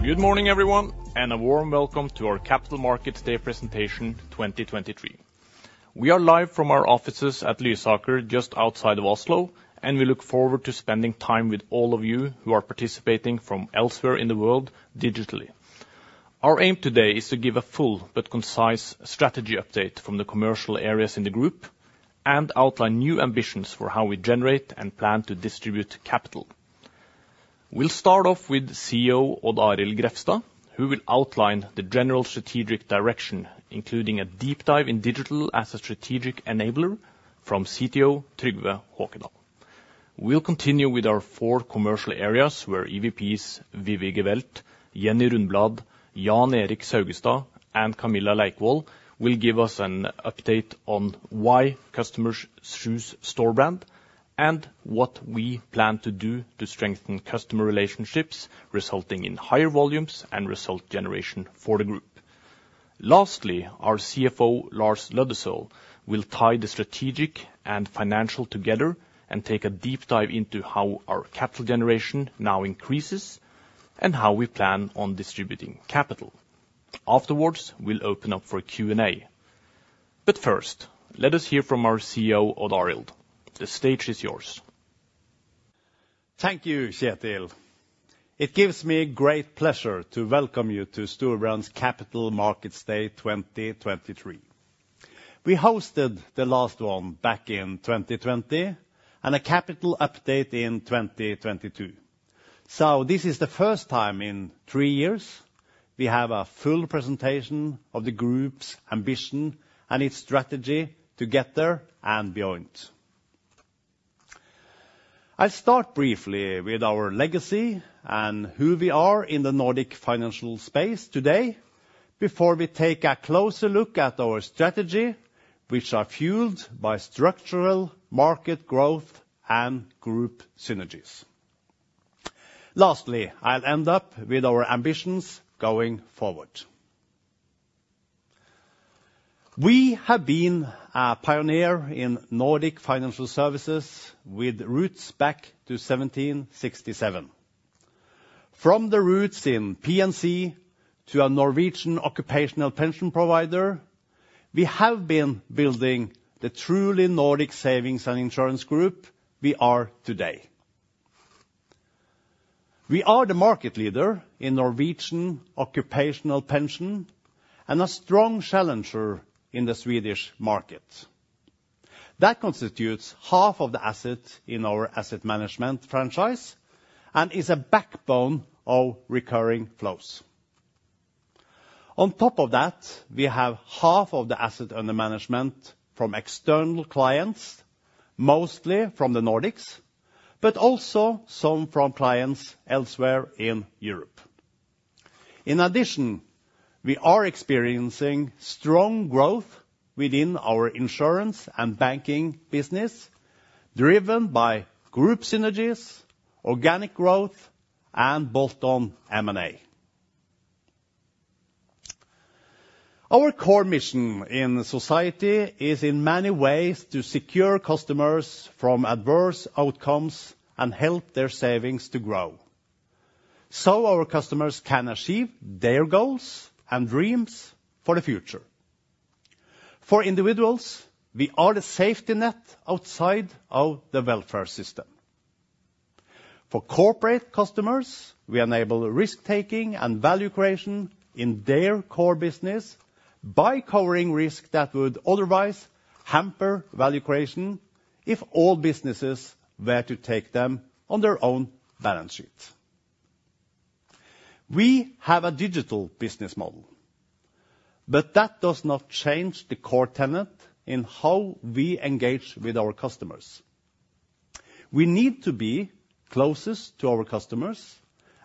Good morning, everyone, and a warm welcome to our Capital Markets Day Presentation 2023. We are live from our offices at Lysaker, just outside of Oslo, and we look forward to spending time with all of you who are participating from elsewhere in the world digitally. Our aim today is to give a full but concise strategy update from the commercial areas in the group, and outline new ambitions for how we generate and plan to distribute Capital. We'll start off with CEO Odd Arild Grefstad, who will outline the general strategic direction, including a deep dive in digital as a strategic enabler from CTO Trygve Håkedal. We'll continue with our four commercial areas, where EVPs Vivi Gevelt, Jenny Rundbladh, Jan Erik Saugestad, and Camilla Leikvoll will give us an update on why customers choose Storebrand, and what we plan to do to strengthen customer relationships, resulting in higher volumes and result generation for the group. Lastly, our CFO, Lars Løddesøl, will tie the strategic and financial together and take a deep dive into how our Capital generation now increases and how we plan on distributing Capital. Afterwards, we'll open up for Q&A. But first, let us hear from our CEO, Odd Arild. The stage is yours. Thank you, Kjetil. It gives me great pleasure to welcome you to Storebrand's Capital Markets Day 2023. We hosted the last one back in 2020, and a Capital update in 2022. So this is the first time in three years we have a full presentation of the group's ambition and its strategy to get there and beyond. I'll start briefly with our legacy and who we are in the Nordic financial space today, before we take a closer look at our strategy, which are fueled by structural market growth and group synergies. Lastly, I'll end up with our ambitions going forward. We have been a pioneer in Nordic financial services, with roots back to 1767. From the roots in P&C to a Norwegian occupational pension provider, we have been building the truly Nordic savings and insurance group we are today. We are the market leader in Norwegian occupational pension and a strong challenger in the Swedish market. That constitutes half of the assets in our asset management franchise and is a backbone of recurring flows. On top of that, we have half of the asset under management from external clients, mostly from the Nordics, but also some from clients elsewhere in Europe. In addition, we are experiencing strong growth within our insurance and banking business, driven by group synergies, organic growth, and built on M&A. Our core mission in society is in many ways to secure customers from adverse outcomes and help their savings to grow, so our customers can achieve their goals and dreams for the future. For individuals, we are the safety net outside of the welfare system. For corporate customers, we enable risk-taking and value creation in their core business by covering risk that would otherwise hamper value creation if all businesses were to take them on their own balance sheet. We have a digital business model, but that does not change the core tenet in how we engage with our customers. We need to be closest to our customers,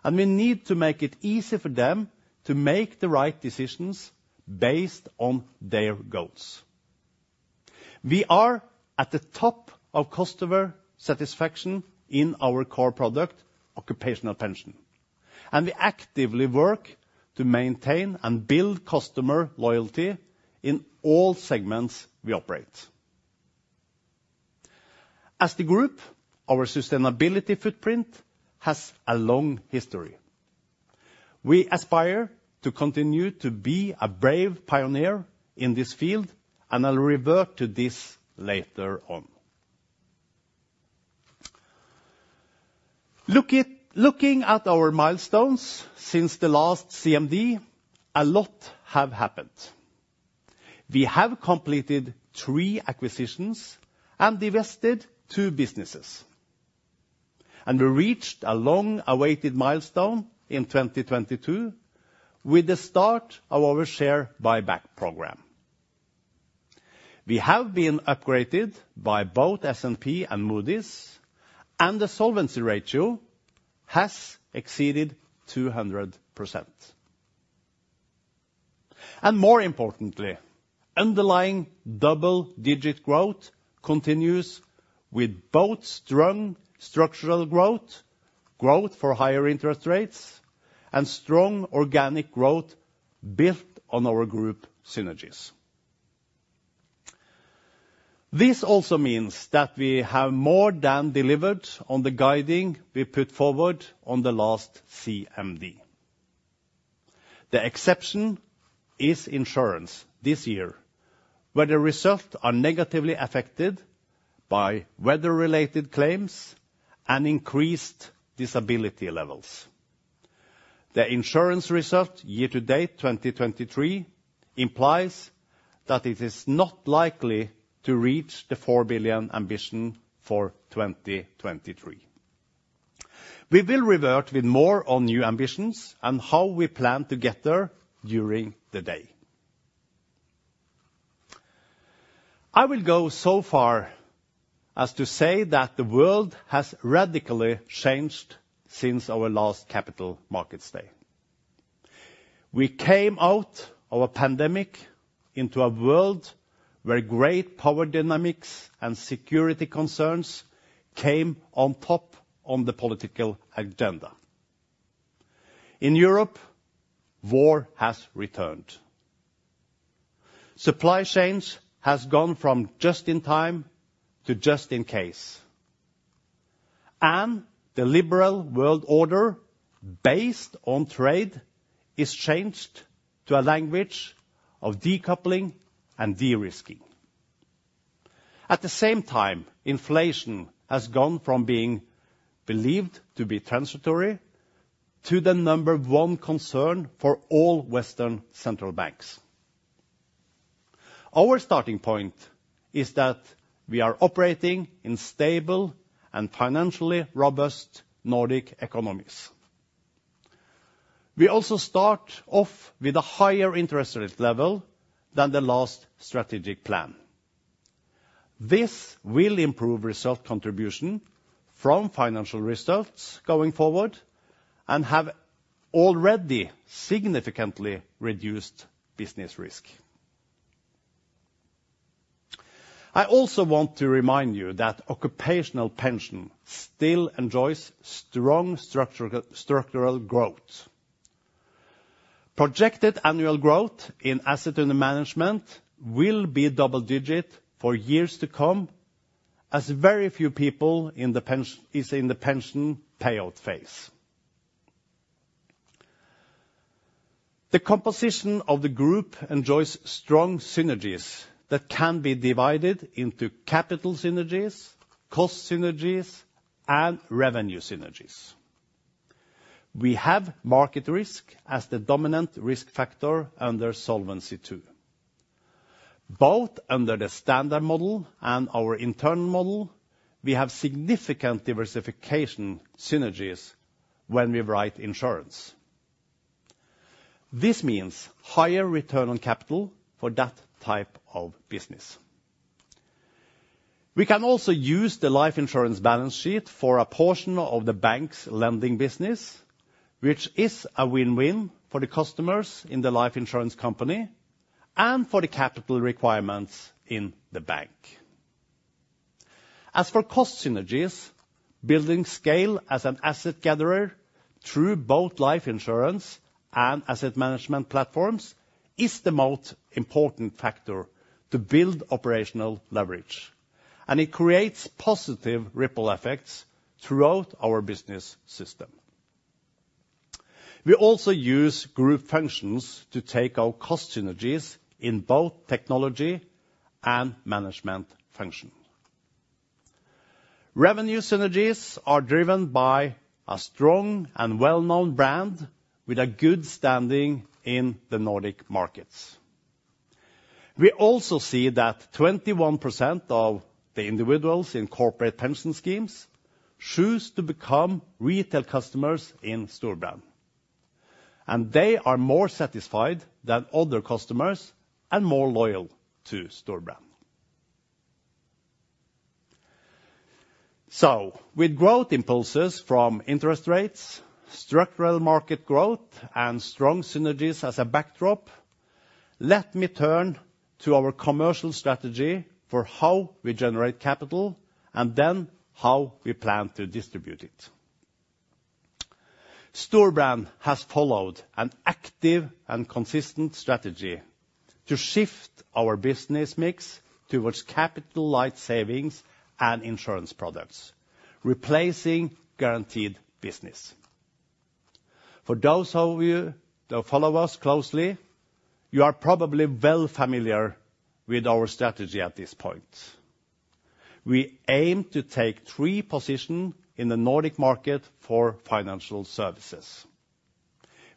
and we need to make it easy for them to make the right decisions based on their goals. We are at the top of customer satisfaction in our core product, occupational pension, and we actively work to maintain and build customer loyalty in all segments we operate. As the group, our sustainability footprint has a long history. We aspire to continue to be a brave pioneer in this field, and I'll revert to this later on. Look at... Looking at our milestones since the last CMD, a lot have happened. We have completed three acquisitions and divested two businesses, and we reached a long-awaited milestone in 2022 with the start of our share buyback program. We have been upgraded by both S&P and Moody's, and the solvency ratio has exceeded 200%. And more importantly, underlying double-digit growth continues with both strong structural growth, growth for higher interest rates, and strong organic growth built on our group synergies. This also means that we have more than delivered on the guiding we put forward on the last CMD. The exception is insurance this year, where the results are negatively affected by weather-related claims and increased disability levels. The insurance result, year to date, 2023, implies that it is not likely to reach the 4 billion ambition for 2023. We will revert with more on new ambitions and how we plan to get there during the day. I will go so far as to say that the world has radically changed since our last Capital Markets Day. We came out of a pandemic into a world where great power dynamics and security concerns came on top on the political agenda. In Europe, war has returned. Supply chains has gone from just in time to just in case, and the liberal world order, based on trade, is changed to a language of decoupling and de-risking. At the same time, inflation has gone from being believed to be transitory, to the number one concern for all Western central banks. Our starting point is that we are operating in stable and financially robust Nordic economies. We also start off with a higher interest rate level than the last strategic plan. This will improve result contribution from financial results going forward, and have already significantly reduced business risk. I also want to remind you that occupational pension still enjoys strong structural growth. Projected annual growth in asset under management will be double digit for years to come, as very few people in the pension is in the pension payout phase. The composition of the group enjoys strong synergies that can be divided into Capital synergies, cost synergies, and revenue synergies. We have market risk as the dominant risk factor under Solvency II. Both under the standard model and our internal model, we have significant diversification synergies when we write insurance. This means higher return on Capital for that type of business. We can also use the life insurance balance sheet for a portion of the bank's lending business, which is a win-win for the customers in the life insurance company and for the Capital requirements in the bank. As for cost synergies, building scale as an asset gatherer through both life insurance and asset management platforms, is the most important factor to build operational leverage, and it creates positive ripple effects throughout our business system. We also use group functions to take our cost synergies in both technology and management function. Revenue synergies are driven by a strong and well-known brand with a good standing in the Nordic markets. We also see that 21% of the individuals in corporate pension schemes choose to become retail customers in Storebrand, and they are more satisfied than other customers and more loyal to Storebrand. So with growth impulses from interest rates, structural market growth, and strong synergies as a backdrop, let me turn to our commercial strategy for how we generate Capital and then how we plan to distribute it. Storebrand has followed an active and consistent strategy to shift our business mix towards Capital-light savings and insurance products, replacing guaranteed business. For those of you that follow us closely, you are probably well familiar with our strategy at this point. We aim to take three positions in the Nordic market for financial services.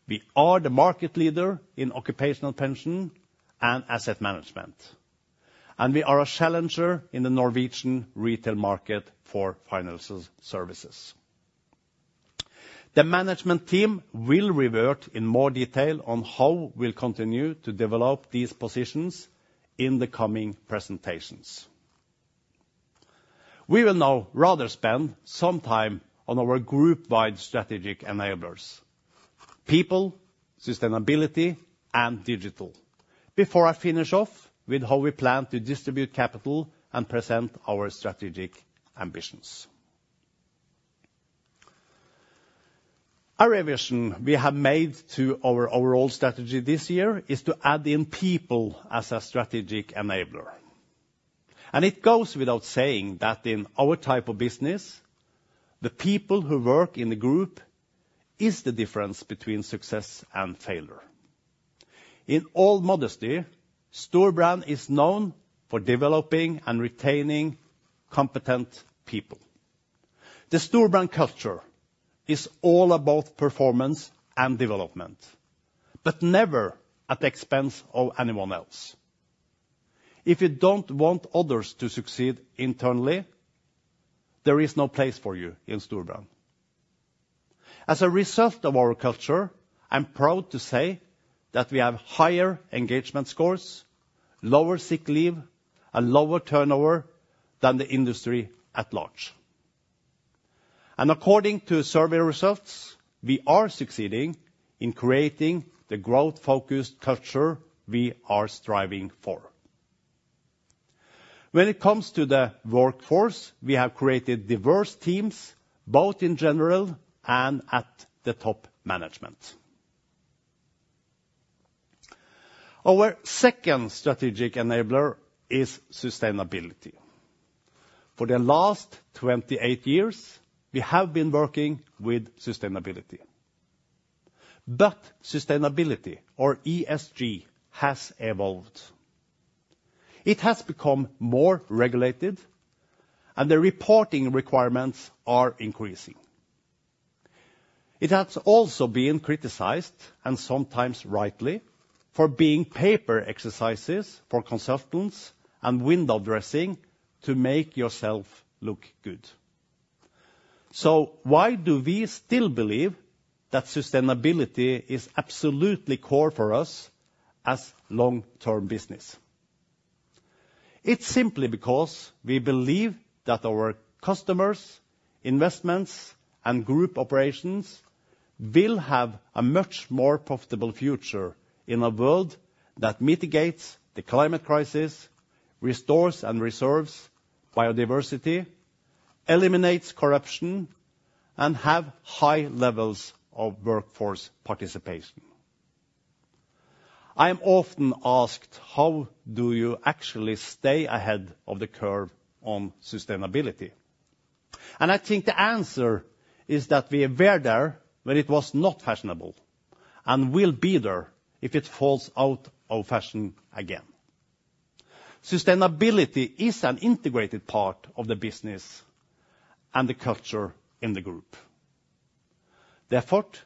We are the market leader in occupational pension and asset management, and we are a challenger in the Norwegian retail market for financial services. The management team will revert in more detail on how we'll continue to develop these positions in the coming presentations. We will now rather spend some time on our group-wide strategic enablers: people, sustainability, and digital. Before I finish off with how we plan to distribute Capital and present our strategic ambitions... Our revision we have made to our overall strategy this year is to add in people as a strategic enabler. It goes without saying that in our type of business, the people who work in the group is the difference between success and failure. In all modesty, Storebrand is known for developing and retaining competent people. The Storebrand culture is all about performance and development, but never at the expense of anyone else. If you don't want others to succeed internally, there is no place for you in Storebrand. As a result of our culture, I'm proud to say that we have higher engagement scores, lower sick leave, and lower turnover than the industry at large. According to survey results, we are succeeding in creating the growth-focused culture we are striving for. When it comes to the workforce, we have created diverse teams, both in general and at the top management. Our second strategic enabler is sustainability. For the last 28 years, we have been working with sustainability, but sustainability or ESG has evolved. It has become more regulated, and the reporting requirements are increasing. It has also been criticized, and sometimes rightly, for being paper exercises for consultants and window dressing to make yourself look good. So why do we still believe that sustainability is absolutely core for us as long-term business? It's simply because we believe that our customers, investments, and group operations will have a much more profitable future in a world that mitigates the climate crisis, restores and reserves biodiversity, eliminates corruption, and have high levels of workforce participation. I am often asked: How do you actually stay ahead of the curve on sustainability? I think the answer is that we were there when it was not fashionable and will be there if it falls out of fashion again. Sustainability is an integrated part of the business and the culture in the group. The effort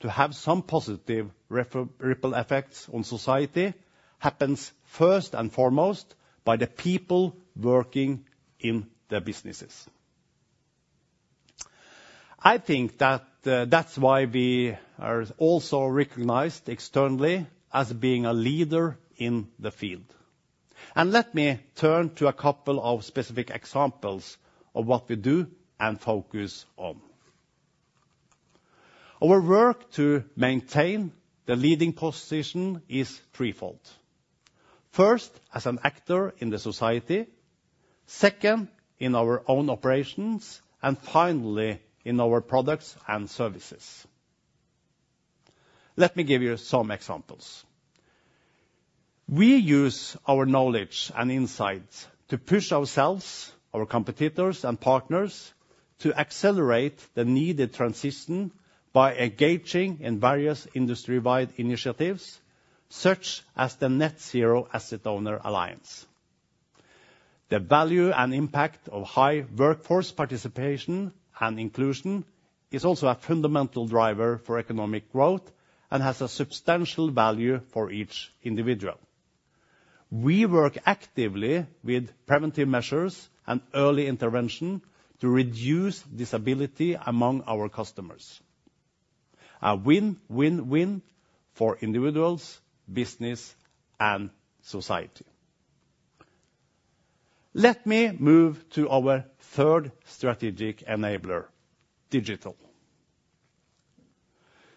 to have some positive ripple effects on society happens first and foremost by the people working in the businesses. I think that, that's why we are also recognized externally as being a leader in the field. And let me turn to a couple of specific examples of what we do and focus on. Our work to maintain the leading position is threefold: first, as an actor in the society, second, in our own operations, and finally, in our products and services. Let me give you some examples. We use our knowledge and insights to push ourselves, our competitors, and partners to accelerate the needed transition by engaging in various industry-wide initiatives, such as the Net Zero Asset Owner Alliance. The value and impact of high workforce participation and inclusion is also a fundamental driver for economic growth and has a substantial value for each individual. We work actively with preventive measures and early intervention to reduce disability among our customers. A win, win, win for individuals, business, and society. Let me move to our third strategic enabler, digital.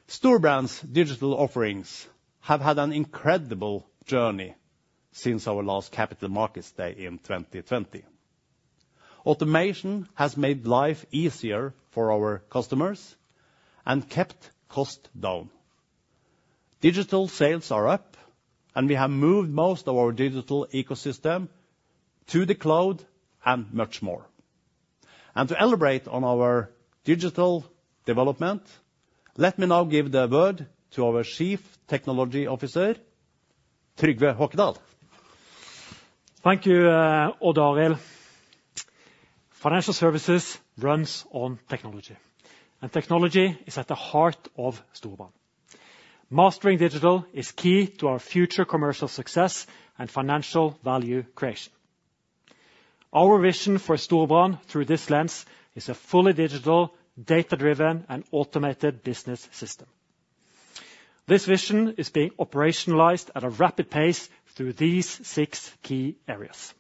Storebrand's digital offerings have had an incredible journey since our last Capital Markets Day in 2020. Automation has made life easier for our customers and kept costs down. Digital sales are up, and we have moved most of our digital ecosystem to the cloud and much more. To elaborate on our digital development, let me now give the word to our Chief Technology Officer, Trygve Håkedal. Thank you, Odd Arild. Financial services runs on technology, and technology is at the heart of Storebrand. Mastering digital is key to our future commercial success and financial value creation. Our vision for Storebrand through this lens is a fully digital, data-driven, and automated business system. This vision is being operationalized at a rapid pace through these six key areas.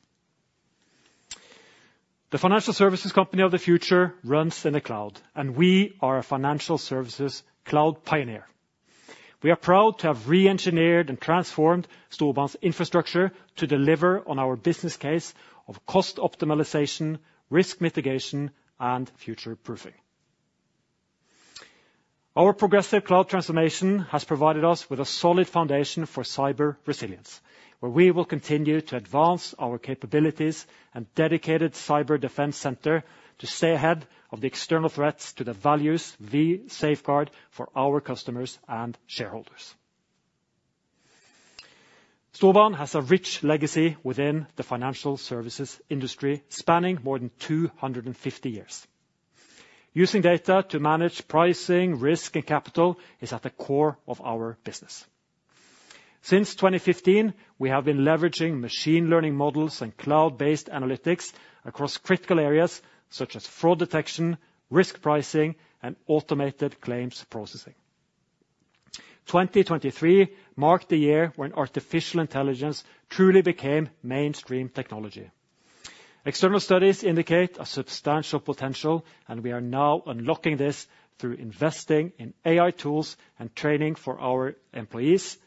The financial services company of the future runs in the cloud, and we are a financial services cloud pioneer. We are proud to have reengineered and transformed Storebrand's infrastructure to deliver on our business case of cost optimization, risk mitigation, and future proofing. Our progressive cloud transformation has provided us with a solid foundation for cyber resilience, where we will continue to advance our capabilities and dedicated cyber defense center to stay ahead of the external threats to the values we safeguard for our customers and shareholders. Storebrand has a rich legacy within the financial services industry, spanning more than 250 years. Using data to manage pricing, risk, and Capital is at the core of our business. Since 2015, we have been leveraging machine learning models and cloud-based analytics across critical areas such as fraud detection, risk pricing, and automated claims processing. 2023 marked the year when artificial intelligence truly became mainstream technology. External studies indicate a substantial potential, and we are now unlocking this through investing in AI tools and training for our employees, and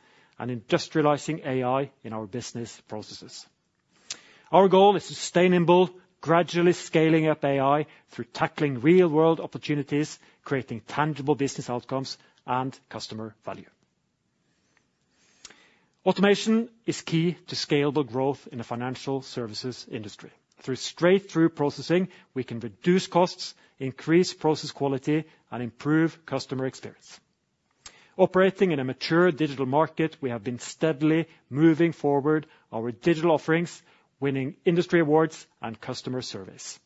industrializing AI in our business processes. Our goal is sustainable, gradually scaling up AI through tackling real-world opportunities, creating tangible business outcomes and customer value. Automation is key to scalable growth in the financial services industry. Through straight-through processing, we can reduce costs, increase process quality, and improve customer experience. Operating in a mature digital market, we have been steadily moving forward our digital offerings, winning industry awards and customer service.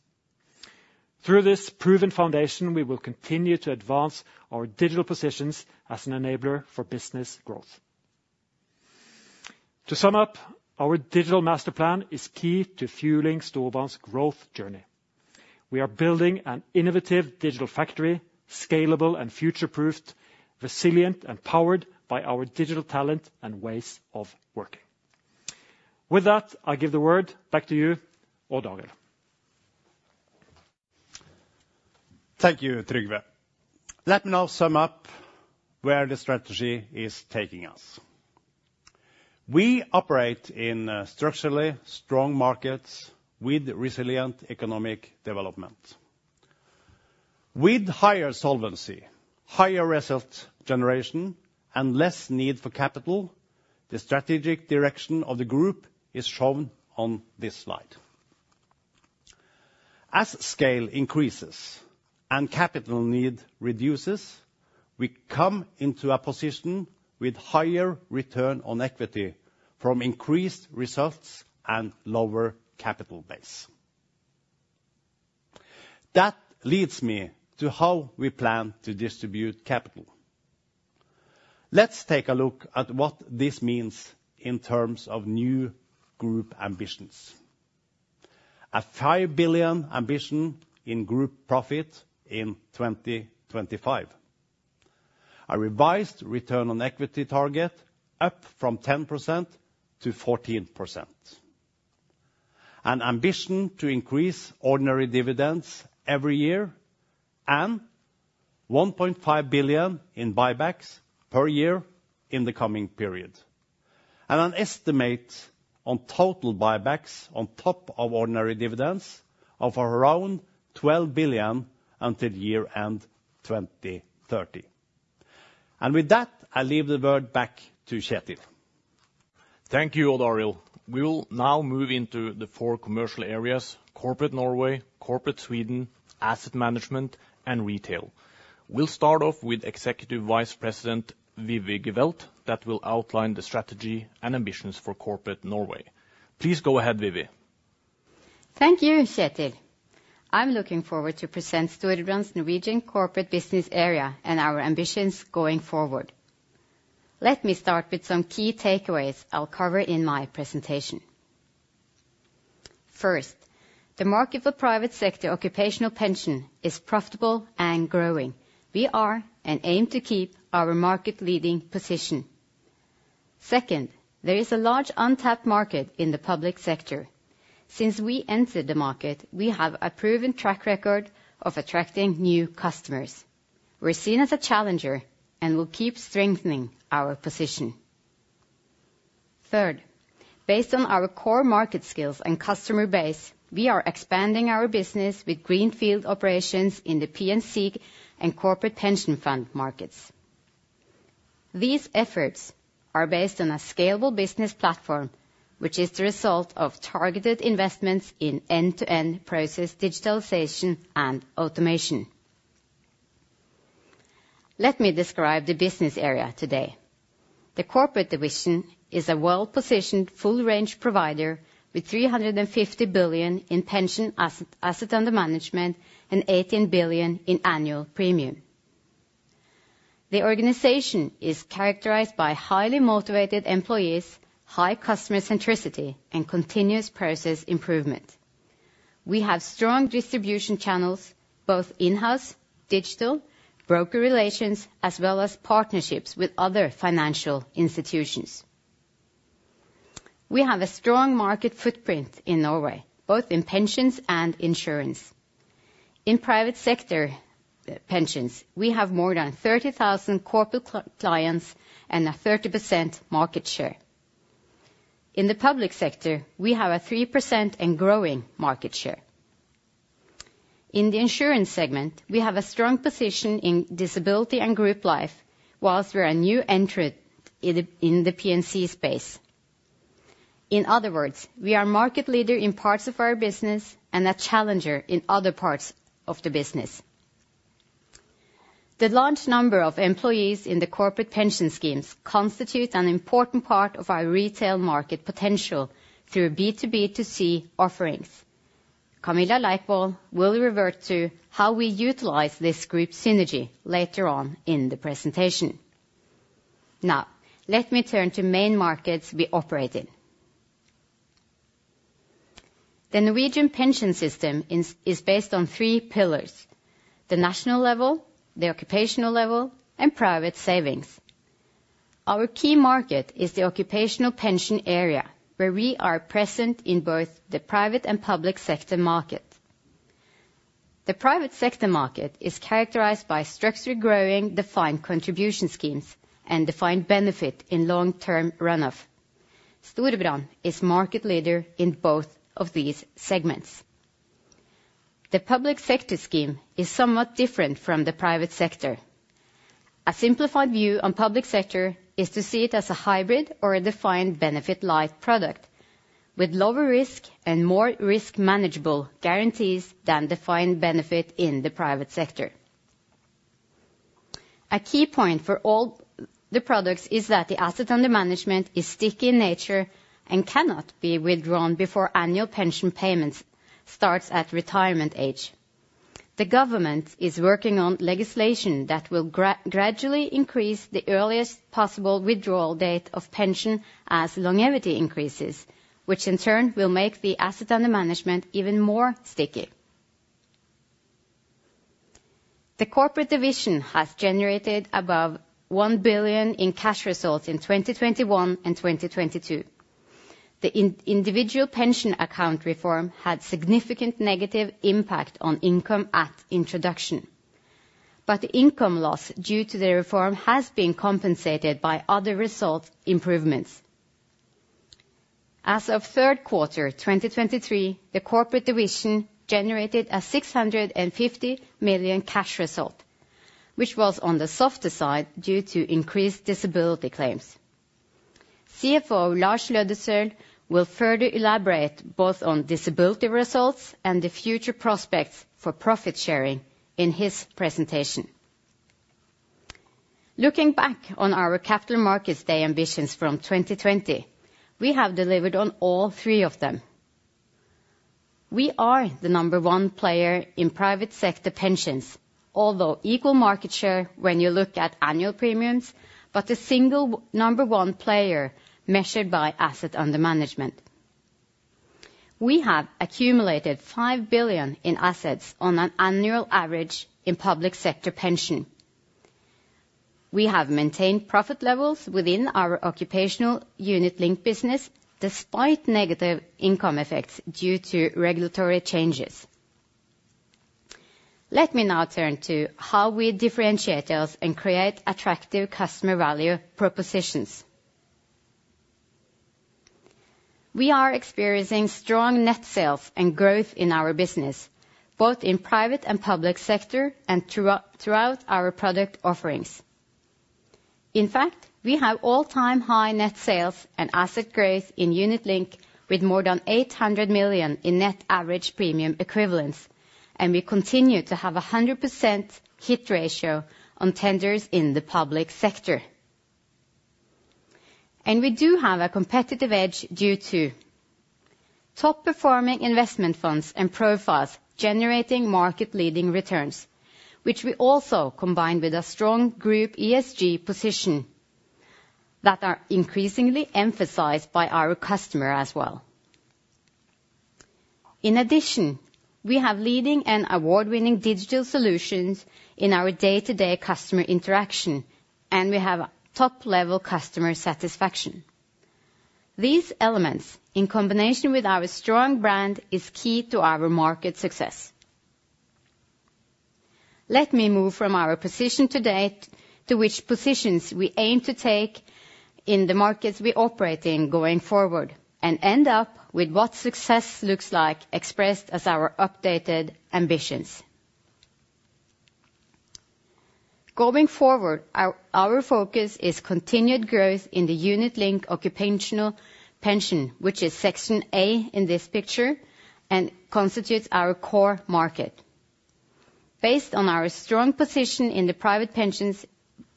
Through this proven foundation, we will continue to advance our digital positions as an enabler for business growth. To sum up, our digital master plan is key to fueling Storebrand's growth journey. We are building an innovative digital factory, scalable and future-proofed, resilient and powered by our digital talent and ways of working. With that, I give the word back to you, Odd Arild. Thank you, Trygve. Let me now sum up where the strategy is taking us. We operate in structurally strong markets with resilient economic development. With higher solvency, higher result generation, and less need for Capital, the strategic direction of the group is shown on this slide. As scale increases and Capital need reduces, we come into a position with higher return on equity from increased results and lower Capital base. That leads me to how we plan to distribute Capital. Let's take a look at what this means in terms of new group ambitions. A 5 billion ambition in group profit in 2025. A revised return on equity target up from 10%-14%. An ambition to increase ordinary dividends every year, and 1.5 billion in buybacks per year in the coming period. An estimate on total buybacks on top of ordinary dividends of around 12 billion until year-end 2030. With that, I leave the word back to Kjetil. Thank you, Odd Arild. We will now move into the four commercial areas: corporate Norway, corporate Sweden, asset management, and retail. We'll start off with Executive Vice President Vivi Gevelt, that will outline the strategy and ambitions for corporate Norway. Please go ahead, Vivi. Thank you, Kjetil. I'm looking forward to present Storebrand's Norwegian corporate business area and our ambitions going forward. Let me start with some key takeaways I'll cover in my presentation. First, the market for private sector occupational pension is profitable and growing. We are, and aim to keep, our market leading position. Second, there is a large untapped market in the public sector. Since we entered the market, we have a proven track record of attracting new customers. We're seen as a challenger and will keep strengthening our position. Third, based on our core market skills and customer base, we are expanding our business with greenfield operations in the P&C and corporate pension fund markets. These efforts are based on a scalable business platform, which is the result of targeted investments in end-to-end process digitalization and automation. Let me describe the business area today. The corporate division is a well-positioned, full-range provider with 350 billion in pension asset under management, and 18 billion in annual premium. The organization is characterized by highly motivated employees, high customer centricity, and continuous process improvement. We have strong distribution channels, both in-house, digital, broker relations, as well as partnerships with other financial institutions.... We have a strong market footprint in Norway, both in pensions and insurance. In private sector pensions, we have more than 30,000 corporate clients and a 30% market share. In the public sector, we have a 3% and growing market share. In the insurance segment, we have a strong position in disability and group life, while we are a new entrant in the PNC space. In other words, we are market leader in parts of our business and a challenger in other parts of the business. The large number of employees in the corporate pension schemes constitute an important part of our retail market potential through B2B2C offerings. Camilla Leikvoll will revert to how we utilize this group synergy later on in the presentation. Now, let me turn to main markets we operate in. The Norwegian pension system is based on three pillars: the national level, the occupational level, and private savings. Our key market is the occupational pension area, where we are present in both the private and public sector market. The private sector market is characterized by structured growing, defined contribution schemes, and defined benefit in long-term run-off. Storebrand is market leader in both of these segments. The public sector scheme is somewhat different from the private sector. A simplified view on public sector is to see it as a hybrid or a defined benefit-like product, with lower risk and more risk manageable guarantees than defined benefit in the private sector. A key point for all the products is that the assets under management is sticky in nature and cannot be withdrawn before annual pension payments starts at retirement age. The government is working on legislation that will gradually increase the earliest possible withdrawal date of pension as longevity increases, which in turn will make the assets under management even more sticky. The corporate division has generated above 1 billion in cash results in 2021 and 2022. The individual pension account reform had significant negative impact on income at introduction, but the income loss due to the reform has been compensated by other result improvements. As of third quarter 2023, the corporate division generated a 650 million cash result, which was on the softer side due to increased disability claims. CFO Lars Aasulv Løddesøl will further elaborate both on disability results and the future prospects for profit sharing in his presentation. Looking back on our Capital markets day ambitions from 2020, we have delivered on all three of them. We are the number one player in private sector pensions, although equal market share when you look at annual premiums, but the single number one player measured by assets under management. We have accumulated 5 billion in assets on an annual average in public sector pension. We have maintained profit levels within our occupational unit link business, despite negative income effects due to regulatory changes. Let me now turn to how we differentiate us and create attractive customer value propositions. We are experiencing strong net sales and growth in our business, both in private and public sector, and throughout our product offerings. In fact, we have all-time high net sales and asset growth in unit uink with more than 800 million in net average premium equivalence, and we continue to have a 100% hit ratio on tenders in the public sector. We do have a competitive edge due to top-performing investment funds and profiles generating market-leading returns, which we also combine with a strong group ESG position that are increasingly emphasized by our customer as well. In addition, we have leading and award-winning digital solutions in our day-to-day customer interaction, and we have top-level customer satisfaction. These elements, in combination with our strong brand, is key to our market success. Let me move from our position to date to which positions we aim to take in the markets we operate in going forward, and end up with what success looks like expressed as our updated ambitions. Going forward, our focus is continued growth in the unit link occupational pension, which is section A in this picture, and constitutes our core market. Based on our strong position in the private pensions,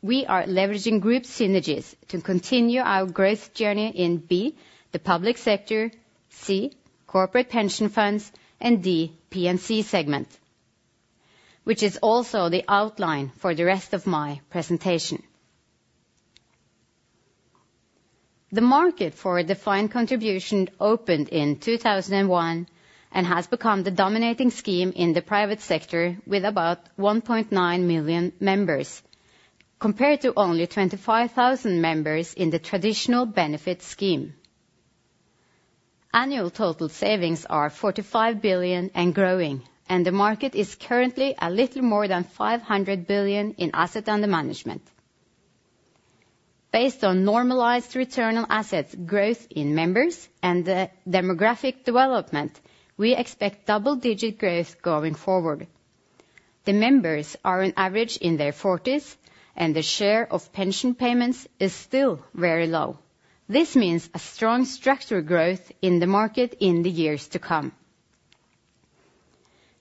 we are leveraging group synergies to continue our growth journey in B, the public sector, C, corporate pension funds, and D, P&C segment, which is also the outline for the rest of my presentation. The market for defined contribution opened in 2001, and has become the dominating scheme in the private sector with about 1.9 million members.... compared to only 25,000 members in the traditional defined benefit scheme. Annual total savings are 45 billion and growing, and the market is currently a little more than 500 billion in asset under management. Based on normalized return on assets, growth in members, and the demographic development, we expect double-digit growth going forward. The members are on average in their forties, and the share of pension payments is still very low. This means a strong structural growth in the market in the years to come.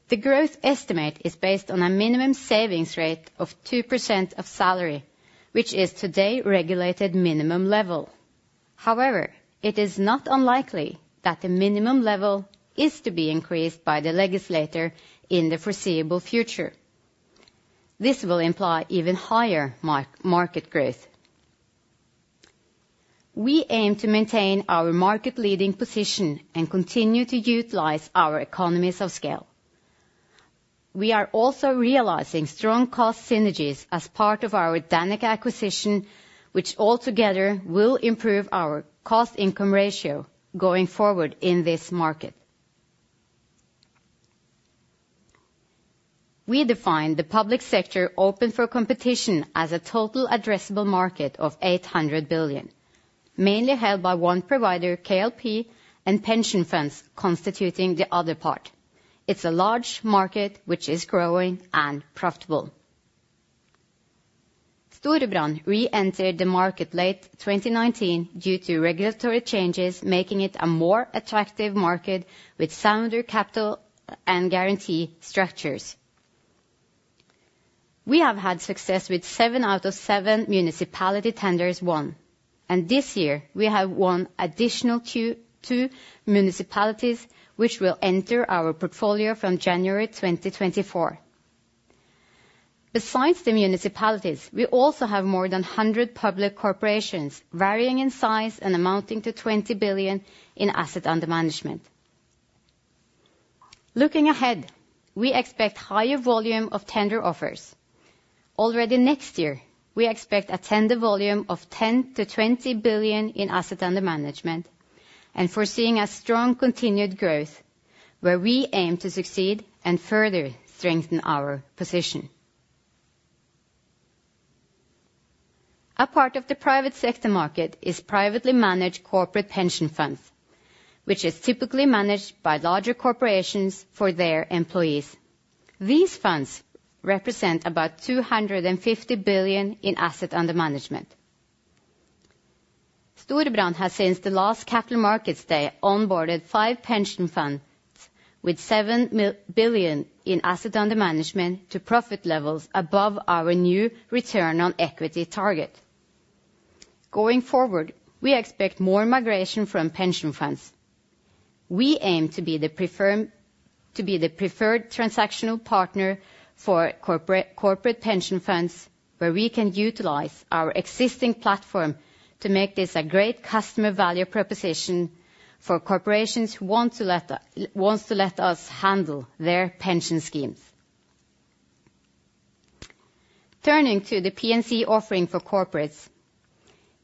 The growth estimate is based on a minimum savings rate of 2% of salary, which is today regulated minimum level. However, it is not unlikely that the minimum level is to be increased by the legislator in the foreseeable future. This will imply even higher market growth. We aim to maintain our market leading position and continue to utilize our economies of scale. We are also realizing strong cost synergies as part of our Danica acquisition, which altogether will improve our cost-income ratio going forward in this market. We define the public sector open for competition as a total addressable market of 800 billion, mainly held by one provider, KLP, and pension funds constituting the other part. It's a large market which is growing and profitable. Storebrand reentered the market late 2019 due to regulatory changes, making it a more attractive market with sounder Capital and guarantee structures. We have had success with seven out of seven municipality tenders won, and this year, we have won additional two, two municipalities, which will enter our portfolio from January 2024. Besides the municipalities, we also have more than 100 public corporations, varying in size and amounting to 20 billion in asset under management. Looking ahead, we expect higher volume of tender offers. Already next year, we expect a tender volume of 10 billion-20 billion in assets under management, and foreseeing a strong continued growth, where we aim to succeed and further strengthen our position. A part of the private sector market is privately managed corporate pension funds, which is typically managed by larger corporations for their employees. These funds represent about 250 billion in assets under management. Storebrand has, since the last Capital Markets Day, onboarded five pension funds with 7 billion in assets under management to profit levels above our new return on equity target. Going forward, we expect more migration from pension funds. We aim to be the preferred, to be the preferred transactional partner for corporate, corporate pension funds, where we can utilize our existing platform to make this a great customer value proposition for corporations who want to let us-- wants to let us handle their pension schemes. Turning to the P&C offering for corporates,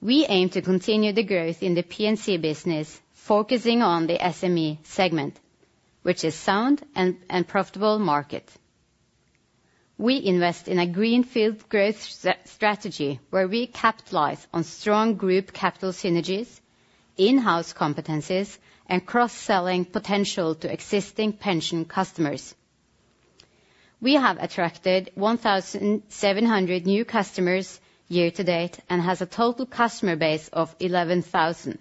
we aim to continue the growth in the P&C business, focusing on the SME segment, which is sound and profitable market. We invest in a greenfield growth strategy, where we Capitalize on strong group Capital synergies, in-house competencies, and cross-selling potential to existing pension customers. We have attracted 1,700 new customers year to date and has a total customer base of 11,000.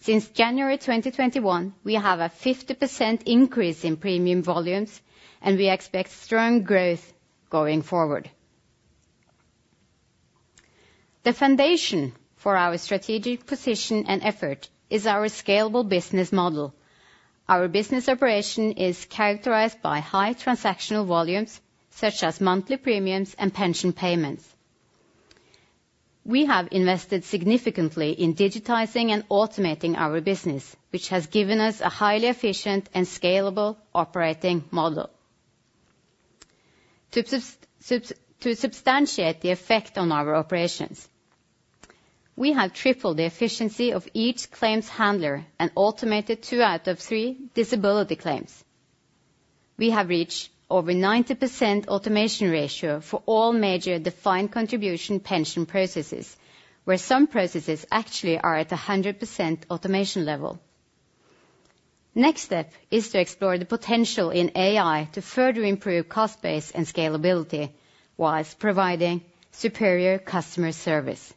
Since January 2021, we have a 50% increase in premium volumes, and we expect strong growth going forward. The foundation for our strategic position and effort is our scalable business model. Our business operation is characterized by high transactional volumes, such as monthly premiums and pension payments. We have invested significantly in digitizing and automating our business, which has given us a highly efficient and scalable operating model. To substantiate the effect on our operations, we have tripled the efficiency of each claims handler and automated two out of three disability claims. We have reached over 90% automation ratio for all major defined contribution pension processes, where some processes actually are at a 100% automation level. Next step is to explore the potential in AI to further improve cost base and scalability, while providing superior customer service.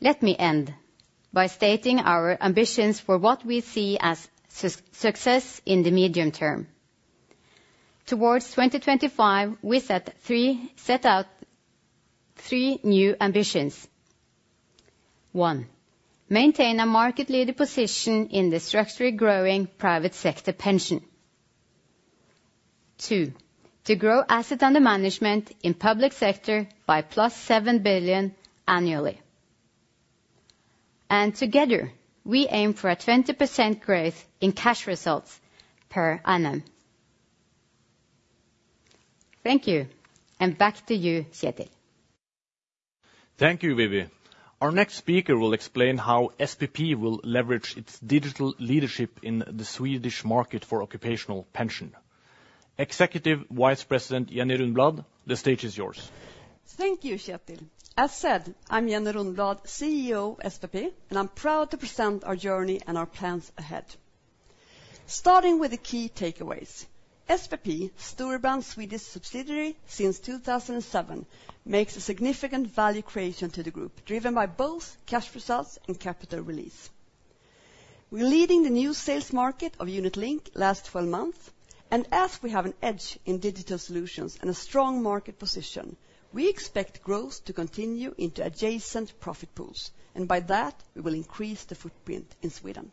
Let me end by stating our ambitions for what we see as success in the medium term. Towards 2025, we set out three new ambitions. One, maintain a market leader position in the structurally growing private sector pension. Two, to grow asset under management in public sector by +7 billion annually... and together, we aim for a 20% growth in cash results per annum. Thank you, and back to you, Kjetil. Thank you, Vivi. Our next speaker will explain how SPP will leverage its digital leadership in the Swedish market for occupational pension. Executive Vice President, Jenny Rundbladh, the stage is yours. Thank you, Kjetil. As said, I'm Jenny Rundbladh, CEO, SPP, and I'm proud to present our journey and our plans ahead. Starting with the key takeaways, SPP, Storebrand's Swedish subsidiary, since 2007, makes a significant value creation to the group, driven by both cash results and Capital release. We're leading the new sales market of unit link last 12 months, and as we have an edge in digital solutions and a strong market position, we expect growth to continue into adjacent profit pools, and by that, we will increase the footprint in Sweden.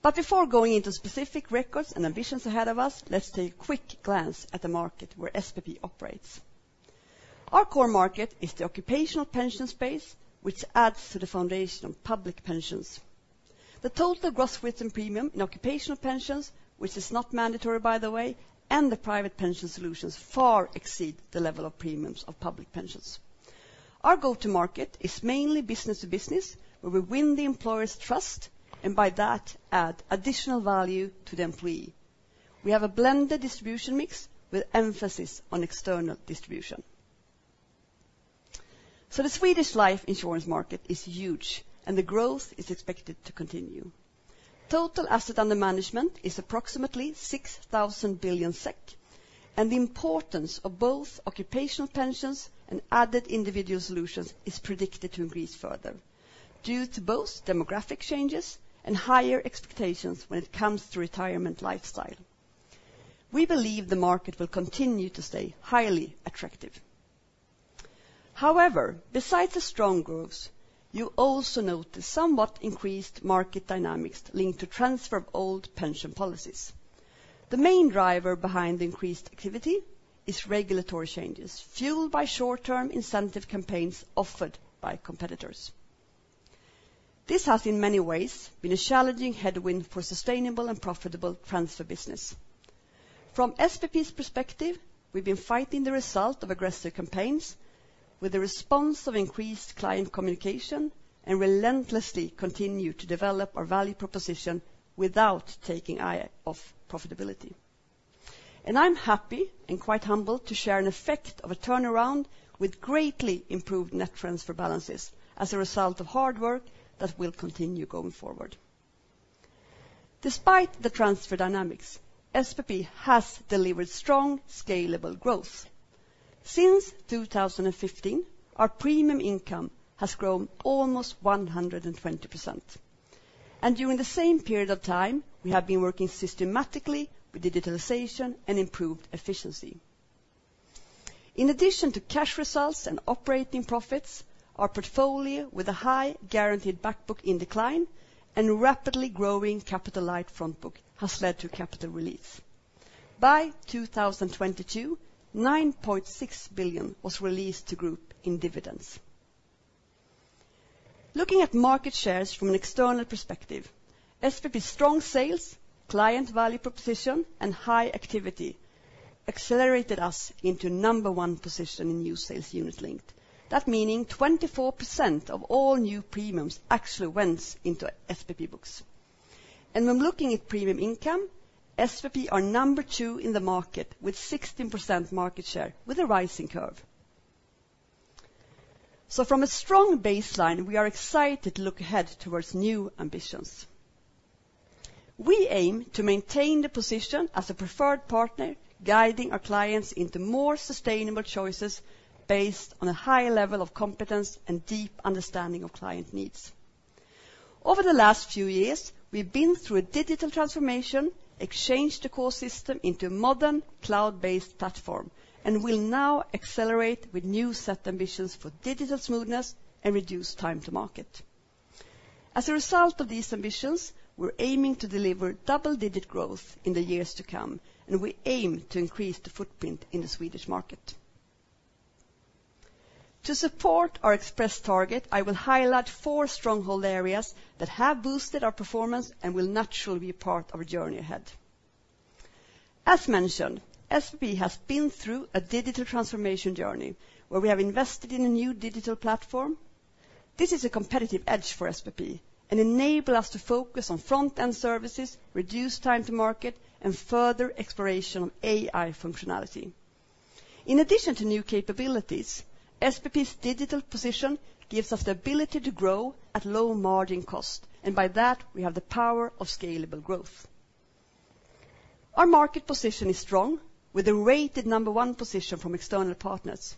But before going into specific records and ambitions ahead of us, let's take a quick glance at the market where SPP operates. Our core market is the occupational pension space, which adds to the foundation of public pensions. The total gross written premium in occupational pensions, which is not mandatory, by the way, and the private pension solutions, far exceed the level of premiums of public pensions. Our go-to market is mainly business to business, where we win the employer's trust, and by that, add additional value to the employee. We have a blended distribution mix with emphasis on external distribution. So the Swedish life insurance market is huge, and the growth is expected to continue. Total assets under management is approximately 6,000 billion SEK, and the importance of both occupational pensions and added individual solutions is predicted to increase further due to both demographic changes and higher expectations when it comes to retirement lifestyle. We believe the market will continue to stay highly attractive. However, besides the strong growth, you also notice somewhat increased market dynamics linked to transfer of old pension policies. The main driver behind the increased activity is regulatory changes, fueled by short-term incentive campaigns offered by competitors. This has, in many ways, been a challenging headwind for sustainable and profitable transfer business. From SPP's perspective, we've been fighting the result of aggressive campaigns with the response of increased client communication and relentlessly continue to develop our value proposition without taking eye off profitability. I'm happy and quite humbled to share an effect of a turnaround with greatly improved net transfer balances as a result of hard work that will continue going forward. Despite the transfer dynamics, SPP has delivered strong, scalable growth. Since 2015, our premium income has grown almost 120%, and during the same period of time, we have been working systematically with digitalization and improved efficiency. In addition to cash results and operating profits, our portfolio with a high guaranteed back book in decline and rapidly growing Capital-light front book has led to Capital release. By 2022, 9.6 billion was released to group in dividends. Looking at market shares from an external perspective, SPP's strong sales, client value proposition, and high activity accelerated us into number one position in new sales unit link. That meaning 24% of all new premiums actually went into SPP books. And when looking at premium income, SPP are number two in the market, with 16% market share, with a rising curve. So from a strong baseline, we are excited to look ahead towards new ambitions. We aim to maintain the position as a preferred partner, guiding our clients into more sustainable choices based on a high level of competence and deep understanding of client needs. Over the last few years, we've been through a digital transformation, exchanged the core system into a modern, cloud-based platform, and will now accelerate with new set ambitions for digital smoothness and reduce time to market. As a result of these ambitions, we're aiming to deliver double-digit growth in the years to come, and we aim to increase the footprint in the Swedish market. To support our express target, I will highlight four stronghold areas that have boosted our performance and will naturally be part of our journey ahead. As mentioned, SPP has been through a digital transformation journey, where we have invested in a new digital platform. This is a competitive edge for SPP and enable us to focus on front-end services, reduce time to market, and further exploration of AI functionality. In addition to new capabilities, SPP's digital position gives us the ability to grow at low margin cost, and by that, we have the power of scalable growth. Our market position is strong, with a rated number one position from external partners.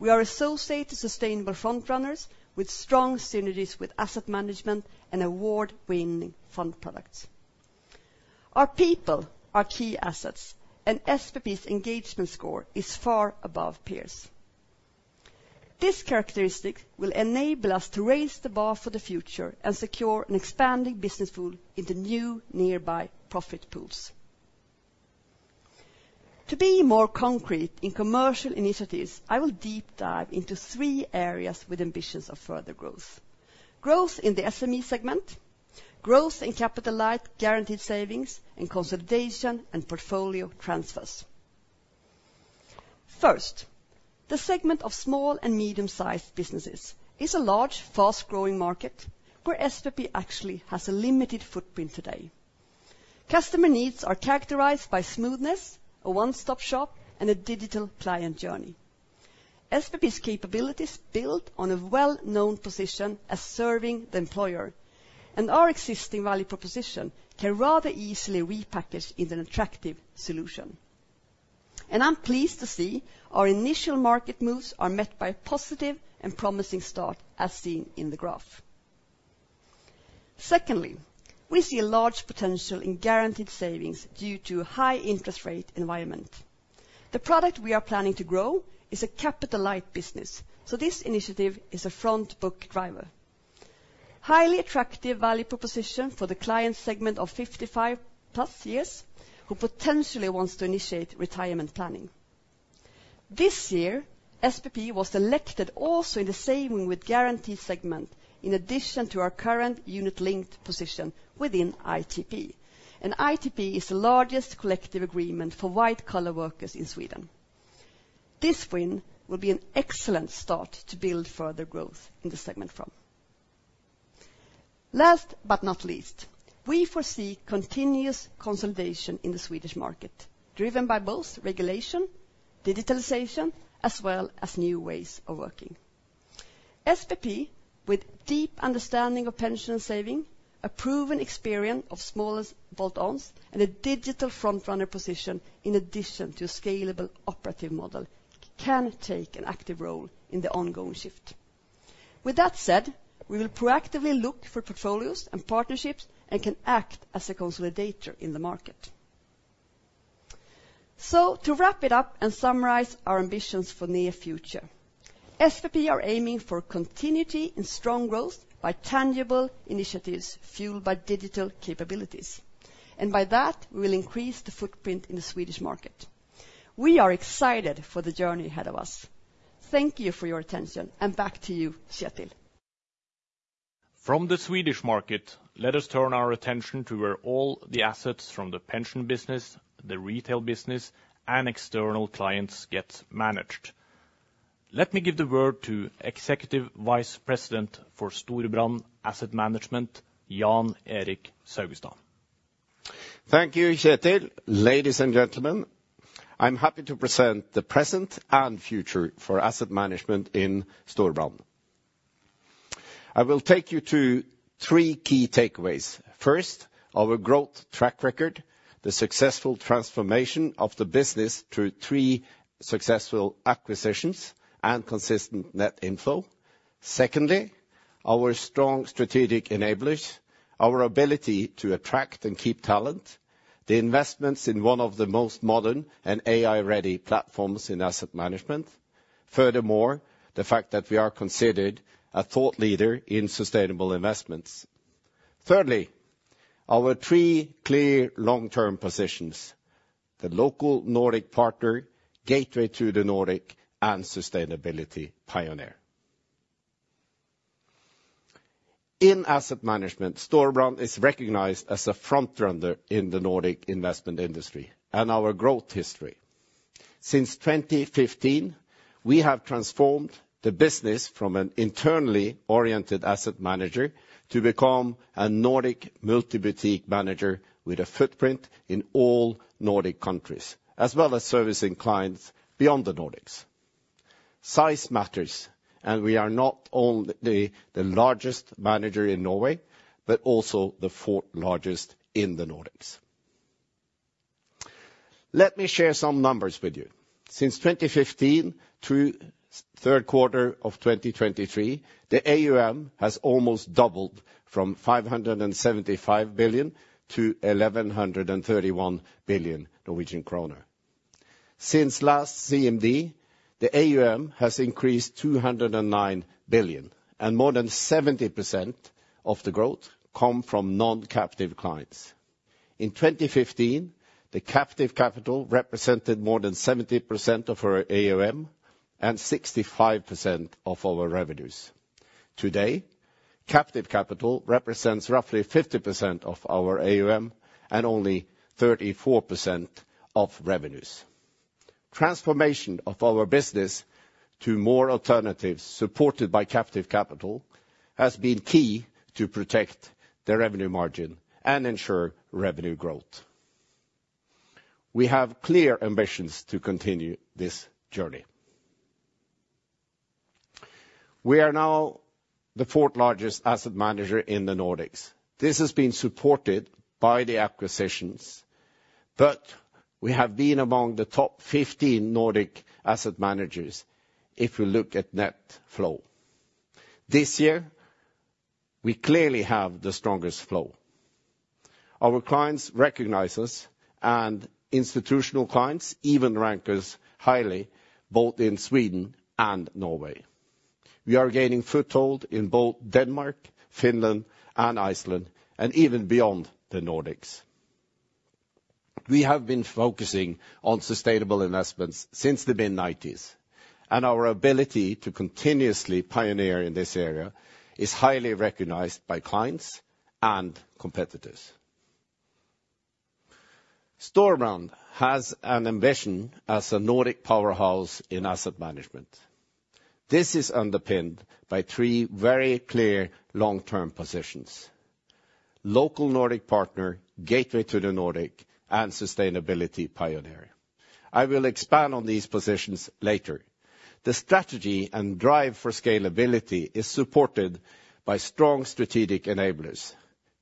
We are associated to sustainable front runners with strong synergies with asset management and award-winning fund products. Our people are key assets, and SPP's engagement score is far above peers. This characteristic will enable us to raise the bar for the future and secure an expanding business pool in the new nearby profit pools... To be more concrete in commercial initiatives, I will deep dive into three areas with ambitions of further growth. Growth in the SME segment, growth in Capital-light guaranteed savings, and consolidation and portfolio transfers. First, the segment of small and medium-sized businesses is a large, fast-growing market where SPP actually has a limited footprint today. Customer needs are characterized by smoothness, a one-stop shop, and a digital client journey. SPP's capabilities build on a well-known position as serving the employer, and our existing value proposition can rather easily repackage into an attractive solution. I'm pleased to see our initial market moves are met by a positive and promising start, as seen in the graph. Secondly, we see a large potential in guaranteed savings due to high interest rate environment. The product we are planning to grow is a apital-light business, so this initiative is a front book driver. Highly attractive value proposition for the client segment of 55+ years, who potentially wants to initiate retirement planning. This year, SPP was elected also in the saving with guaranteed segment, in addition to our current unit-linked position within ITP. ITP is the largest collective agreement for white-collar workers in Sweden. This win will be an excellent start to build further growth in the segment from. Last but not least, we foresee continuous consolidation in the Swedish market, driven by both regulation, digitalization, as well as new ways of working. SPP, with deep understanding of pension and saving, a proven experience of small bolt-ons, and a digital front-runner position in addition to a scalable operative model, can take an active role in the ongoing shift. With that said, we will proactively look for portfolios and partnerships and can act as a consolidator in the market. So to wrap it up and summarize our ambitions for near future, SPP are aiming for continuity and strong growth by tangible initiatives fueled by digital capabilities, and by that, we will increase the footprint in the Swedish market. We are excited for the journey ahead of us. Thank you for your attention, and back to you, Kjetil. From the Swedish market, let us turn our attention to where all the assets from the pension business, the retail business, and external clients get managed. Let me give the word to Executive Vice President for Storebrand Asset Management, Jan Erik Saugestad. Thank you, Kjetil. Ladies and gentlemen, I'm happy to present the present and future for asset management in Storebrand. I will take you to three key takeaways. First, our growth track record, the successful transformation of the business through three successful acquisitions and consistent net inflow. Secondly, our strong strategic enablers, our ability to attract and keep talent, the investments in one of the most modern and AI-ready platforms in asset management. Furthermore, the fact that we are considered a thought leader in sustainable investments. Thirdly, our three clear long-term positions, the local Nordic partner, gateway to the Nordic, and sustainability pioneer. In asset management, Storebrand is recognized as a front runner in the Nordic investment industry and our growth history. Since 2015, we have transformed the business from an internally oriented asset manager to become a Nordic multi-boutique manager with a footprint in all Nordic countries, as well as servicing clients beyond the Nordics. Size matters, and we are not only the largest manager in Norway, but also the fourth largest in the Nordics. Let me share some numbers with you. Since 2015 through third quarter of 2023, the AUM has almost doubled from 575 billion-1,131 billion Norwegian kroner. Since last CMD, the AUM has increased 209 billion, and more than 70% of the growth come from non-captive clients. In 2015, the captive Capital represented more than 70% of our AUM and 65% of our revenues. Today, captive Capital represents roughly 50% of our AUM and only 34% of revenues. Transformation of our business to more alternatives, supported by captive Capital, has been key to protect the revenue margin and ensure revenue growth. We have clear ambitions to continue this journey. We are now the fourth largest asset manager in the Nordics. This has been supported by the acquisitions, but we have been among the top 15 Nordic asset managers if you look at net flow. This year, we clearly have the strongest flow. Our clients recognize us, and institutional clients even rank us highly, both in Sweden and Norway... We are gaining foothold in both Denmark, Finland, and Iceland, and even beyond the Nordics. We have been focusing on sustainable investments since the mid-1990s, and our ability to continuously pioneer in this area is highly recognized by clients and competitors. Storebrand has an ambition as a Nordic powerhouse in asset management. This is underpinned by three very clear long-term positions: local Nordic partner, gateway to the Nordic, and sustainability pioneer. I will expand on these positions later. The strategy and drive for scalability is supported by strong strategic enablers,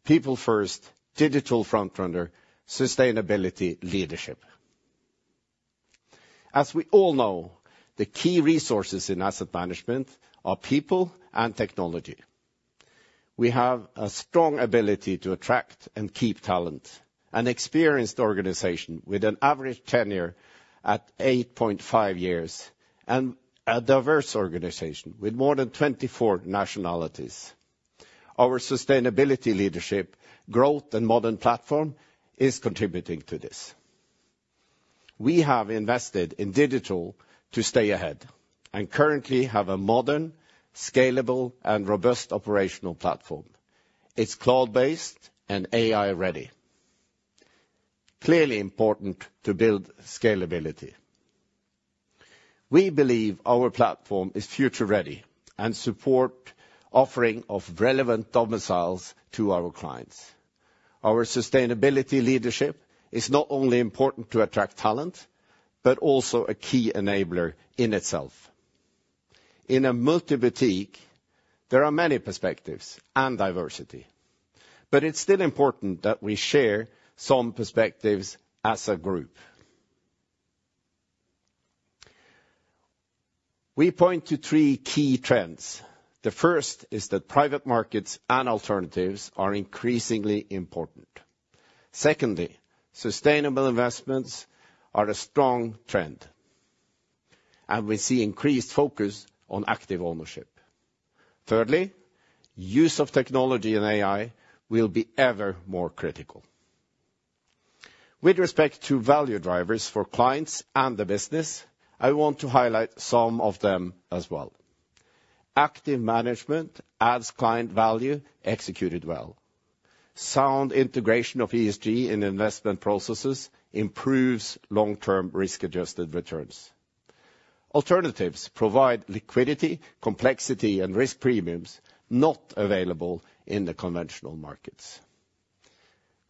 people first, digital front runner, sustainability leadership. As we all know, the key resources in asset management are people and technology. We have a strong ability to attract and keep talent, an experienced organization with an average tenure at 8.5 years, and a diverse organization with more than 24 nationalities. Our sustainability leadership, growth, and modern platform is contributing to this. We have invested in digital to stay ahead and currently have a modern, scalable, and robust operational platform. It's cloud-based and AI-ready. Clearly important to build scalability. We believe our platform is future-ready and support offering of relevant domiciles to our clients. Our sustainability leadership is not only important to attract talent, but also a key enabler in itself. In a multi-boutique, there are many perspectives and diversity, but it's still important that we share some perspectives as a group. We point to three key trends. The first is that private markets and alternatives are increasingly important. Secondly, sustainable investments are a strong trend, and we see increased focus on active ownership. Thirdly, use of technology and AI will be ever more critical. With respect to value drivers for clients and the business, I want to highlight some of them as well. Active management adds client value, executed well. Sound integration of ESG in investment processes improves long-term risk-adjusted returns. Alternatives provide liquidity, complexity, and risk premiums not available in the conventional markets.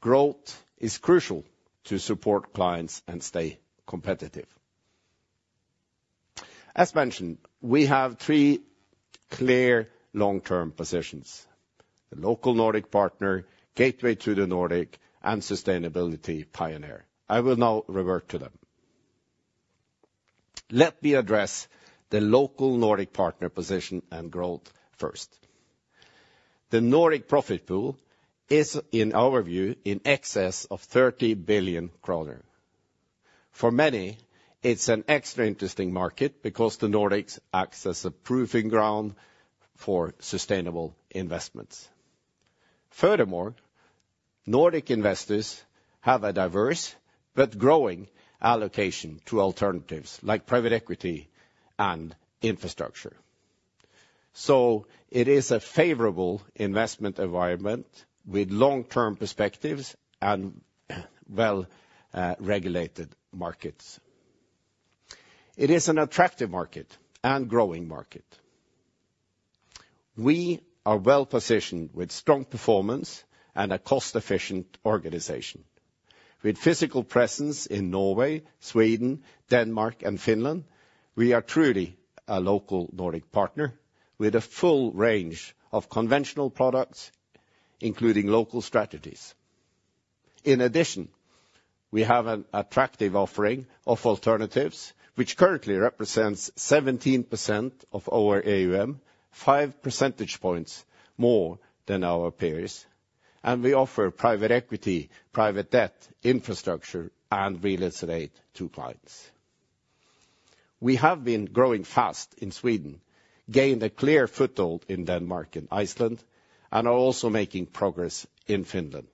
Growth is crucial to support clients and stay competitive. As mentioned, we have three clear long-term positions: the local Nordic partner, gateway to the Nordic, and sustainability pioneer. I will now revert to them. Let me address the local Nordic partner position and growth first. The Nordic profit pool is, in our view, in excess of 30 billion kroner. For many, it's an extra interesting market because the Nordics acts as a proving ground for sustainable investments. Furthermore, Nordic investors have a diverse but growing allocation to alternatives, like private equity and infrastructure. So it is a favorable investment environment with long-term perspectives and well, regulated markets. It is an attractive market and growing market. We are well-positioned with strong performance and a cost-efficient organization. With physical presence in Norway, Sweden, Denmark, and Finland, we are truly a local Nordic partner with a full range of conventional products, including local strategies. In addition, we have an attractive offering of alternatives, which currently represents 17% of our AUM, five percentage points more than our peers, and we offer private equity, private debt, infrastructure, and real estate to clients. We have been growing fast in Sweden, gained a clear foothold in Denmark and Iceland, and are also making progress in Finland.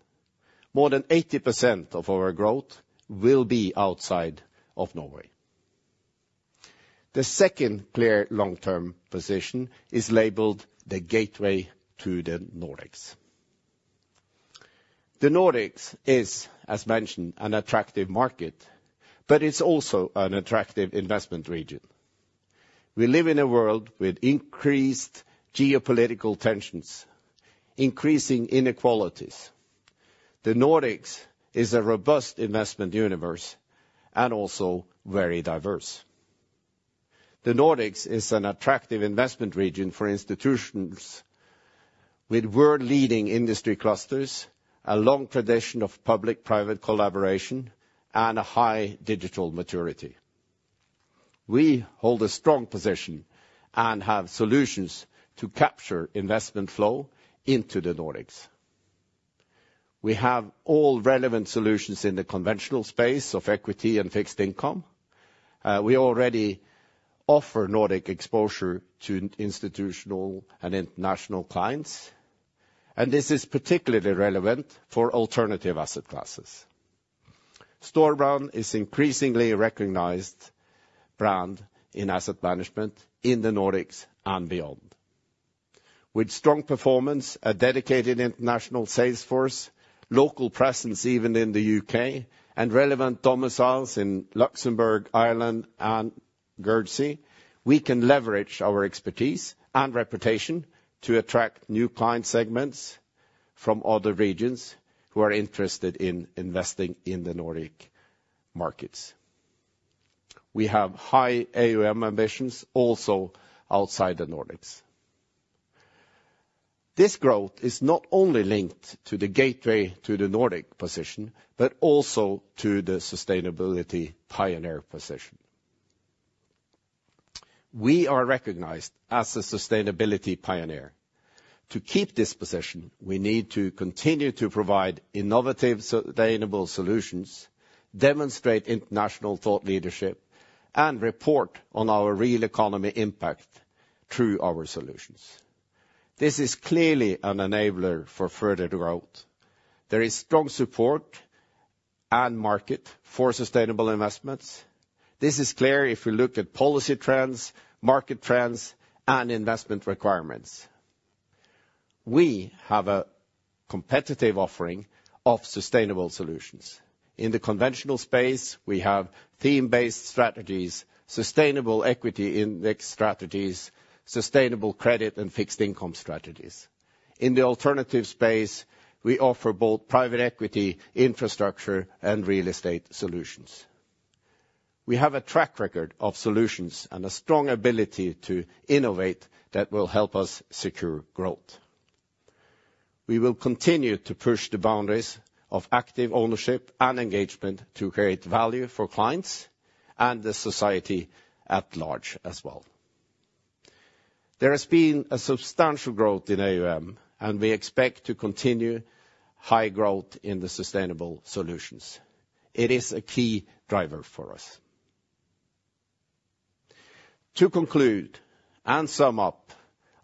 More than 80% of our growth will be outside of Norway. The second clear long-term position is labeled the gateway to the Nordics. The Nordics is, as mentioned, an attractive market, but it's also an attractive investment region. We live in a world with increased geopolitical tensions, increasing inequalities. The Nordics is an attractive investment region for institutions with world-leading industry clusters, a long tradition of public-private collaboration, and a high digital maturity. We hold a strong position and have solutions to capture investment flow into the Nordics. We have all relevant solutions in the conventional space of equity and fixed income. We already offer Nordic exposure to institutional and international clients, and this is particularly relevant for alternative asset classes. Storebrand is increasingly a recognized brand in asset management in the Nordics and beyond. With strong performance, a dedicated international sales force, local presence even in the U.K., and relevant domiciles in Luxembourg, Ireland, and Guernsey, we can leverage our expertise and reputation to attract new client segments from other regions who are interested in investing in the Nordic markets. We have high AUM ambitions also outside the Nordics. This growth is not only linked to the gateway to the Nordic position, but also to the sustainability pioneer position. We are recognized as a sustainability pioneer. To keep this position, we need to continue to provide innovative, sustainable solutions, demonstrate international thought leadership, and report on our real economy impact through our solutions. This is clearly an enabler for further growth. There is strong support and market for sustainable investments. This is clear if you look at policy trends, market trends, and investment requirements. We have a competitive offering of sustainable solutions. In the conventional space, we have theme-based strategies, sustainable equity index strategies, sustainable credit and fixed income strategies. In the alternative space, we offer both private equity, infrastructure, and real estate solutions. We have a track record of solutions and a strong ability to innovate that will help us secure growth. We will continue to push the boundaries of active ownership and engagement to create value for clients and the society at large as well. There has been a substantial growth in AUM, and we expect to continue high growth in the sustainable solutions. It is a key driver for us. To conclude and sum up,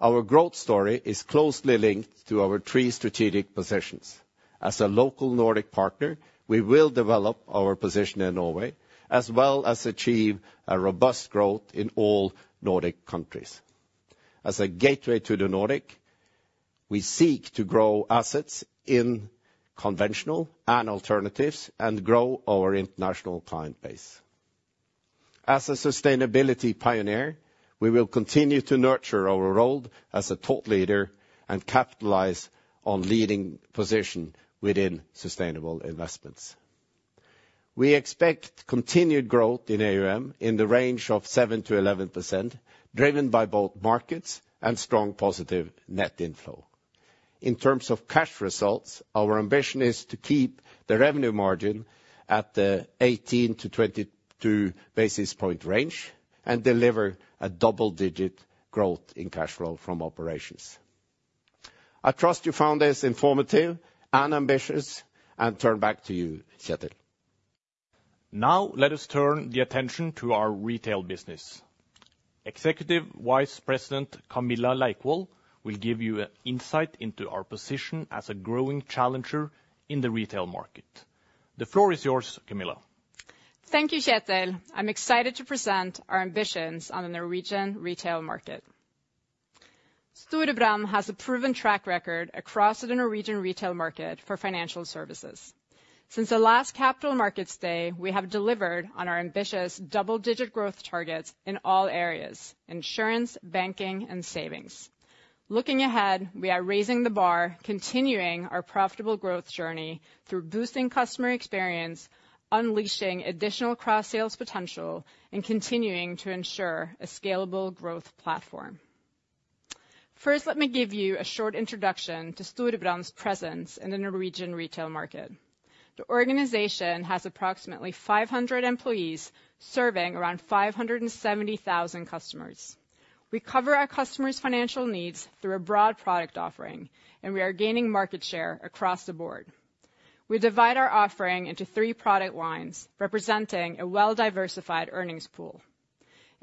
our growth story is closely linked to our three strategic positions. As a local Nordic partner, we will develop our position in Norway, as well as achieve a robust growth in all Nordic countries. As a gateway to the Nordic, we seek to grow assets in conventional and alternatives and grow our international client base. As a sustainability pioneer, we will continue to nurture our role as a thought leader and Capitalize on leading position within sustainable investments. We expect continued growth in AUM in the range of 7%-11%, driven by both markets and strong positive net inflow. In terms of cash results, our ambition is to keep the revenue margin at the 18-22 basis point range and deliver a double-digit growth in cash flow from operations. I trust you found this informative and ambitious, and turn back to you, Kjetil. Now let us turn the attention to our retail business. Executive Vice President Camilla Leikvoll will give you an insight into our position as a growing challenger in the retail market. The floor is yours, Camilla. Thank you, Kjetil. I'm excited to present our ambitions on the Norwegian retail market. Storebrand has a proven track record across the Norwegian retail market for financial services. Since the last Capital Markets Day, we have delivered on our ambitious double-digit growth targets in all areas: insurance, banking, and savings. Looking ahead, we are raising the bar, continuing our profitable growth journey through boosting customer experience, unleashing additional cross-sales potential, and continuing to ensure a scalable growth platform. First, let me give you a short introduction to Storebrand's presence in the Norwegian retail market. The organization has approximately 500 employees, serving around 570,000 customers. We cover our customers' financial needs through a broad product offering, and we are gaining market share across the board. We divide our offering into three product lines, representing a well-diversified earnings pool.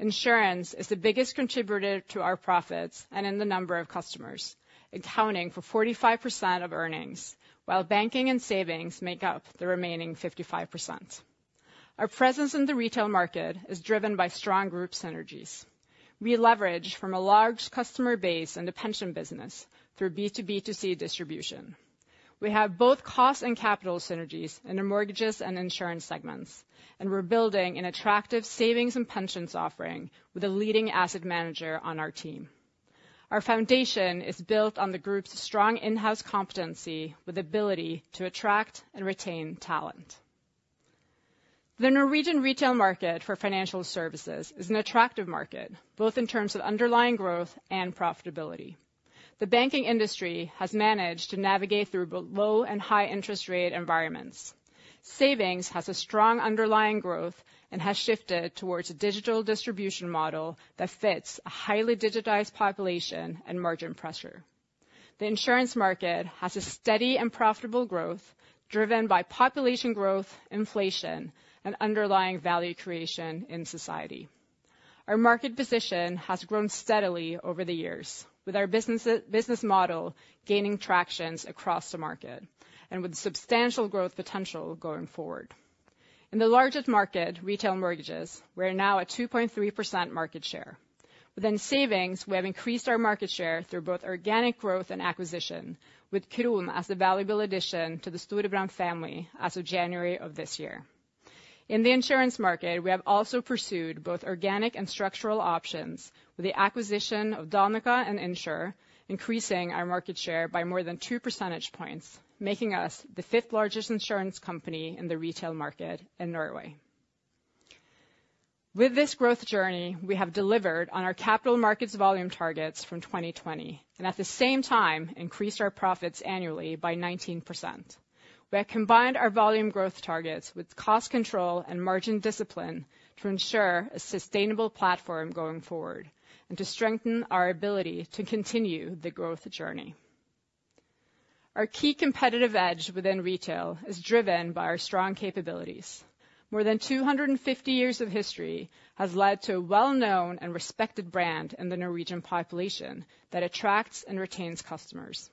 Insurance is the biggest contributor to our profits and in the number of customers, accounting for 45% of earnings, while banking and savings make up the remaining 55%. Our presence in the retail market is driven by strong group synergies. We leverage from a large customer base in the pension business through B2B2C distribution. We have both cost and Capital synergies in the mortgages and insurance segments, and we're building an attractive savings and pensions offering with a leading asset manager on our team. Our foundation is built on the group's strong in-house competency, with ability to attract and retain talent. The Norwegian retail market for financial services is an attractive market, both in terms of underlying growth and profitability. The banking industry has managed to navigate through both low and high interest rate environments... Savings has a strong underlying growth and has shifted towards a digital distribution model that fits a highly digitized population and margin pressure. The insurance market has a steady and profitable growth, driven by population growth, inflation, and underlying value creation in society. Our market position has grown steadily over the years, with our business, business model gaining traction across the market, and with substantial growth potential going forward. In the largest market, retail mortgages, we're now at 2.3% market share. Within savings, we have increased our market share through both organic growth and acquisition, with Kron as a valuable addition to the Storebrand family as of January of this year. In the insurance market, we have also pursued both organic and structural options with the acquisition of Danica and Insr, increasing our market share by more than 2 percentage points, making us the fifth largest insurance company in the retail market in Norway. With this growth journey, we have delivered on our Capital markets volume targets from 2020, and at the same time, increased our profits annually by 19%. We have combined our volume growth targets with cost control and margin discipline to ensure a sustainable platform going forward, and to strengthen our ability to continue the growth journey. Our key competitive edge within retail is driven by our strong capabilities. More than 250 years of history has led to a well-known and respected brand in the Norwegian population that attracts and retains customers.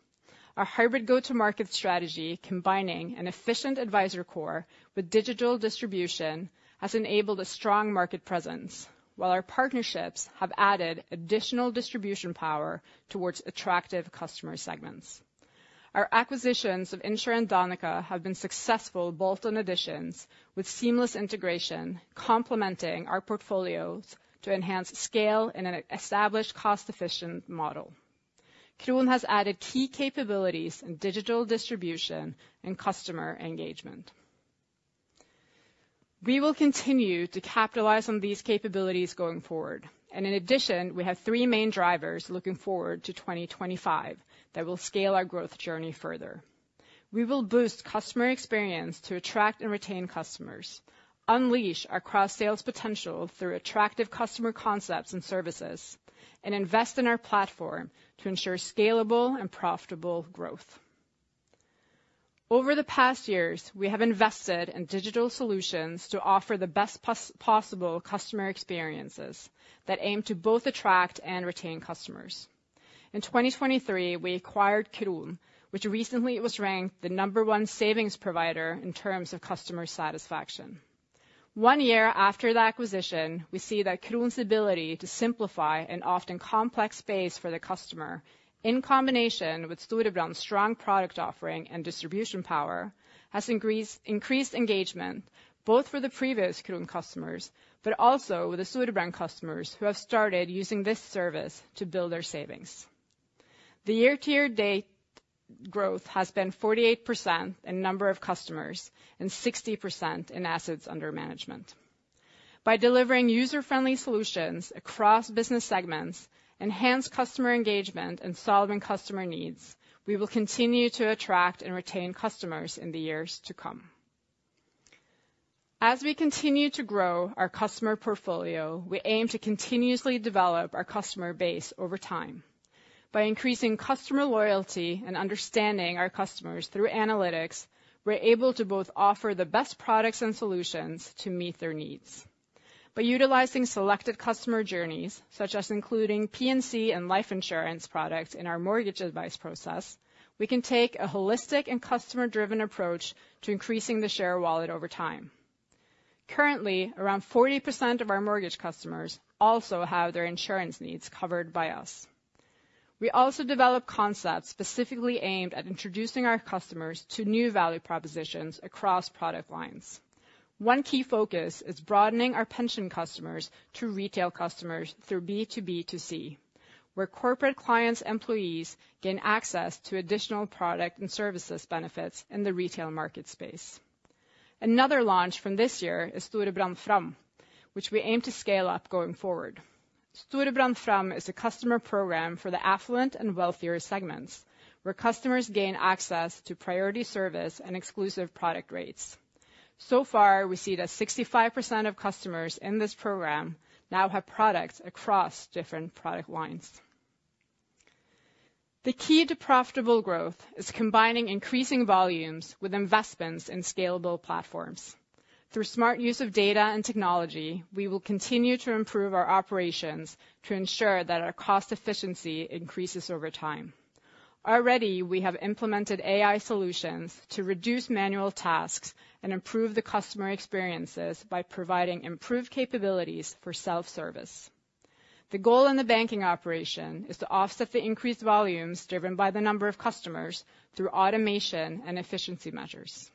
Our hybrid go-to-market strategy, combining an efficient advisor core with digital distribution, has enabled a strong market presence, while our partnerships have added additional distribution power towards attractive customer segments. Our acquisitions of Insr and Danica have been successful, bolt-on additions with seamless integration, complementing our portfolios to enhance scale in an established, cost-efficient model. Kron has added key capabilities in digital distribution and customer engagement. We will continue to Capitalize on these capabilities going forward, and in addition, we have three main drivers looking forward to 2025 that will scale our growth journey further. We will boost customer experience to attract and retain customers, unleash our cross-sales potential through attractive customer concepts and services, and invest in our platform to ensure scalable and profitable growth. Over the past years, we have invested in digital solutions to offer the best possible customer experiences that aim to both attract and retain customers. In 2023, we acquired Kron, which recently was ranked the number one savings provider in terms of customer satisfaction. One year after the acquisition, we see that Kron's ability to simplify an often complex space for the customer, in combination with Storebrand's strong product offering and distribution power, has increased engagement, both for the previous Kron customers, but also the Storebrand customers who have started using this service to build their savings. The year-to-date growth has been 48% in number of customers and 60% in assets under management. By delivering user-friendly solutions across business segments, enhanced customer engagement, and solving customer needs, we will continue to attract and retain customers in the years to come. As we continue to grow our customer portfolio, we aim to continuously develop our customer base over time. By increasing customer loyalty and understanding our customers through analytics, we're able to both offer the best products and solutions to meet their needs. By utilizing selected customer journeys, such as including P&C and life insurance products in our mortgage advice process, we can take a holistic and customer-driven approach to increasing the share of wallet over time. Currently, around 40% of our mortgage customers also have their insurance needs covered by us. We also develop concepts specifically aimed at introducing our customers to new value propositions across product lines. One key focus is broadening our pension customers to retail customers through B to B to C, where corporate clients' employees gain access to additional product and services benefits in the retail market space. Another launch from this year is Storebrand Fram, which we aim to scale up going forward. Storebrand Fram is a customer program for the affluent and wealthier segments, where customers gain access to priority service and exclusive product rates. So far, we see that 65% of customers in this program now have products across different product lines. The key to profitable growth is combining increasing volumes with investments in scalable platforms. Through smart use of data and technology, we will continue to improve our operations to ensure that our cost efficiency increases over time. Already, we have implemented AI solutions to reduce manual tasks and improve the customer experiences by providing improved capabilities for self-service. The goal in the banking operation is to offset the increased volumes driven by the number of customers through automation and efficiency measures.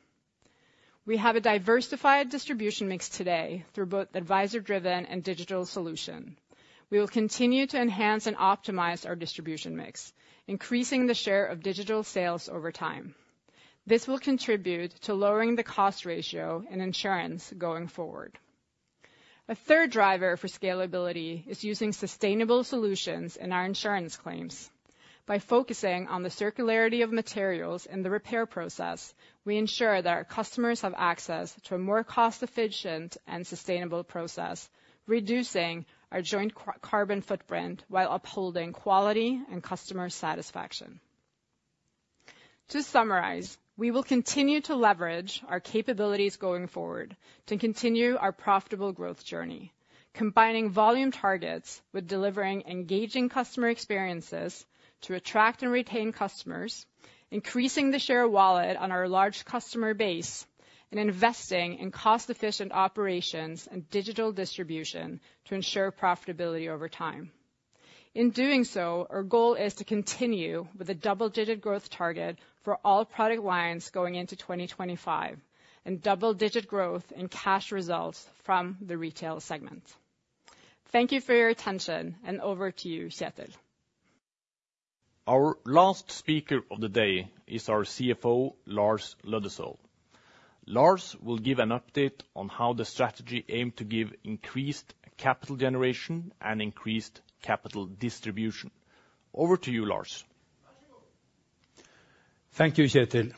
We have a diversified distribution mix today through both advisor-driven and digital solution. We will continue to enhance and optimize our distribution mix, increasing the share of digital sales over time. This will contribute to lowering the cost ratio and insurance going forward. A third driver for scalability is using sustainable solutions in our insurance claims. By focusing on the circularity of materials in the repair process, we ensure that our customers have access to a more cost efficient and sustainable process, reducing our joint carbon footprint while upholding quality and customer satisfaction. To summarize, we will continue to leverage our capabilities going forward to continue our profitable growth journey, combining volume targets with delivering engaging customer experiences to attract and retain customers, increasing the share wallet on our large customer base, and investing in cost efficient operations and digital distribution to ensure profitability over time. In doing so, our goal is to continue with a double-digit growth target for all product lines going into 2025, and double-digit growth in cash results from the retail segment. Thank you for your attention, and over to you, Kjetil. Our last speaker of the day is our CFO, Lars Løddesøl. Lars will give an update on how the strategy aim to give increased Capital generation and increased Capital distribution. Over to you, Lars. Thank you, Kjetil.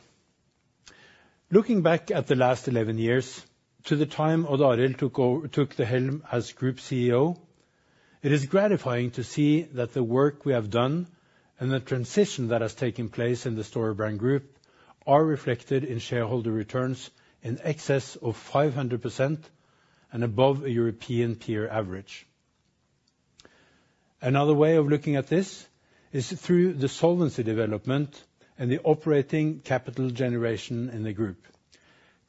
Looking back at the last 11 years to the time Odd Arild took the helm as Group CEO, it is gratifying to see that the work we have done and the transition that has taken place in the Storebrand Group are reflected in shareholder returns in excess of 500% and above a European peer average. Another way of looking at this is through the solvency development and the operating Capital generation in the group,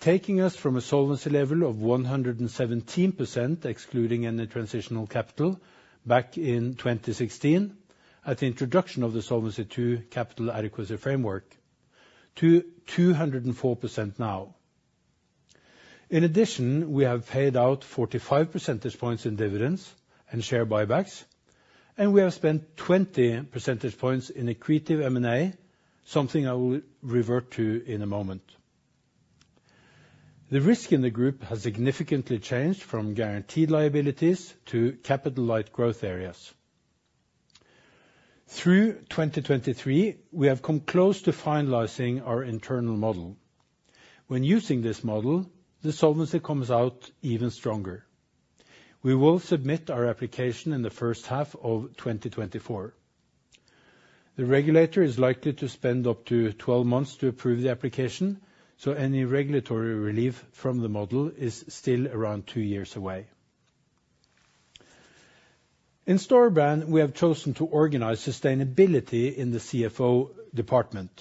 taking us from a solvency level of 117%, excluding any transitional Capital, back in 2016 at the introduction of the Solvency II Capital adequacy framework, to 204% now. In addition, we have paid out 45 percentage points in dividends and share buybacks, and we have spent 20 percentage points in accretive M&A, something I will revert to in a moment. The risk in the group has significantly changed from guaranteed liabilities to Capital light growth areas. Through 2023, we have come close to finalizing our internal model. When using this model, the solvency comes out even stronger. We will submit our application in the first half of 2024. The regulator is likely to spend up to 12 months to approve the application, so any regulatory relief from the model is still around 2 years away. In Storebrand, we have chosen to organize sustainability in the CFO department.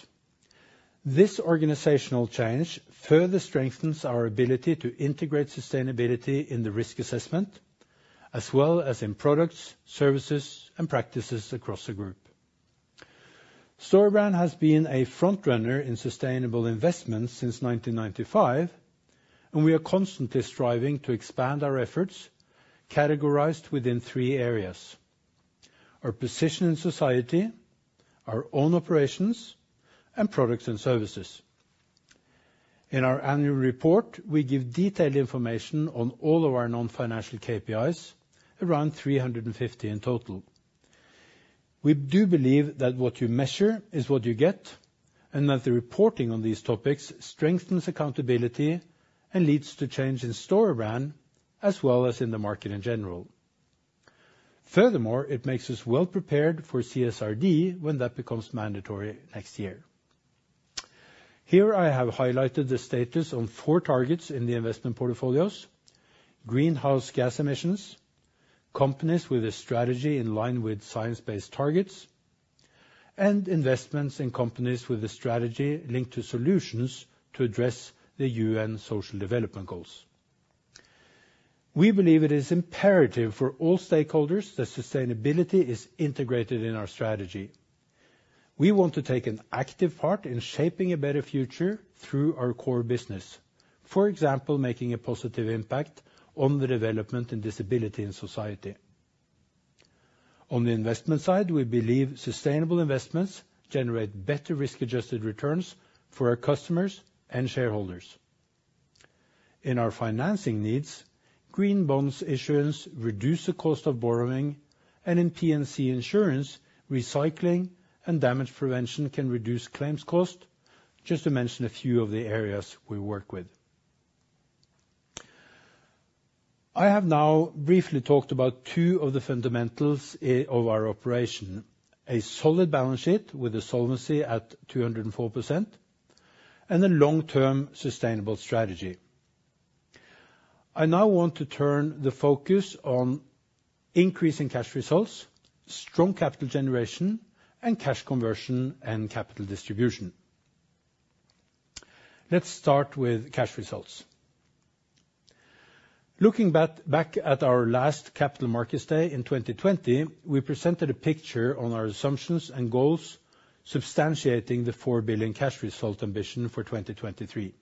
This organizational change further strengthens our ability to integrate sustainability in the risk assessment, as well as in products, services, and practices across the group. Storebrand has been a front runner in sustainable investments since 1995, and we are constantly striving to expand our efforts, categorized within three areas: our position in society, our own operations, and products and services. In our annual report, we give detailed information on all of our non-financial KPIs, around 350 in total. We do believe that what you measure is what you get, and that the reporting on these topics strengthens accountability and leads to change in Storebrand, as well as in the market in general. Furthermore, it makes us well prepared for CSRD when that becomes mandatory next year. Here I have highlighted the status on four targets in the investment portfolios: greenhouse gas emissions, companies with a strategy in line with science-based targets, and investments in companies with a strategy linked to solutions to address the UN social development goals. We believe it is imperative for all stakeholders that sustainability is integrated in our strategy. We want to take an active part in shaping a better future through our core business. For example, making a positive impact on the development and disability in society. On the investment side, we believe sustainable investments generate better risk-adjusted returns for our customers and shareholders. In our financing needs, green bonds issuance reduce the cost of borrowing, and in PNC Insurance, recycling and damage prevention can reduce claims cost, just to mention a few of the areas we work with. I have now briefly talked about two of the fundamentals of our operation: a solid balance sheet with a solvency at 204%, and a long-term sustainable strategy. I now want to turn the focus on increasing cash results, strong Capital generation, and cash conversion and Capital distribution. Let's start with cash results. Looking back at our last Capital Markets Day in 2020, we presented a picture on our assumptions and goals, substantiating the 4 billion cash result ambition for 2023.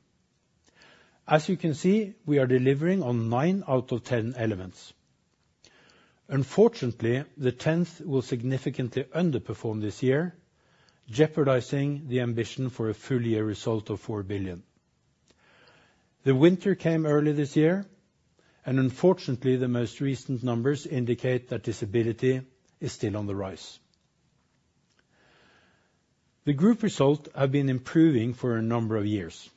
As you can see, we are delivering on nine out of 10 elements... unfortunately, the tenth will significantly underperform this year, jeopardizing the ambition for a full year result of 4 billion. The winter came early this year, and unfortunately, the most recent numbers indicate that this ability is still on the rise. The group result have been improving for a number of years.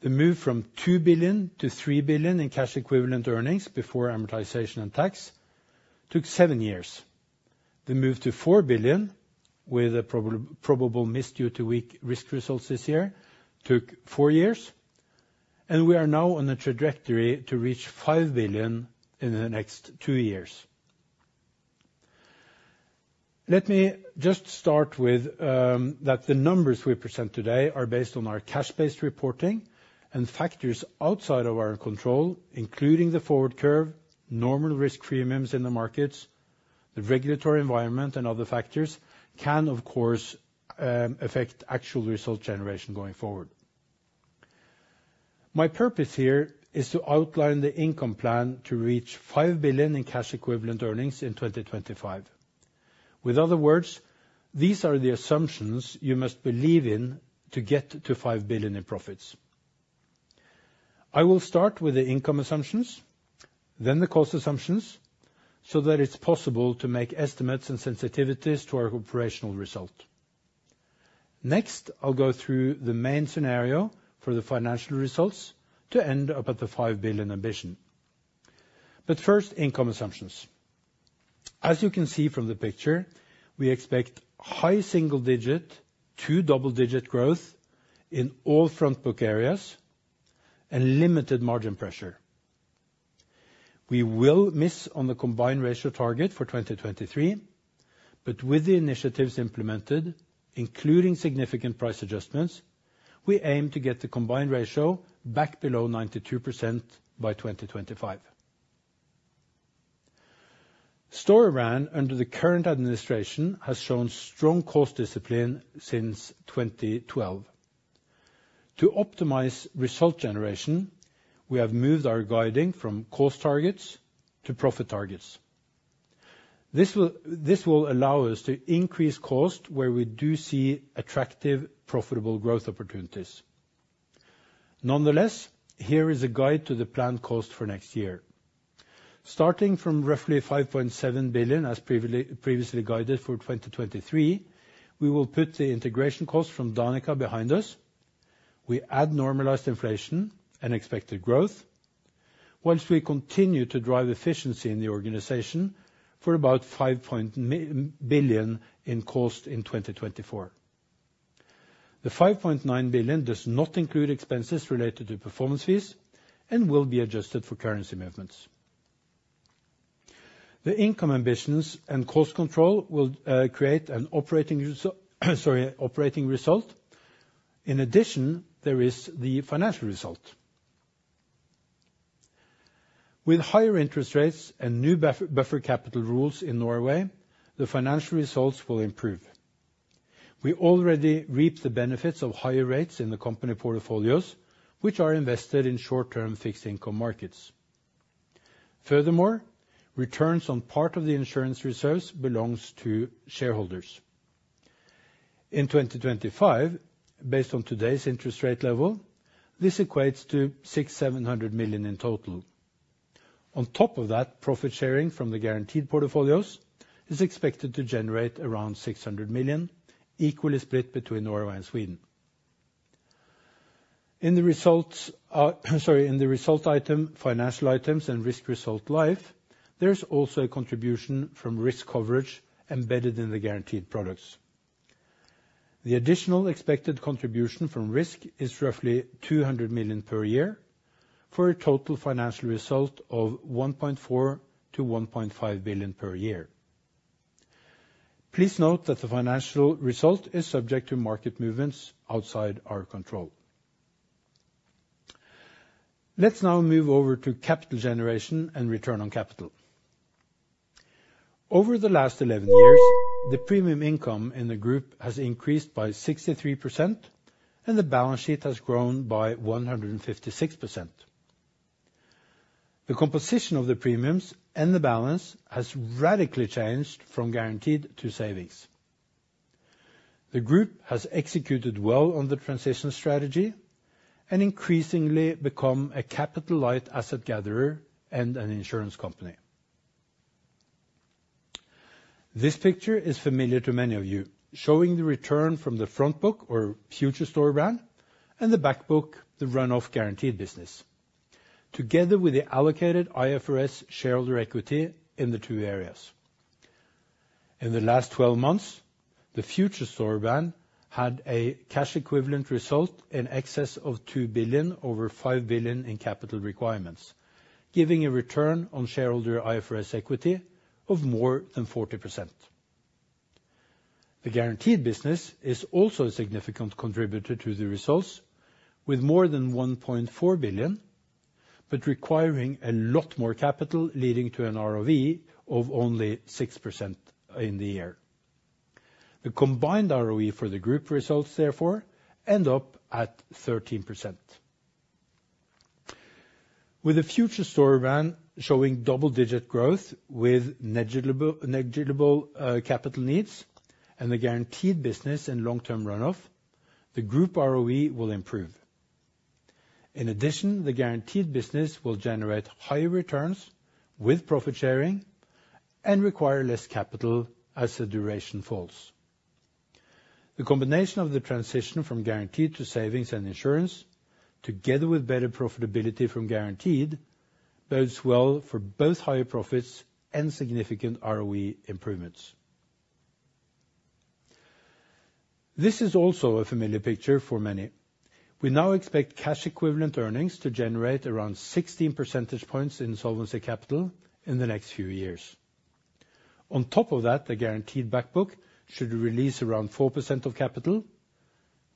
The move from 2 billion-3 billion in cash equivalent earnings before amortization and tax, took seven years. The move to 4 billion, with a probable miss due to weak risk results this year, took four years, and we are now on a trajectory to reach 5 billion in the next two years. Let me just start with that the numbers we present today are based on our cash-based reporting and factors outside of our control, including the forward curve, normal risk premiums in the markets, the regulatory environment, and other factors can, of course, affect actual result generation going forward. My purpose here is to outline the income plan to reach 5 billion in cash equivalent earnings in 2025. In other words, these are the assumptions you must believe in to get to 5 billion in profits. I will start with the income assumptions, then the cost assumptions, so that it's possible to make estimates and sensitivities to our operational result. Next, I'll go through the main scenario for the financial results to end up at the 5 billion ambition. But first, income assumptions. As you can see from the picture, we expect high single digit to double digit growth in all front book areas and limited margin pressure. We will miss on the combined ratio target for 2023, but with the initiatives implemented, including significant price adjustments, we aim to get the combined ratio back below 92% by 2025. Storebrand under the current administration has shown strong cost discipline since 2012. To optimize result generation, we have moved our guiding from cost targets to profit targets. This will, this will allow us to increase cost where we do see attractive, profitable growth opportunities. Nonetheless, here is a guide to the planned cost for next year. Starting from roughly 5.7 billion, as previously, previously guided for 2023, we will put the integration cost from Danica behind us. We add normalized inflation and expected growth, while we continue to drive efficiency in the organization for about 5 billion in cost in 2024. The 5.9 billion does not include expenses related to performance fees and will be adjusted for currency movements. The income ambitions and cost control will create an operating result. In addition, there is the financial result. With higher interest rates and new buffer Capital rules in Norway, the financial results will improve. We already reap the benefits of higher rates in the company portfolios, which are invested in short-term fixed income markets. Furthermore, returns on part of the insurance reserves belongs to shareholders. In 2025, based on today's interest rate level, this equates to 600 million-700 million in total. On top of that, profit sharing from the guaranteed portfolios is expected to generate around 600 million, equally split between Norway and Sweden. In the results, in the result item, financial items and risk result life, there's also a contribution from risk coverage embedded in the guaranteed products. The additional expected contribution from risk is roughly 200 million per year, for a total financial result of 1.4 billion-1.5 billion per year. Please note that the financial result is subject to market movements outside our control. Let's now move over to Capital generation and return on Capital. Over the last 11 years, the premium income in the group has increased by 63%, and the balance sheet has grown by 156%. The composition of the premiums and the balance has radically changed from guaranteed to savings. The group has executed well on the transition strategy and increasingly become a Capital light asset gatherer and an insurance company. This picture is familiar to many of you, showing the return from the front book or future Storebrand and the back book, the run off guaranteed business, together with the allocated IFRS shareholder equity in the two areas. In the last twelve months, the future Storebrand had a cash equivalent result in excess of 2 billion, over 5 billion in Capital requirements, giving a return on shareholder IFRS equity of more than 40%. The guaranteed business is also a significant contributor to the results, with more than 1.4 billion, but requiring a lot more Capital, leading to an ROE of only 6% in the year. The combined ROE for the group results therefore end up at 13%. With the future store run showing double digit growth with negligible Capital needs, and the guaranteed business and long-term run off, the group ROE will improve. In addition, the guaranteed business will generate higher returns with profit sharing and require less Capital as the duration falls. The combination of the transition from guaranteed to savings and insurance, together with better profitability from guaranteed, bodes well for both higher profits and significant ROE improvements. This is also a familiar picture for many. We now expect cash equivalent earnings to generate around 16 percentage points in solvency Capital in the next few years. On top of that, the guaranteed back book should release around 4% of Capital,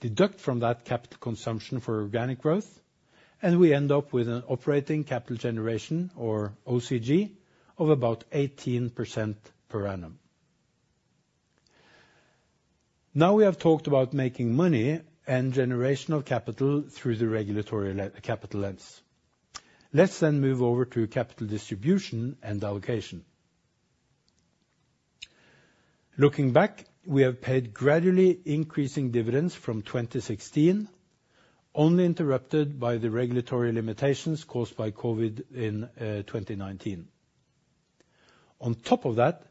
deduct from that Capital consumption for organic growth, and we end up with an operating Capital generation or OCG of about 18% per annum. Now we have talked about making money and generation of Capital through the regulatory Capital lens. Let's then move over to Capital distribution and allocation. Looking back, we have paid gradually increasing dividends from 2016, only interrupted by the regulatory limitations caused by COVID in 2019. On top of that,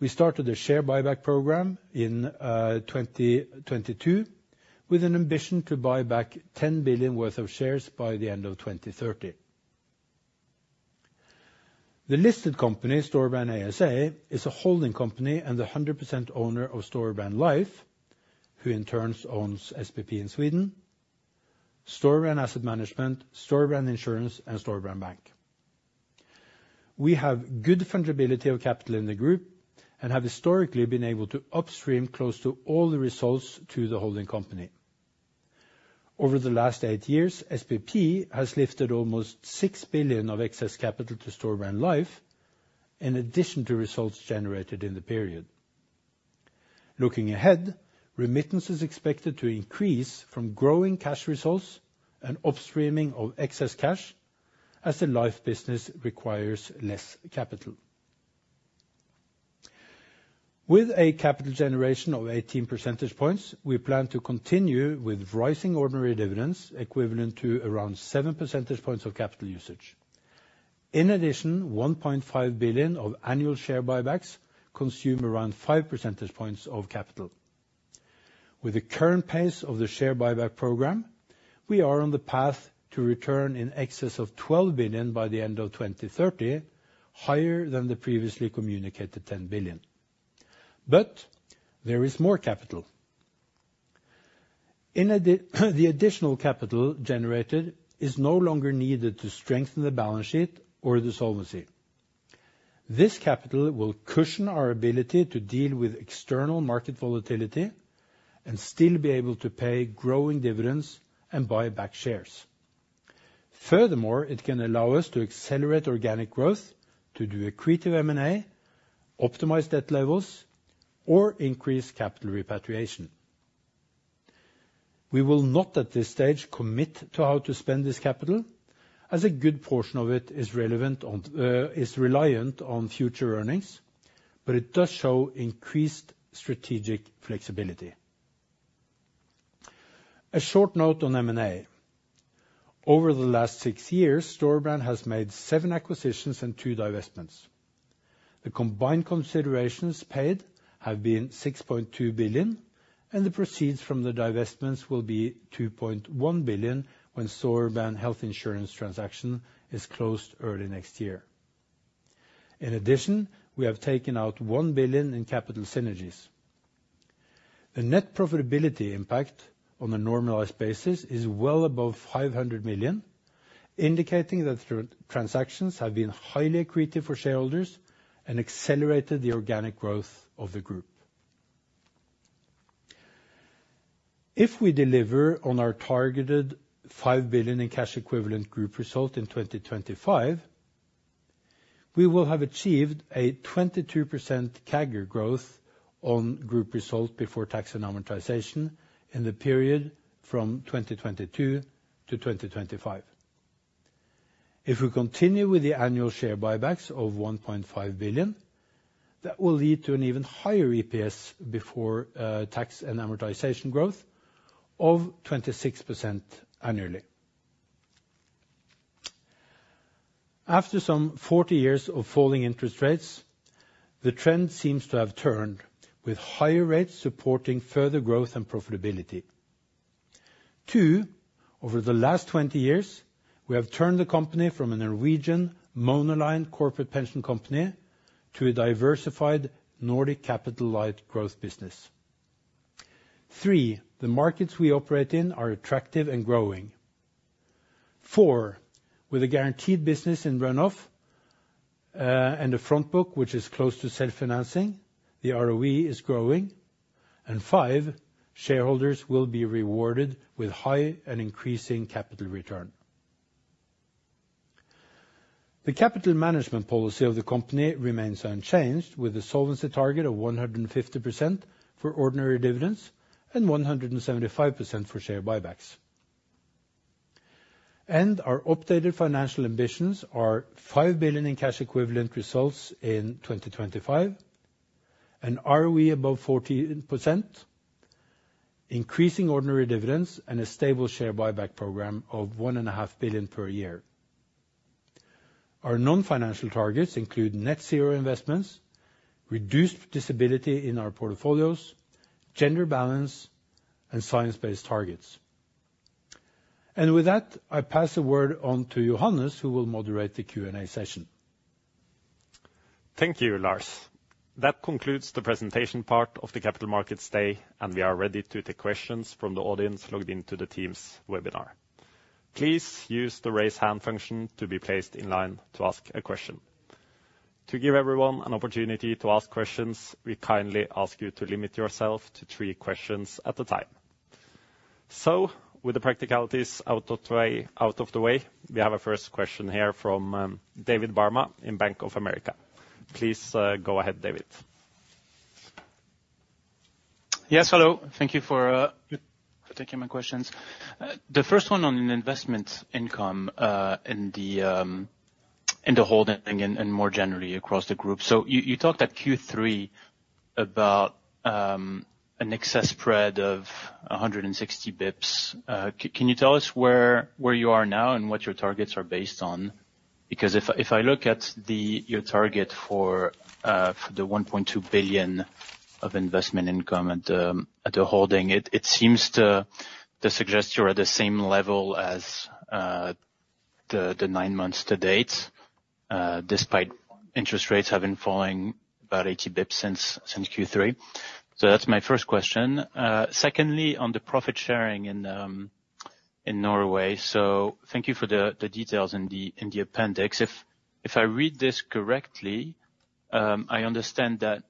we started a share buyback program in 2022, with an ambition to buy back 10 billion worth of shares by the end of 2030. The listed company, Storebrand ASA, is a holding company and the 100% owner of Storebrand Life, who in turn owns SPP in Sweden, Storebrand Asset Management, Storebrand Insurance, and Storebrand Bank. We have good fundability of Capital in the group and have historically been able to upstream close to all the results to the holding company. Over the last eight years, SPP has lifted almost 6 billion of excess Capital to Storebrand Life, in addition to results generated in the period. Looking ahead, remittance is expected to increase from growing cash results and upstreaming of excess cash, as the life business requires less Capital. With a Capital generation of 18 percentage points, we plan to continue with rising ordinary dividends, equivalent to around 7 percentage points of Capital usage. In addition, 1.5 billion of annual share buybacks consume around 5 percentage points of Capital. With the current pace of the share buyback program, we are on the path to return in excess of 12 billion by the end of 2030, higher than the previously communicated 10 billion. But there is more Capital. In addition, the additional Capital generated is no longer needed to strengthen the balance sheet or the solvency. This Capital will cushion our ability to deal with external market volatility and still be able to pay growing dividends and buy back shares. Furthermore, it can allow us to accelerate organic growth, to do accretive M&A, optimize debt levels, or increase Capital repatriation. We will not, at this stage, commit to how to spend this Capital, as a good portion of it is relevant on, is reliant on future earnings, but it does show increased strategic flexibility. A short note on M&A. Over the last six years, Storebrand has made seven acquisitions and two divestments. The combined considerations paid have been 6.2 billion, and the proceeds from the divestments will be 2.1 billion when Storebrand health insurance transaction is closed early next year. In addition, we have taken out 1 billion in Capital synergies. The net profitability impact on a normalized basis is well above 500 million, indicating that the transactions have been highly accretive for shareholders and accelerated the organic growth of the group. If we deliver on our targeted 5 billion in cash equivalent group result in 2025, we will have achieved a 22% CAGR growth on group result before tax and amortization in the period from 2022-2025. If we continue with the annual share buybacks of 1.5 billion, that will lead to an even higher EPS before, tax and amortization growth of 26% annually. After some 40 years of falling interest rates, the trend seems to have turned, with higher rates supporting further growth and profitability. Two, over the last 20 years, we have turned the company from a Norwegian monoline corporate pension company to a diversified Nordic Capital light growth business. three, the markets we operate in are attractive and growing. four, with a guaranteed business in run-off, and the front book, which is close to self-financing, the ROE is growing. And five, shareholders will be rewarded with high and increasing Capital return. The Capital management policy of the company remains unchanged, with a solvency target of 150% for ordinary dividends, and 175% for share buybacks. Our updated financial ambitions are 5 billion in cash equivalent results in 2025, an ROE above 14%, increasing ordinary dividends, and a stable share buyback program of 1.5 billion per year. Our non-financial targets include net zero investments, reduced disability in our portfolios, gender balance, and science-based targets. With that, I pass the word on to Johannes, who will moderate the Q&A session. Thank you, Lars. That concludes the presentation part of the Capital Markets Day, and we are ready to take questions from the audience logged into the team's webinar. Please use the Raise Hand function to be placed in line to ask a question. To give everyone an opportunity to ask questions, we kindly ask you to limit yourself to three questions at a time. So with the practicalities out of the way, we have our first question here from David Barma in Bank of America. Please go ahead, David. Yes, hello. Thank you for taking my questions. The first one on investment income in the holding and more generally across the group. So you talked at Q3 about an excess spread of 160 basis points. Can you tell us where you are now and what your targets are based on? Because if I look at your target for 1.2 billion of investment income at the holding, it seems to suggest you're at the same level as the nine months to date, despite interest rates have been falling about 80 basis points since Q3. So that's my first question. Secondly, on the profit sharing in Norway. So thank you for the details in the appendix. If I read this correctly, I understand that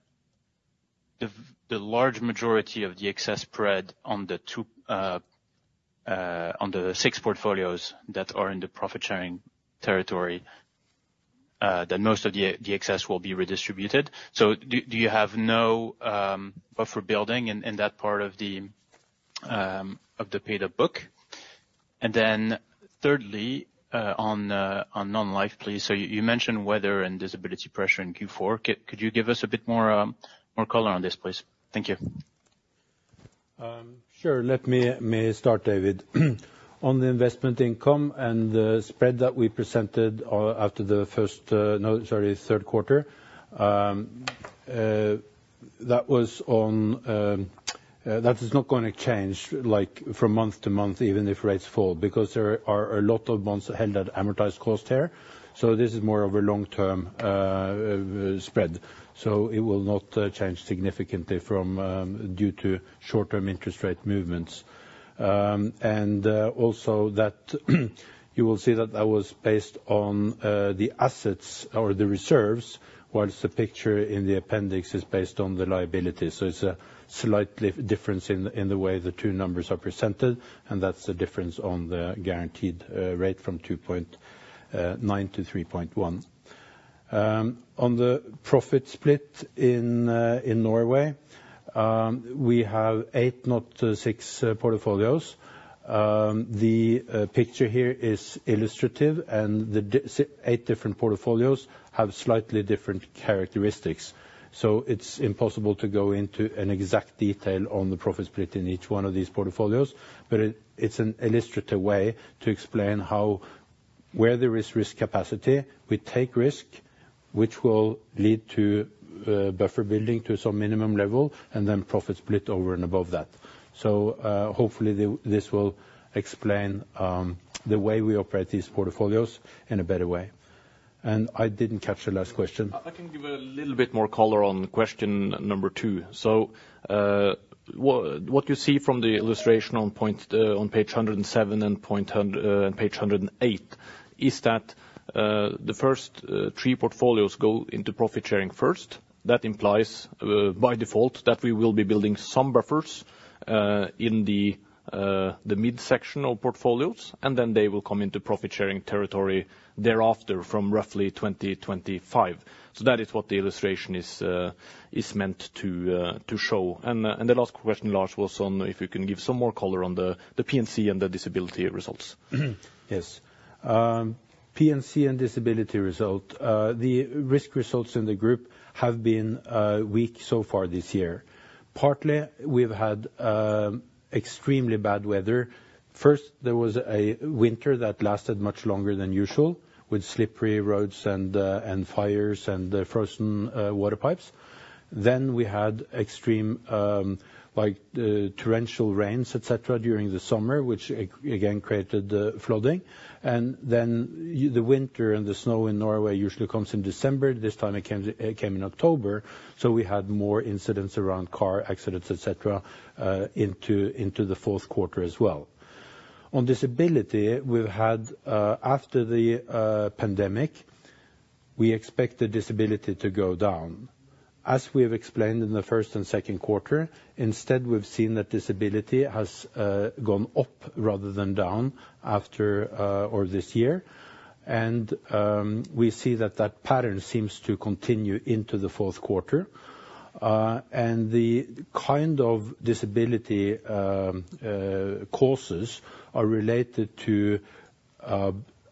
the large majority of the excess spread on the two, on the six portfolios that are in the profit-sharing territory, that most of the excess will be redistributed. So do you have no buffer building in that part of the paid-up book? And then thirdly, on non-life, please. So you mentioned weather and disability pressure in Q4. Could you give us a bit more color on this, please? Thank you. Sure. Let me start, David. On the investment income and the spread that we presented after the first, no, sorry, third quarter. That is not going to change, like, from month to month, even if rates fall, because there are a lot of bonds held at amortized cost here. So this is more of a long-term spread, so it will not change significantly due to short-term interest rate movements. And also that you will see that that was based on the assets or the reserves, whilst the picture in the appendix is based on the liability. So it's a slight difference in the way the two numbers are presented, and that's the difference on the guaranteed rate from 2.9-3.1. On the profit split in Norway, we have eight, not six, portfolios. The picture here is illustrative, and eight different portfolios have slightly different characteristics, so it's impossible to go into an exact detail on the profit split in each one of these portfolios. But it, it's an illustrative way to explain how, where there is risk capacity, we take risk, which will lead to buffer building to some minimum level, and then profit split over and above that. So, hopefully the, this will explain the way we operate these portfolios in a better way. And I didn't catch the last question. I can give a little bit more color on question number two. So, what you see from the illustration on point on page 107 and point and page 108, is that the first three portfolios go into profit sharing first. That implies, by default, that we will be building some buffers in the midsection of portfolios, and then they will come into profit-sharing territory thereafter from roughly 2025. So that is what the illustration is meant to show. And the last question, Lars, was on if you can give some more color on the P&C and the disability results. Yes. P&C and disability result. The risk results in the group have been weak so far this year. Partly, we've had extremely bad weather. First, there was a winter that lasted much longer than usual, with slippery roads and fires and frozen water pipes. Then we had extreme, like, torrential rains, et cetera, during the summer, which again, created the flooding. The winter and the snow in Norway usually comes in December. This time it came, it came in October, so we had more incidents around car accidents, et cetera, into the fourth quarter as well. On disability, we've had, after the pandemic... we expect the disability to go down. As we have explained in the first and second quarter, instead, we've seen that disability has gone up rather than down after, or this year. And, we see that that pattern seems to continue into the fourth quarter. And the kind of disability causes are related to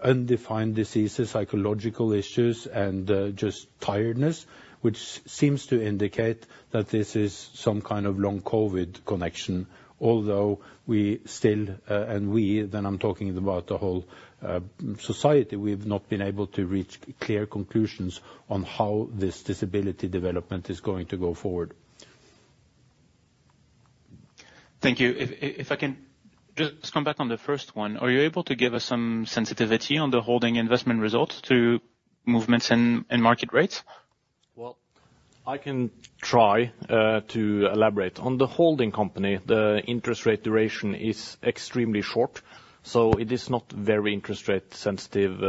undefined diseases, psychological issues, and just tiredness, which seems to indicate that this is some kind of long COVID connection. Although we still, and we, then I'm talking about the whole society, we've not been able to reach clear conclusions on how this disability development is going to go forward. Thank you. If I can just come back on the first one, are you able to give us some sensitivity on the holding investment results to movements in market rates? Well, I can try to elaborate. On the holding company, the interest rate duration is extremely short, so it is not very interest rate sensitive,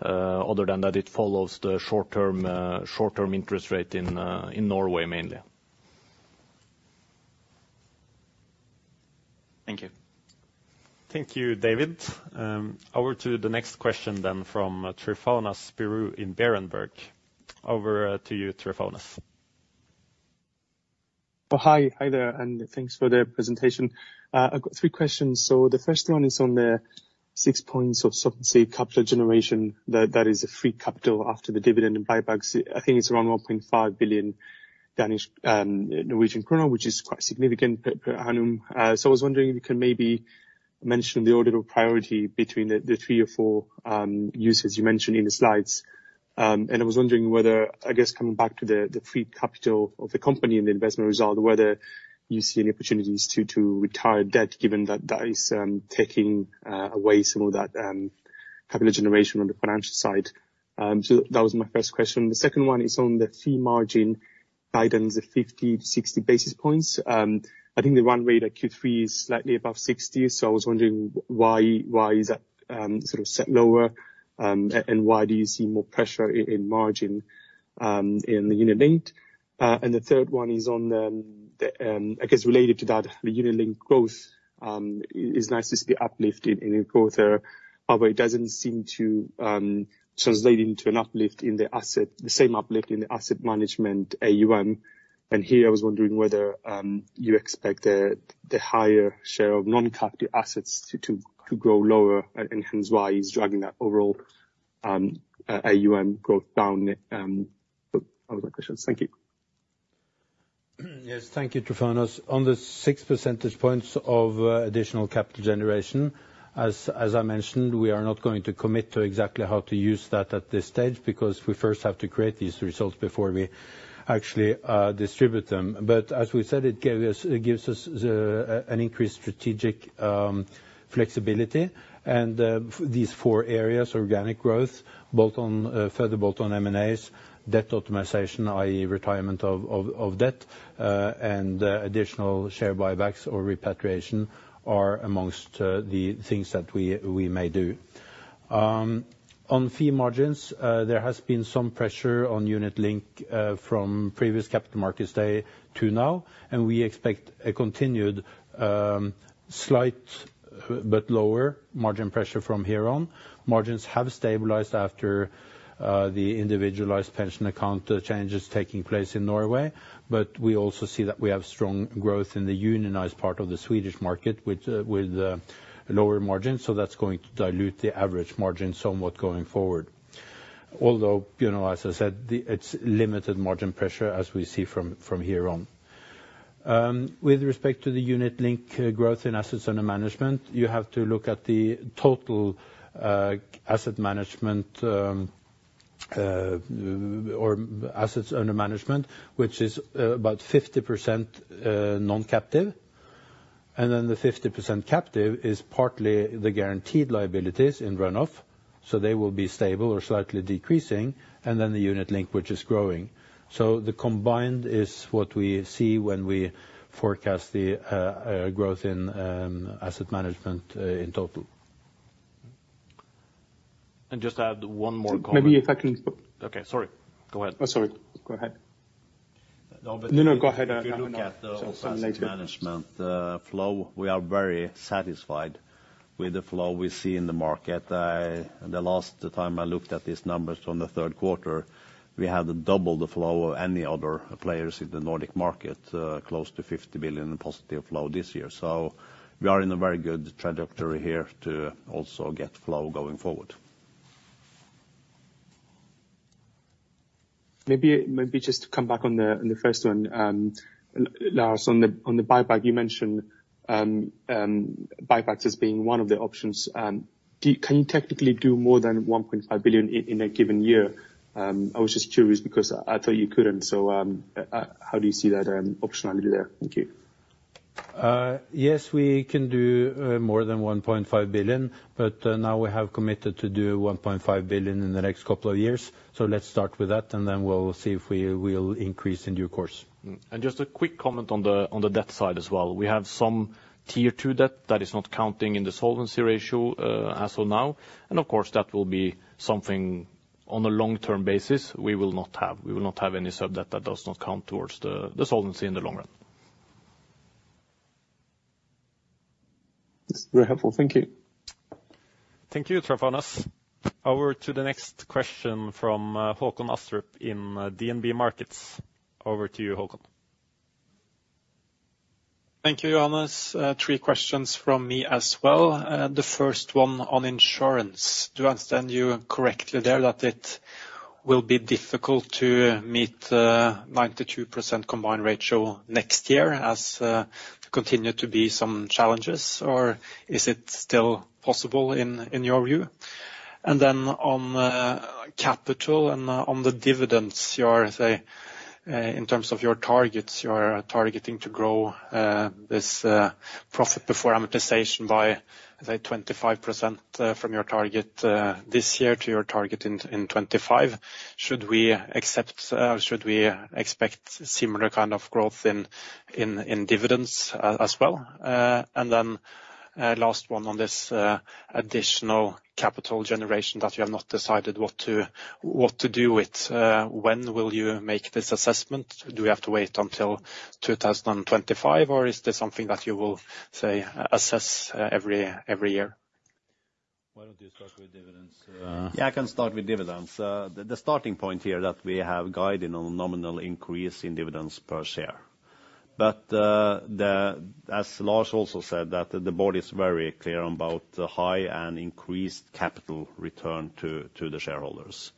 other than that it follows the short-term interest rate in Norway, mainly. Thank you. Thank you, David. Over to the next question then from Tryfonas Spyrou in Berenberg. Over, to you, Tryphonas. Oh, hi. Hi there, and thanks for the presentation. I've got three questions. So the first one is on the six points of solvency Capital generation. That, that is a free Capital after the dividend and buybacks. I think it's around 1.5 billion, which is quite significant per annum. So I was wondering if you can maybe mention the order of priority between the, the three or four uses you mentioned in the slides. And I was wondering whether, I guess, coming back to the, the free Capital of the company and the investment result, whether you see any opportunities to, to retire debt, given that that is taking away some of that Capital generation on the financial side. So that was my first question. The second one is on the fee margin guidance of 50-60 basis points. I think the run rate that Q3 is slightly above 60, so I was wondering why, why is that sort of set lower, and why do you see more pressure in margin in the unit link? And the third one is on the, I guess, related to that, the unit link growth is nice to see uplift in growth, although it doesn't seem to translate into an uplift in the asset, the same uplift in the asset management AUM. And here, I was wondering whether you expect the higher share of non-captive assets to grow lower, and hence why it's driving that overall AUM growth down? Those are my questions. Thank you. Yes, thank you, Tryphonas. On the 6 percentage points of additional Capital generation, as I mentioned, we are not going to commit to exactly how to use that at this stage, because we first have to create these results before we actually distribute them. But as we said, it gave us - it gives us an increased strategic flexibility. These four areas, organic growth both on further both on M&As, debt optimization, i.e., retirement of debt, and additional share buybacks or repatriation, are amongst the things that we may do. On fee margins, there has been some pressure on unit link from previous Capital Markets Day to now, and we expect a continued slight but lower margin pressure from here on. Margins have stabilized after the individualized pension account changes taking place in Norway, but we also see that we have strong growth in the unionized part of the Swedish market, which, with lower margins, so that's going to dilute the average margin somewhat going forward. Although, you know, as I said, it's limited margin pressure, as we see from here on. With respect to the unit link growth in assets under management, you have to look at the total asset management or assets under management, which is about 50% non-captive. And then the 50% captive is partly the guaranteed liabilities in run-off, so they will be stable or slightly decreasing, and then the unit link, which is growing. So the combined is what we see when we forecast the growth in asset management in total. Just to add one more comment- Maybe if I can stop- Okay, sorry. Go ahead. Oh, sorry. Go ahead. No, but- No, no, go ahead, If you look at the asset management flow, we are very satisfied with the flow we see in the market. The last time I looked at these numbers from the third quarter, we had double the flow of any other players in the Nordic market, close to 50 billion in positive flow this year. So we are in a very good trajectory here to also get flow going forward. Maybe, maybe just to come back on the first one, Lars, on the buyback, you mentioned buybacks as being one of the options. Do you... Can you technically do more than 1.5 billion in a given year? I was just curious because I thought you couldn't. So, how do you see that optionally there? Thank you. Yes, we can do more than 1.5 billion, but now we have committed to do 1.5 billion in the next couple of years. Let's start with that, and then we'll see if we will increase in due course. Just a quick comment on the debt side as well. We have some Tier 2 debt that is not counting in the solvency ratio, as of now. And of course, that will be something on a long-term basis we will not have. We will not have any sub-debt that does not count towards the solvency in the long run. ... This is very helpful. Thank you. Thank you, Tryphonas. Over to the next question from Håkon Astrup in DNB Markets. Over to you, Håkon. Thank you, Johannes. Three questions from me as well. The first one on insurance. Do I understand you correctly there, that it will be difficult to meet 92% combined ratio next year as continue to be some challenges, or is it still possible in your view? And then on Capital and on the dividends, you are, say, in terms of your targets, you are targeting to grow this profit before amortization by, say, 25%, from your target this year to your target in 2025. Should we expect similar kind of growth in dividends as well? And then, last one on this additional Capital generation that you have not decided what to do with. When will you make this assessment? Do we have to wait until 2025, or is this something that you will, say, assess every year? Why don't you start with dividends? Yeah, I can start with dividends. The starting point here that we have guiding on nominal increase in dividends per share. But, as Lars also said, that the board is very clear about the high and increased Capital return to the shareholders.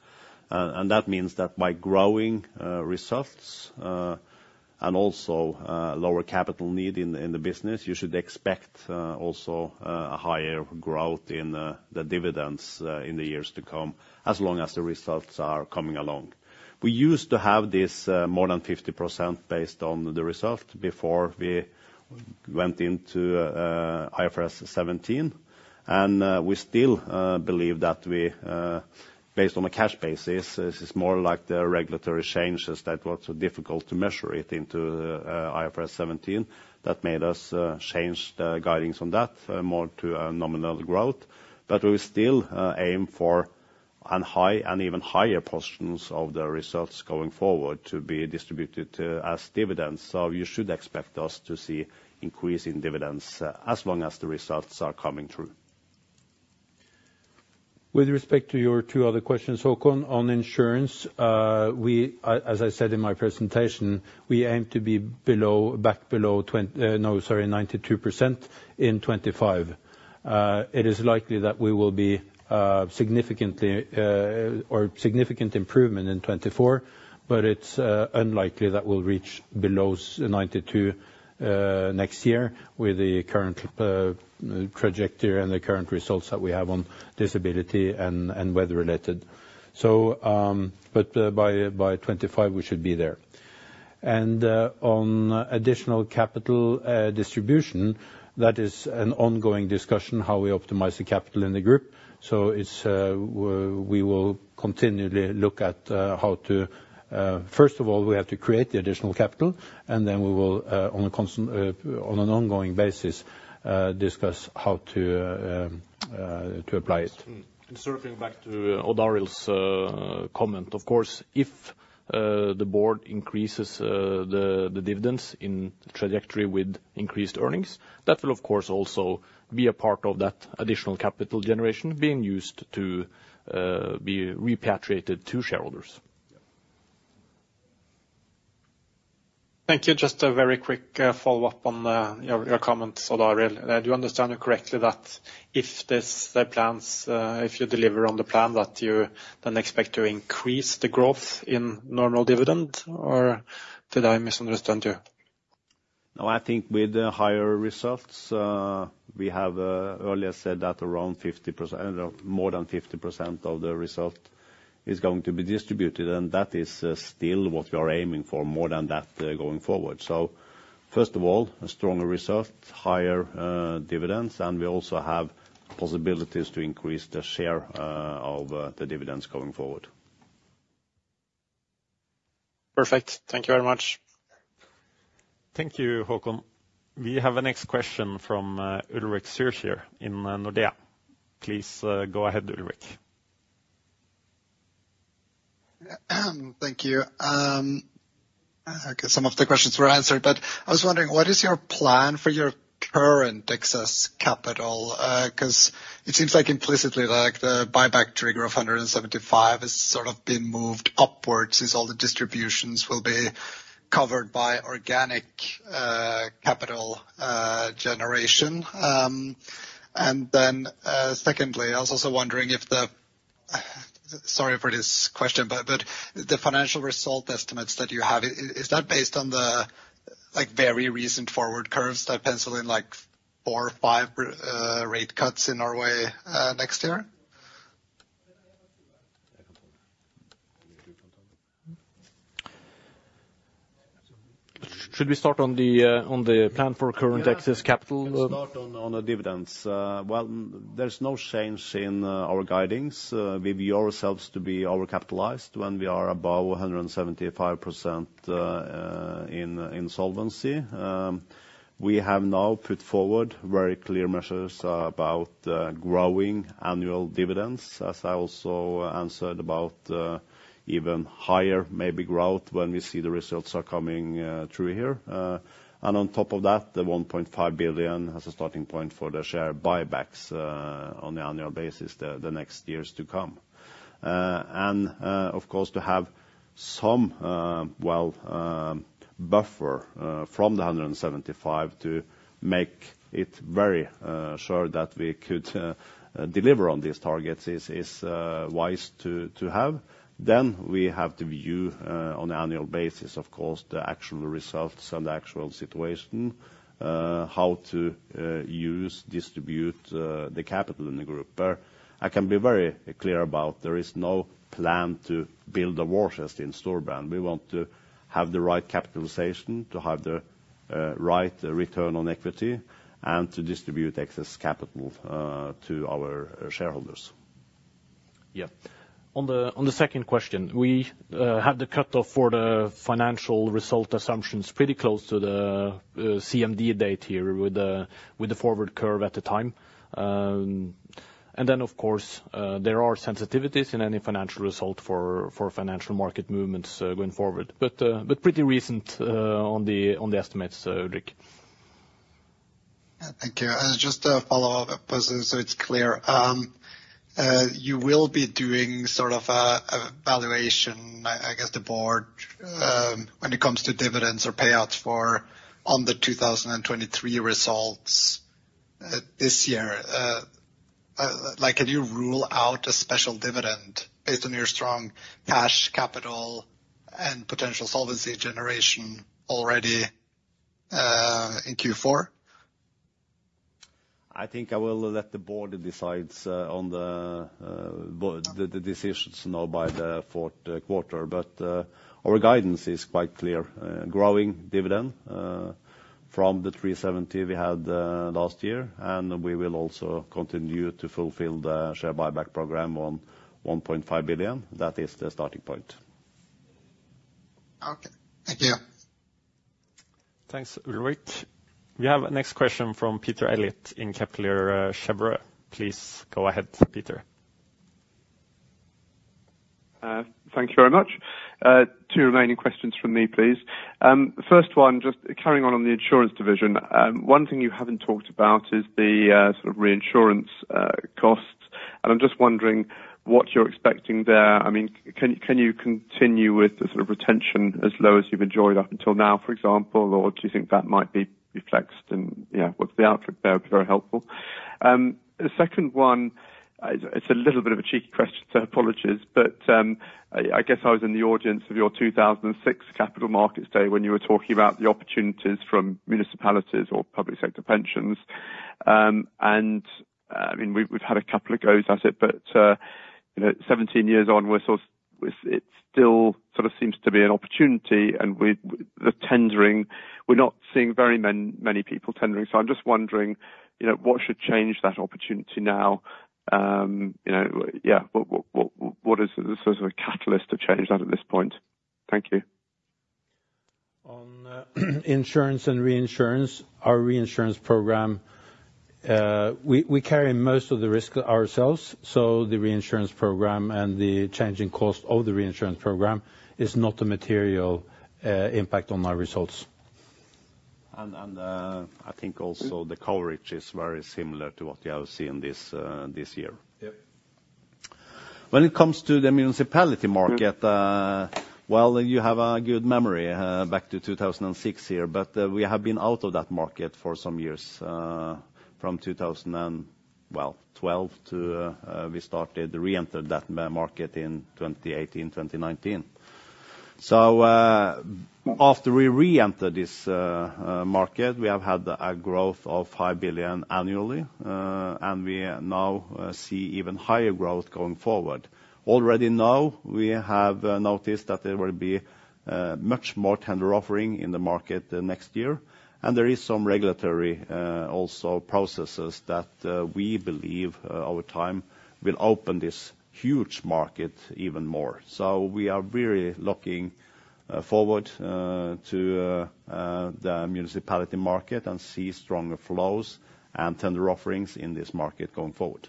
And that means that by growing results and also lower Capital need in the business, you should expect also a higher growth in the dividends in the years to come, as long as the results are coming along. We used to have this more than 50% based on the result before we went into IFRS 17, and we still believe that we, based on a cash basis, this is more like the regulatory changes that were so difficult to measure it into IFRS 17. That made us change the guidance on that more to a nominal growth. But we still aim for a high and even higher portion of the results going forward to be distributed as dividends. So you should expect us to see increase in dividends as long as the results are coming through. With respect to your two other questions, Håkon, on insurance, as I said in my presentation, we aim to be below 92% in 2025. It is likely that we will be significant improvement in 2024, but it's unlikely that we'll reach below 92% next year with the current trajectory and the current results that we have on disability and weather-related. But by 2025, we should be there. And on additional Capital distribution, that is an ongoing discussion, how we optimize the Capital in the group. So it's, we will continually look at how to, first of all, we have to create the additional Capital, and then we will, on a constant, on an ongoing basis, discuss how to apply it. Circling back to Odd Arild's comment, of course, if the board increases the dividends in trajectory with increased earnings, that will, of course, also be a part of that additional Capital generation being used to be repatriated to shareholders. Thank you. Just a very quick follow-up on your comments, Odd Arild. Do you understand it correctly, that if this plans, if you deliver on the plan, that you then expect to increase the growth in normal dividend? Or did I misunderstand you? No, I think with the higher results, we have earlier said that around 50%, more than 50% of the result is going to be distributed, and that is still what we are aiming for, more than that, going forward. So first of all, a stronger result, higher dividends, and we also have possibilities to increase the share of the dividends going forward. Perfect. Thank you very much. Thank you, Håkon. We have the next question from Ulrik Zurcher in Nordea. Please, go ahead, Ulrich. Thank you. Okay, some of the questions were answered, but I was wondering, what is your plan for your current excess Capital? 'Cause it seems like implicitly, like the buyback trigger of 175 has sort of been moved upwards, since all the distributions will be covered by organic Capital generation. And then, secondly, I was also wondering if the... Sorry for this question, but the financial result estimates that you have, is that based on the, like, very recent forward curves that pencil in, like four or rate rate cuts in Norway next year? ... Should we start on the plan for current excess Capital? Start on the dividends. Well, there's no change in our guidings. We view ourselves to be overCapitalized when we are above 175% in solvency. We have now put forward very clear measures about growing annual dividends, as I also answered about even higher, maybe growth, when we see the results are coming through here. And on top of that, the 1.5 billion has a starting point for the share buybacks on the annual basis the next years to come. And of course, to have some well buffer from the 175 to make it very sure that we could deliver on these targets is wise to have. Then we have to view on annual basis, of course, the actual results and the actual situation, how to use, distribute the Capital in the group. But I can be very clear about there is no plan to build a war chest in Storebrand. We want to have the right Capitalization, to have the right return on equity, and to distribute excess Capital to our shareholders. Yeah. On the second question, we have the cutoff for the financial result assumptions pretty close to the CMD date here, with the forward curve at the time. And then, of course, there are sensitivities in any financial result for financial market movements going forward, but pretty recent on the estimates, Rick. Thank you. And just a follow-up question, so it's clear. You will be doing sort of a valuation, I guess, the board when it comes to dividends or payouts for the 2023 results this year. Like, can you rule out a special dividend based on your strong cash Capital and potential solvency generation already in Q4? I think I will let the board decides on the board decisions now by the fourth quarter. But our guidance is quite clear. Growing dividend from the 3.70 we had last year, and we will also continue to fulfill the share buyback program on 1.5 billion. That is the starting point. Okay. Thank you. Thanks, Ulrich. We have a next question from Peter Elliott in Kepler Cheuvreux. Please go ahead, Peter. Thank you very much. Two remaining questions from me, please. First one, just carrying on the insurance division. One thing you haven't talked about is the sort of reinsurance costs, and I'm just wondering what you're expecting there. I mean, can you continue with the sort of retention as low as you've enjoyed up until now, for example, or do you think that might be reflected and, yeah, what's the outlook there? Very helpful. The second one, it's a little bit of a cheeky question, so apologies, but I guess I was in the audience of your 2006 Capital markets day, when you were talking about the opportunities from municipalities or public sector pensions. And, I mean, we've had a couple of goes at it, but, you know, 17 years on, we're sort of—it's, it still sort of seems to be an opportunity, and we—the tendering, we're not seeing very many people tendering. So I'm just wondering, you know, what should change that opportunity now? You know, yeah, what is the sort of a catalyst to change that at this point? Thank you. On insurance and reinsurance, our reinsurance program, we carry most of the risk ourselves, so the reinsurance program and the changing cost of the reinsurance program is not a material impact on our results. I think also the coverage is very similar to what you have seen this year. Yep. When it comes to the municipality market, well, you have a good memory back to 2006 here, but we have been out of that market for some years, from 2012 to, we started reentered that market in 2018, 2019. So, after we reentered this market, we have had a growth of five billion annually, and we now see even higher growth going forward. Already now, we have noticed that there will be much more tender offering in the market the next year, and there is some regulatory also processes that we believe over time will open this huge market even more. So we are really looking forward to the municipality market and see stronger flows and tender offerings in this market going forward.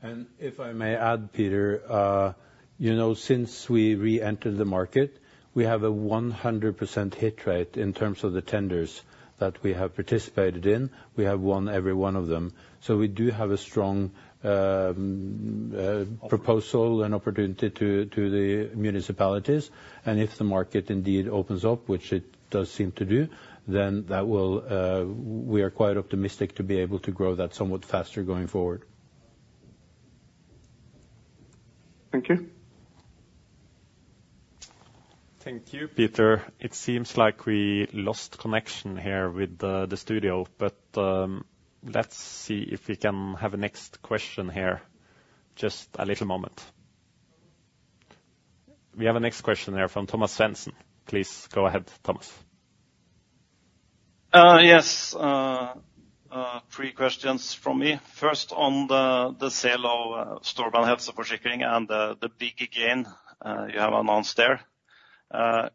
And if I may add, Peter, you know, since we reentered the market, we have a 100% hit rate in terms of the tenders that we have participated in. We have won every one of them. So we do have a strong proposal and opportunity to the municipalities, and if the market indeed opens up, which it does seem to do, then that will. We are quite optimistic to be able to grow that somewhat faster going forward. Thank you. Thank you, Peter. It seems like we lost connection here with the studio, but let's see if we can have a next question here. Just a little moment.... We have a next question here from Thomas Svendsen. Please go ahead, Thomas. Yes, three questions from me. First, on the sale of Storebrand Helseforsikring and the big gain you have announced there. Could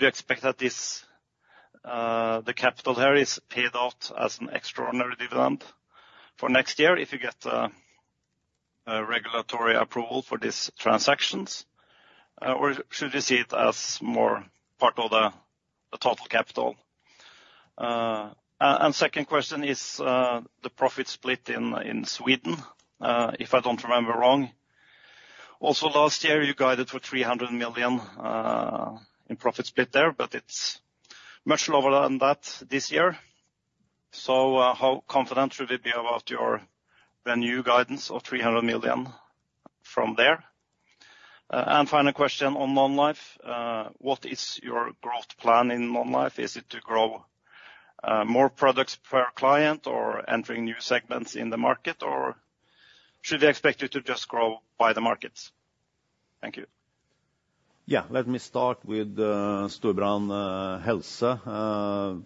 you expect that this, the Capital there is paid out as an extraordinary dividend for next year, if you get a regulatory approval for these transactions? Or should we see it as more part of the total Capital? And second question is the profit split in Sweden. If I don't remember wrong, also last year, you guided for 300 million in profit split there, but it's much lower than that this year. So, how confident should we be about your revenue guidance of 300 million from there? And final question on non-life. What is your growth plan in non-life? Is it to grow, more products per client, or entering new segments in the market, or should we expect you to just grow by the markets? Thank you. Yeah, let me start with Storebrand Helse.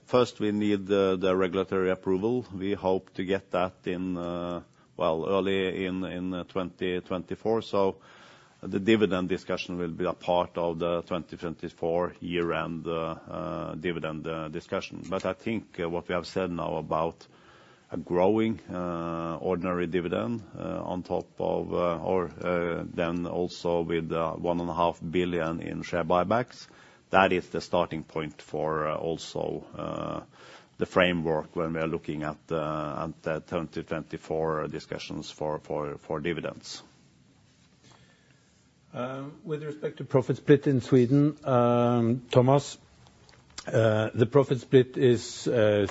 First, we need the regulatory approval. We hope to get that in, well, early in 2024. So the dividend discussion will be a part of the 2024 year-end dividend discussion. But I think what we have said now about a growing ordinary dividend on top of, or then also with 1.5 billion in share buybacks, that is the starting point for also the framework when we are looking at the 2024 discussions for dividends. With respect to profit split in Sweden, Thomas, the profit split is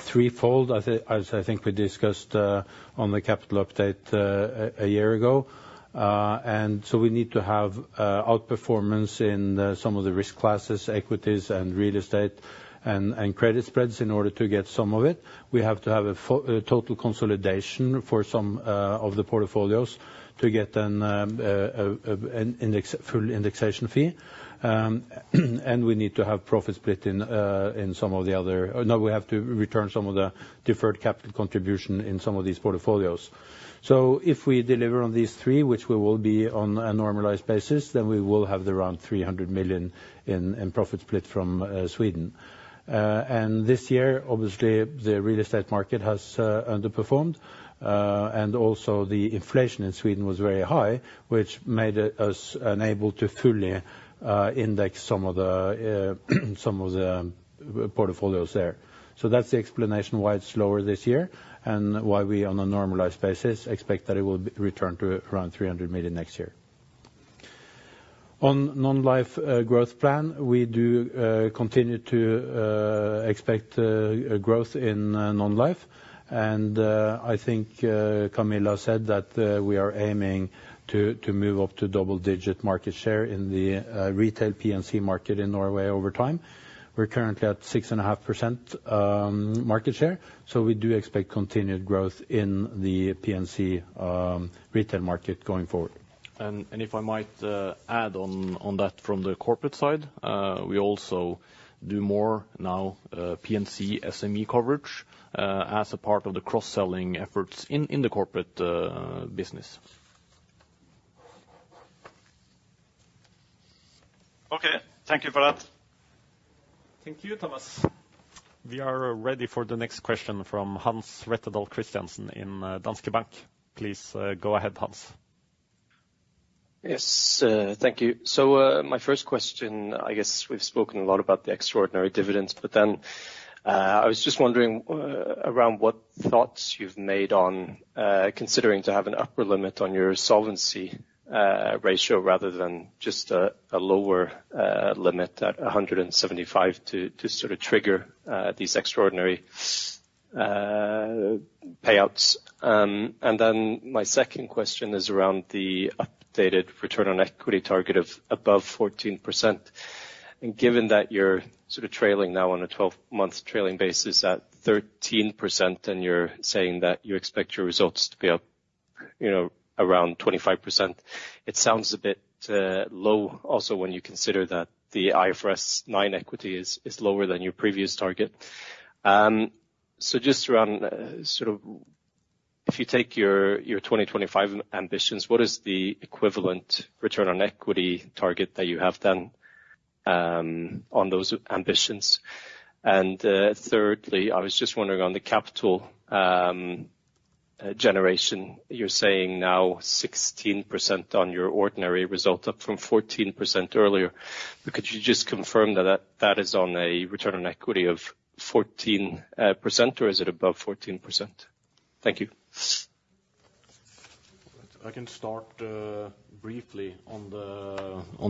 threefold, as I think we discussed on the Capital update a year ago. So we need to have outperformance in some of the risk classes, equities and real estate and credit spreads, in order to get some of it. We have to have a total consolidation for some of the portfolios to get an index full indexation fee. And we need to have profit split in some of the other. No, we have to return some of the deferred Capital contribution in some of these portfolios. So if we deliver on these three, which we will be on a normalized basis, then we will have around 300 million in profit split from Sweden. This year, obviously, the real estate market has underperformed. Also the inflation in Sweden was very high, which made us unable to fully index some of the portfolios there. So that's the explanation why it's lower this year, and why we, on a normalized basis, expect that it will return to around 300 million next year. On non-life growth plan, we do continue to expect growth in non-life. I think Camilla said that we are aiming to move up to double-digit market share in the retail P&C market in Norway over time. We're currently at 6.5% market share, so we do expect continued growth in the P&C retail market going forward. If I might add on that from the corporate side, we also do more now PNC SME coverage, as a part of the cross-selling efforts in the corporate business. Okay, thank you for that. Thank you, Thomas. We are ready for the next question from Hans Rettedal Christiansen in Danske Bank. Please, go ahead, Hans. Yes, thank you. So, my first question, I guess we've spoken a lot about the extraordinary dividends, but then, I was just wondering, around what thoughts you've made on, considering to have an upper limit on your solvency, ratio, rather than just a lower limit at 175, to sort of trigger, these extraordinary, payouts. And then my second question is around the updated return on equity target of above 14%. And given that you're sort of trailing now on a 12-month trailing basis at 13%, and you're saying that you expect your results to be up, you know, around 25%, it sounds a bit, low, also, when you consider that the IFRS 9 equity is lower than your previous target. So just around, sort of if you take your, your 2025 ambitions, what is the equivalent return on equity target that you have then on those ambitions? And, thirdly, I was just wondering, on the Capital generation, you're saying now 16% on your ordinary result, up from 14% earlier. Could you just confirm that, that is on a return on equity of 14%, or is it above 14%? Thank you. I can start briefly on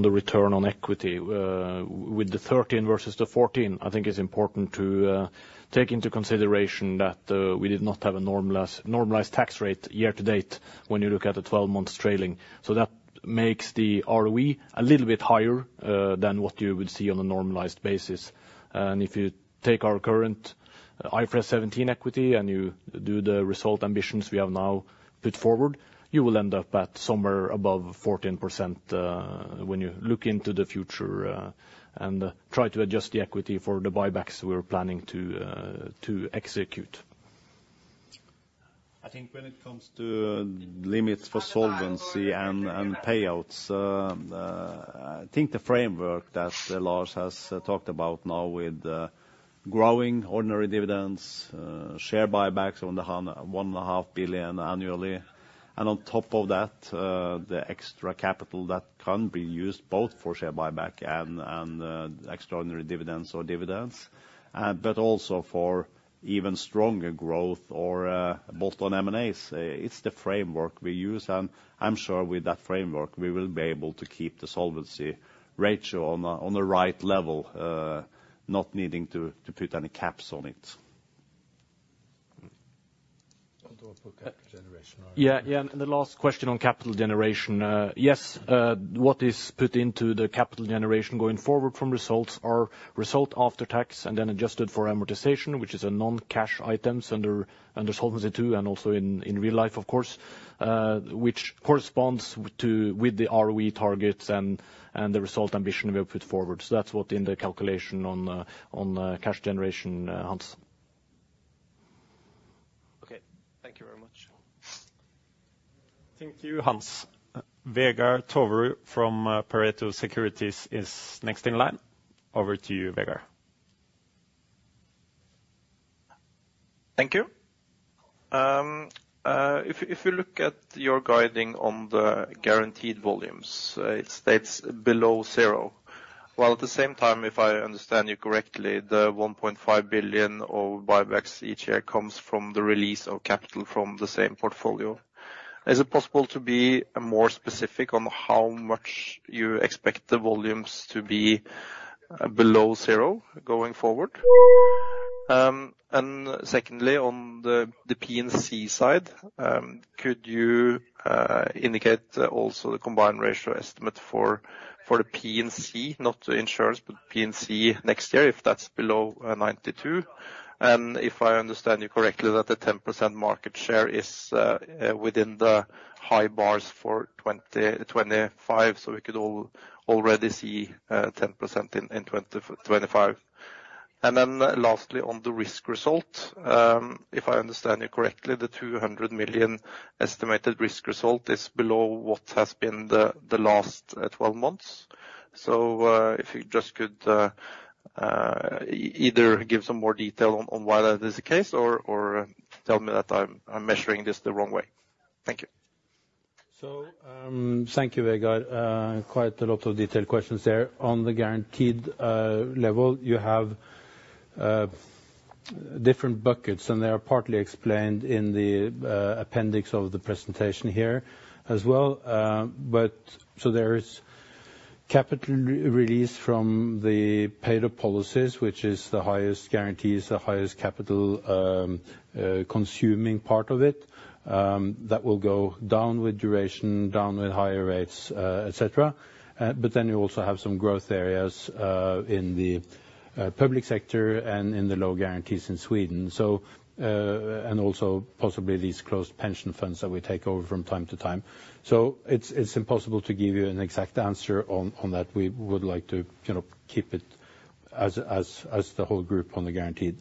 the return on equity. With the 13 versus the 14, I think it's important to... take into consideration that, we did not have a normalized tax rate year to date when you look at the 12 months trailing. So that makes the ROE a little bit higher, than what you would see on a normalized basis. And if you take our current IFRS 17 equity, and you do the result ambitions we have now put forward, you will end up at somewhere above 14%, when you look into the future, and try to adjust the equity for the buybacks we were planning to, to execute. I think when it comes to limits for solvency and payouts, I think the framework that Lars has talked about now with growing ordinary dividends, share buybacks on the 1.5 billion annually, and on top of that, the extra Capital that can be used both for share buyback and extraordinary dividends or dividends, but also for even stronger growth or both on M&As. It's the framework we use, and I'm sure with that framework, we will be able to keep the solvency ratio on the right level, not needing to put any caps on it. Yeah. Yeah, and the last question on Capital generation. What is put into the Capital generation going forward from results are result after tax and then adjusted for amortization, which is a non-cash items under Solvency II, and also in real life, of course, which corresponds to, with the ROE targets and the result ambition we have put forward. So that's what in the calculation on the cash generation, Hans. Okay, thank you very much. Thank you, Hans. Vegard Tøråsen from Pareto Securities is next in line. Over to you, Vegar. Thank you. If you look at your guidance on the guaranteed volumes, it states below zero, while at the same time, if I understand you correctly, the 1.5 billion of buybacks each year comes from the release of Capital from the same portfolio. Is it possible to be more specific on how much you expect the volumes to be below zero going forward? And secondly, on the P&C side, could you indicate also the combined ratio estimate for the P&C, not the insurance, but P&C next year, if that's below 92? And if I understand you correctly, that the 10% market share is within the high bars for 2025, so we could all already see 10% in 2025. Then lastly, on the risk result, if I understand you correctly, the 200 million estimated risk result is below what has been the last 12 months. So, if you just could, either give some more detail on why that is the case, or tell me that I'm measuring this the wrong way. Thank you. So, thank you, Vegar. Quite a lot of detailed questions there. On the guaranteed level, you have different buckets, and they are partly explained in the appendix of the presentation here as well. But so there is Capital re-release from the paid-up policies, which is the highest guarantees, the highest Capital, consuming part of it. That will go down with duration, down with higher rates, et cetera. But then you also have some growth areas in the public sector and in the low guarantees in Sweden. So, and also possibly these closed pension funds that we take over from time to time. So it's impossible to give you an exact answer on that. We would like to, you know, keep it as the whole group on the guaranteed.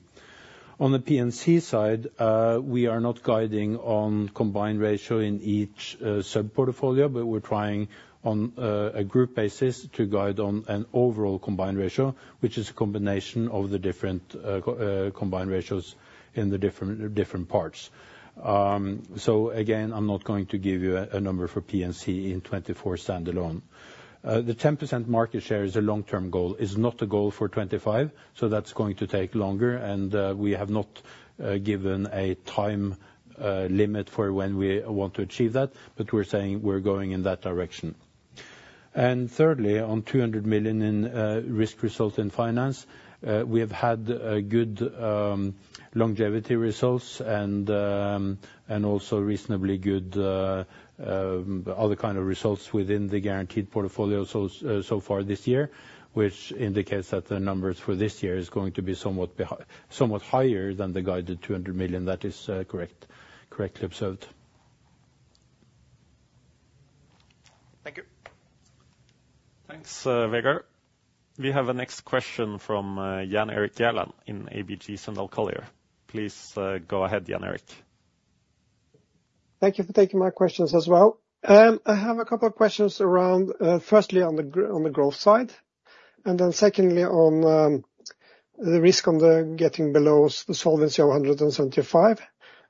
On the PNC side, we are not guiding on combined ratio in each sub-portfolio, but we're trying on a group basis to guide on an overall combined ratio, which is a combination of the different combined ratios in the different parts. So again, I'm not going to give you a number for PNC in 2024 standalone. The 10% market share is a long-term goal, is not a goal for 2025, so that's going to take longer, and we have not given a time limit for when we want to achieve that, but we're saying we're going in that direction. And thirdly, on 200 million in risk result in finance, we have had a good longevity results and also reasonably good other kind of results within the guaranteed portfolio so far this year, which indicates that the numbers for this year is going to be somewhat higher than the guided 200 million. That is correctly observed. Thank you. Thanks, Vegar. We have the next question from Jan Erik Gjerland in ABG Sundal Collier. Please, go ahead, Jan Erik. Thank you for taking my questions as well. I have a couple of questions around, firstly, on the growth side, and then secondly, on the risk of getting below the solvency of 175.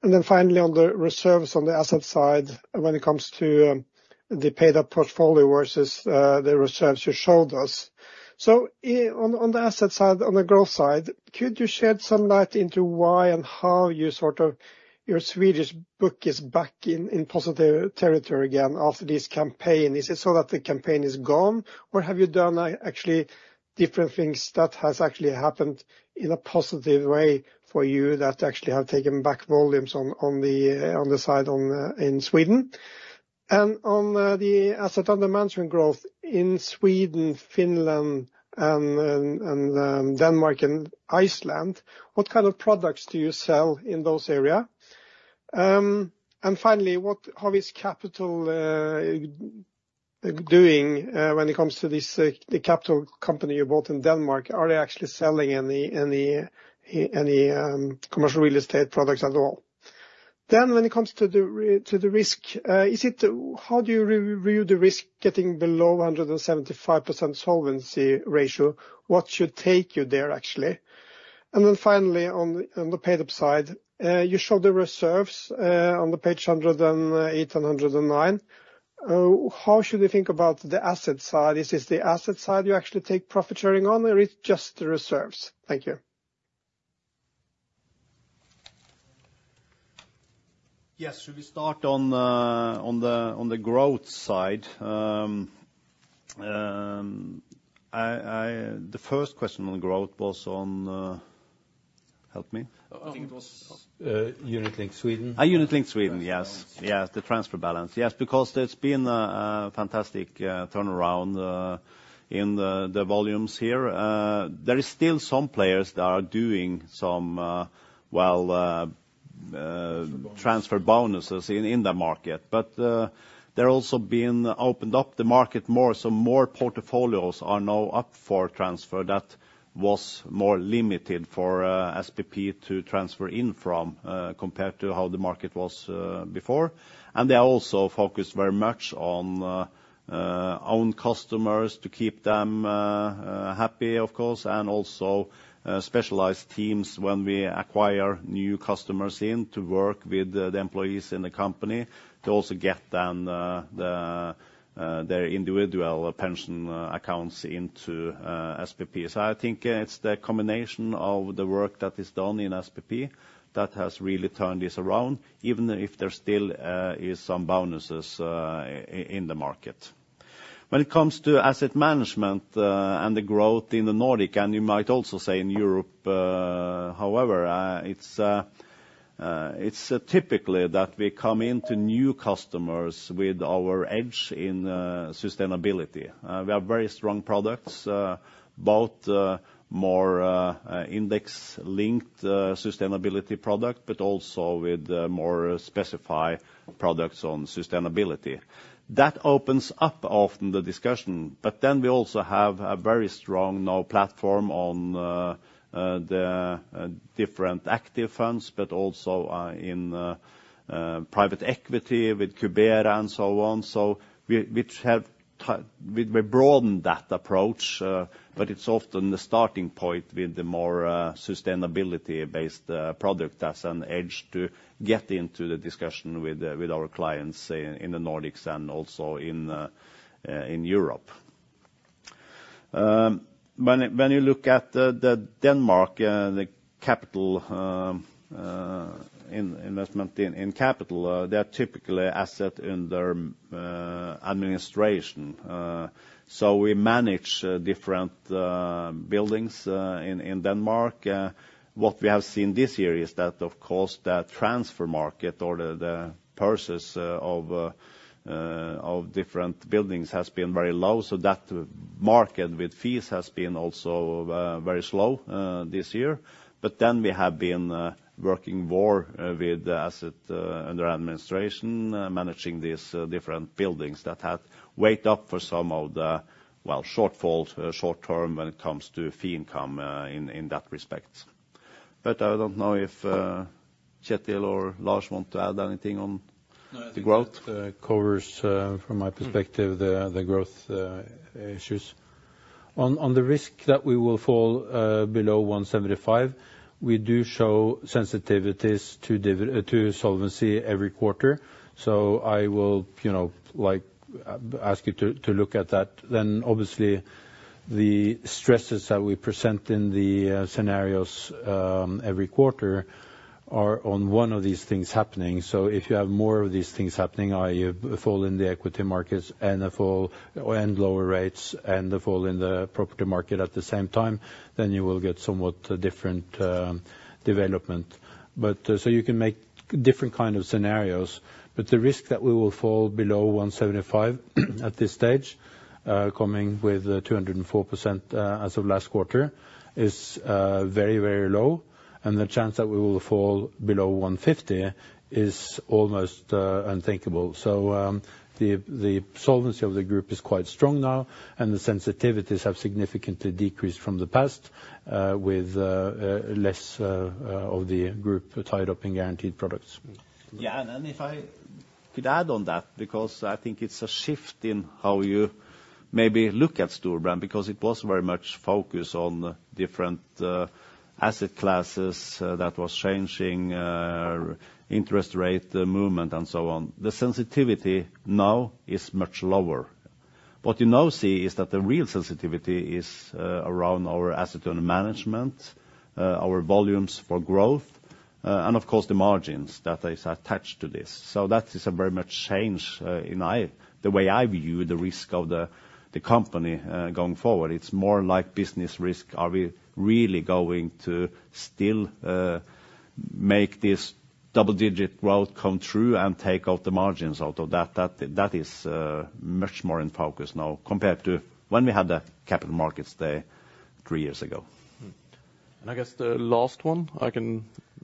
And then finally, on the reserves on the asset side, when it comes to the paid-up portfolio versus the reserves you showed us. So on the asset side, on the growth side, could you shed some light into why and how you sort of your Swedish book is back in positive territory again after this campaign? Is it so that the campaign is gone, or have you done a actually different things that has actually happened in a positive way for you, that actually have taken back volumes on the side in Sweden? On the assets under management growth in Sweden, Finland, Denmark and Iceland, what kind of products do you sell in those areas? And finally, how is Capital doing when it comes to this, the Capital company you bought in Denmark? Are they actually selling any commercial real estate products at all? When it comes to the risk, how do you review the risk getting below 175% solvency ratio? What should take you there, actually? And then finally, on the paid-up side, you show the reserves on page 108 and 109. How should we think about the asset side? Is this the asset side you actually take profit sharing on, or it's just the reserves? Thank you. Yes, should we start on the growth side? The first question on growth was on, help me. I think it was unit linked Sweden. Unit-Linked Sweden, yes. Yes, the transfer balance. Yes, because there's been a fantastic turnaround in the volumes here. There is still some players that are doing some, well, Transfer bonuses... transfer bonuses in the market. But they're also being opened up the market more, so more portfolios are now up for transfer that was more limited for SPP to transfer in from, compared to how the market was before. And they are also focused very much on own customers, to keep them happy, of course, and also specialized teams when we acquire new customers in to work with the employees in the company, to also get them their individual pension accounts into SPP. So I think it's the combination of the work that is done in SPP that has really turned this around, even if there still is some bonuses in the market. When it comes to asset management, and the growth in the Nordics, and you might also say in Europe, however, it's typically that we come into new customers with our edge in sustainability. We have very strong products, both more index-linked sustainability product, but also with more specified products on sustainability. That opens up often the discussion, but then we also have a very strong now platform on the different active funds, but also in private equity with Cubera and so on, so we broadened that approach, but it's often the starting point with the more sustainability-based product as an edge to get into the discussion with our clients in the Nordics and also in Europe. When you look at the Danish Capital investment in Capital, they are typically assets in their administration. So we manage different buildings in Denmark. What we have seen this year is that, of course, the transfer market or the purchases of different buildings has been very low, so that market with fees has been also very slow this year. But then we have been working more with the asset under administration, managing these different buildings that had weighed up for some of the, well, shortfall short term when it comes to fee income in that respect. But I don't know if Kjetil or Lars want to add anything on the growth. No, I think that covers from my perspective- Mm. The growth issues. On the risk that we will fall below 175, we do show sensitivities to solvency every quarter. So I will, you know, like, ask you to look at that. Then, obviously, the stresses that we present in the scenarios every quarter are on one of these things happening. So if you have more of these things happening, i.e., a fall in the equity markets and a fall, and lower rates, and a fall in the property market at the same time, then you will get somewhat different development. But, so you can make different kind of scenarios, but the risk that we will fall below 175 at this stage, coming with 204% as of last quarter, is very, very low, and the chance that we will fall below 150 is almost unthinkable. So, the solvency of the group is quite strong now, and the sensitivities have significantly decreased from the past, with less of the group tied up in guaranteed products. Yeah, and if I could add on that, because I think it's a shift in how you maybe look at Storebrand, because it was very much focused on different asset classes that was changing interest rate movement, and so on. The sensitivity now is much lower. What you now see is that the real sensitivity is around our asset management, our volumes for growth, and of course, the margins that is attached to this. So that is a very much change in the way I view the risk of the company going forward. It's more like business risk. Are we really going to still make this double-digit growth come true and take out the margins out of that? That, that is much more in focus now, compared to when we had the Capital Markets Day three years ago. I guess the last one, I can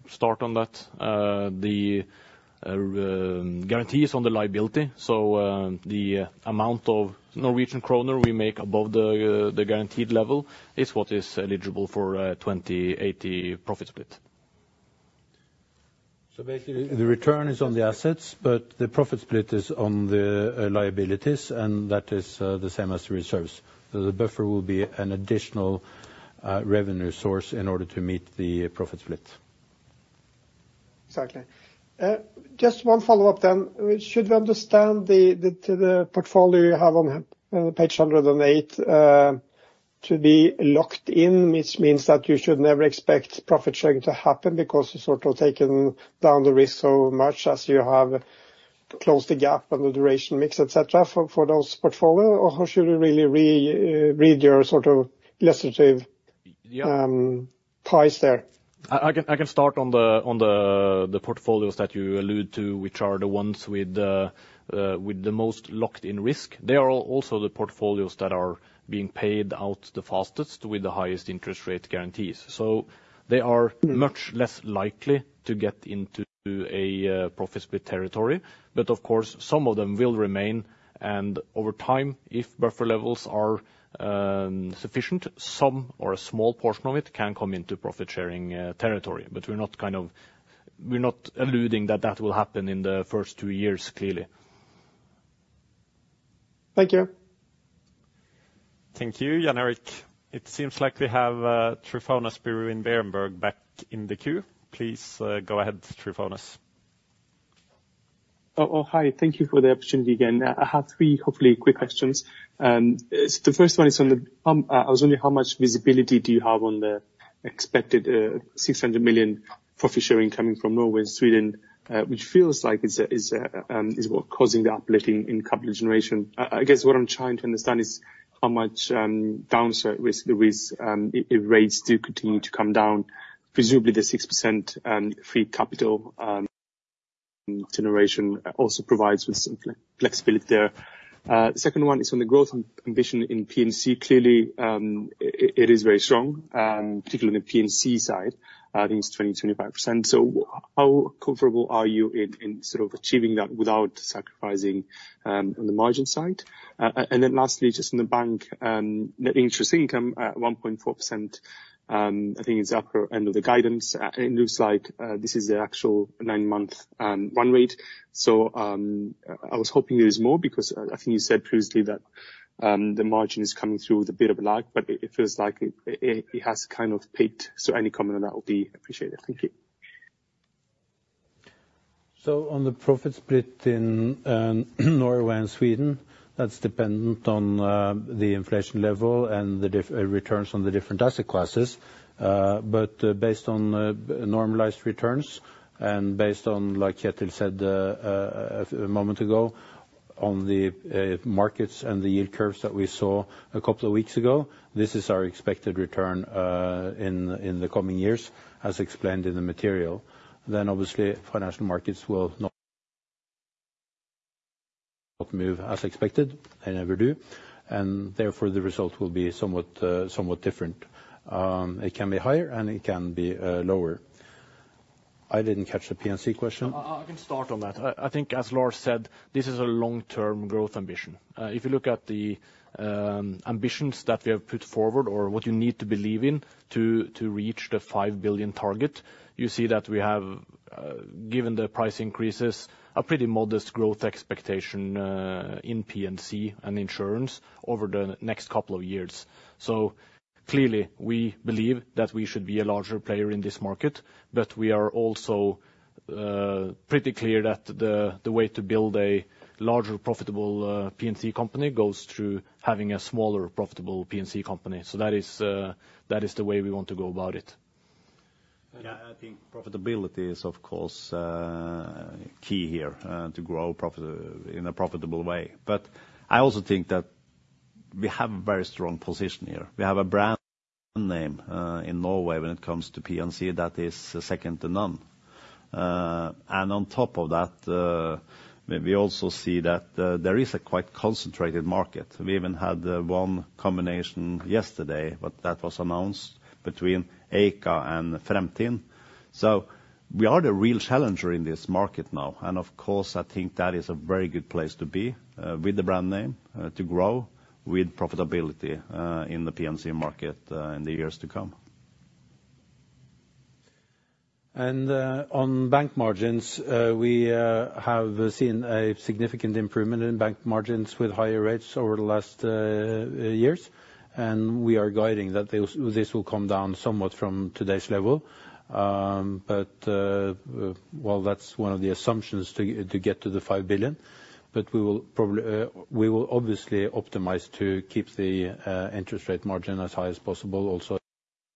start on that. The guarantees on the liability, so, the amount of Norwegian kroner we make above the guaranteed level, is what is eligible for, 20/80 profit split. So basically, the return is on the assets, but the profit split is on the liabilities, and that is the same as the reserves. So the buffer will be an additional revenue source in order to meet the profit split. Exactly. Just one follow-up then. Should we understand the portfolio you have on page 108 to be locked in, which means that you should never expect profit sharing to happen because you've sort of taken down the risk so much as you have closed the gap and the duration mix, et cetera, for those portfolio? Or how should we really re-read your sort of illustrative price there? I can start on the portfolios that you allude to, which are the ones with the most locked in risk. They are also the portfolios that are being paid out the fastest, with the highest interest rate guarantees. So they are much less likely to get into a profit split territory. But of course, some of them will remain, and over time, if buffer levels are sufficient, some or a small portion of it can come into profit sharing territory. But we're not kind of, we're not alluding that that will happen in the first two years, clearly. Thank you. Thank you, Jan Erik. It seems like we have Tryphonas Spirou in Berenberg back in the queue. Please, go ahead, Tryphonas. Oh, oh, hi, thank you for the opportunity again. I have three, hopefully, quick questions. The first one is on the... I was wondering how much visibility do you have on the expected six hundred million profit sharing coming from Norway and Sweden, which feels like it's what causing the uplifting in Capital generation. I guess what I'm trying to understand is how much downside risk there is if rates do continue to come down, presumably the 6% free Capital generation also provides with some flexibility there. Second one is on the growth ambition in PNC. Clearly it is very strong, particularly in the PNC side, I think it's 20%-25%. So how comfortable are you in sort of achieving that without sacrificing on the margin side? And then lastly, just on the bank, net interest income at 1.4%, I think is upper end of the guidance. It looks like this is the actual nine-month run rate. So I was hoping there is more because I think you said previously that the margin is coming through with a bit of lag, but it feels like it has kind of peaked. So any comment on that will be appreciated. Thank you. So on the profit split in, Norway and Sweden, that's dependent on, the inflation level and the returns on the different asset classes. But based on, normalized returns and based on, like Kjetil said, a moment ago, on the, markets and the yield curves that we saw a couple of weeks ago, this is our expected return, in the coming years, as explained in the material. Then obviously, financial markets will not move as expected, they never do, and therefore, the result will be somewhat different. It can be higher and it can be lower. I didn't catch the P&C question. I can start on that. I think as Lars said, this is a long-term growth ambition. If you look at the ambitions that we have put forward or what you need to believe in to reach the 5 billion target, you see that we have, given the price increases, a pretty modest growth expectation in PNC and insurance over the next couple of years. So clearly, we believe that we should be a larger player in this market, but we are also pretty clear that the way to build a larger, profitable PNC company goes through having a smaller, profitable PNC company. So that is, that is the way we want to go about it. Yeah, I think profitability is, of course, key here, to grow profit, in a profitable way. But I also think that we have a very strong position here. We have a brand name, in Norway when it comes to P&C that is second to none. And on top of that, we also see that there is a quite concentrated market. We even had one combination yesterday, but that was announced between Eika and Fremtind. So we are the real challenger in this market now, and of course, I think that is a very good place to be, with the brand name, to grow, with profitability, in the P&C market, in the years to come. And, on bank margins, we have seen a significant improvement in bank margins with higher rates over the last,... years, and we are guiding that this, this will come down somewhat from today's level. But, well, that's one of the assumptions to, to get to the 5 billion. But we will probably, we will obviously optimize to keep the interest rate margin as high as possible also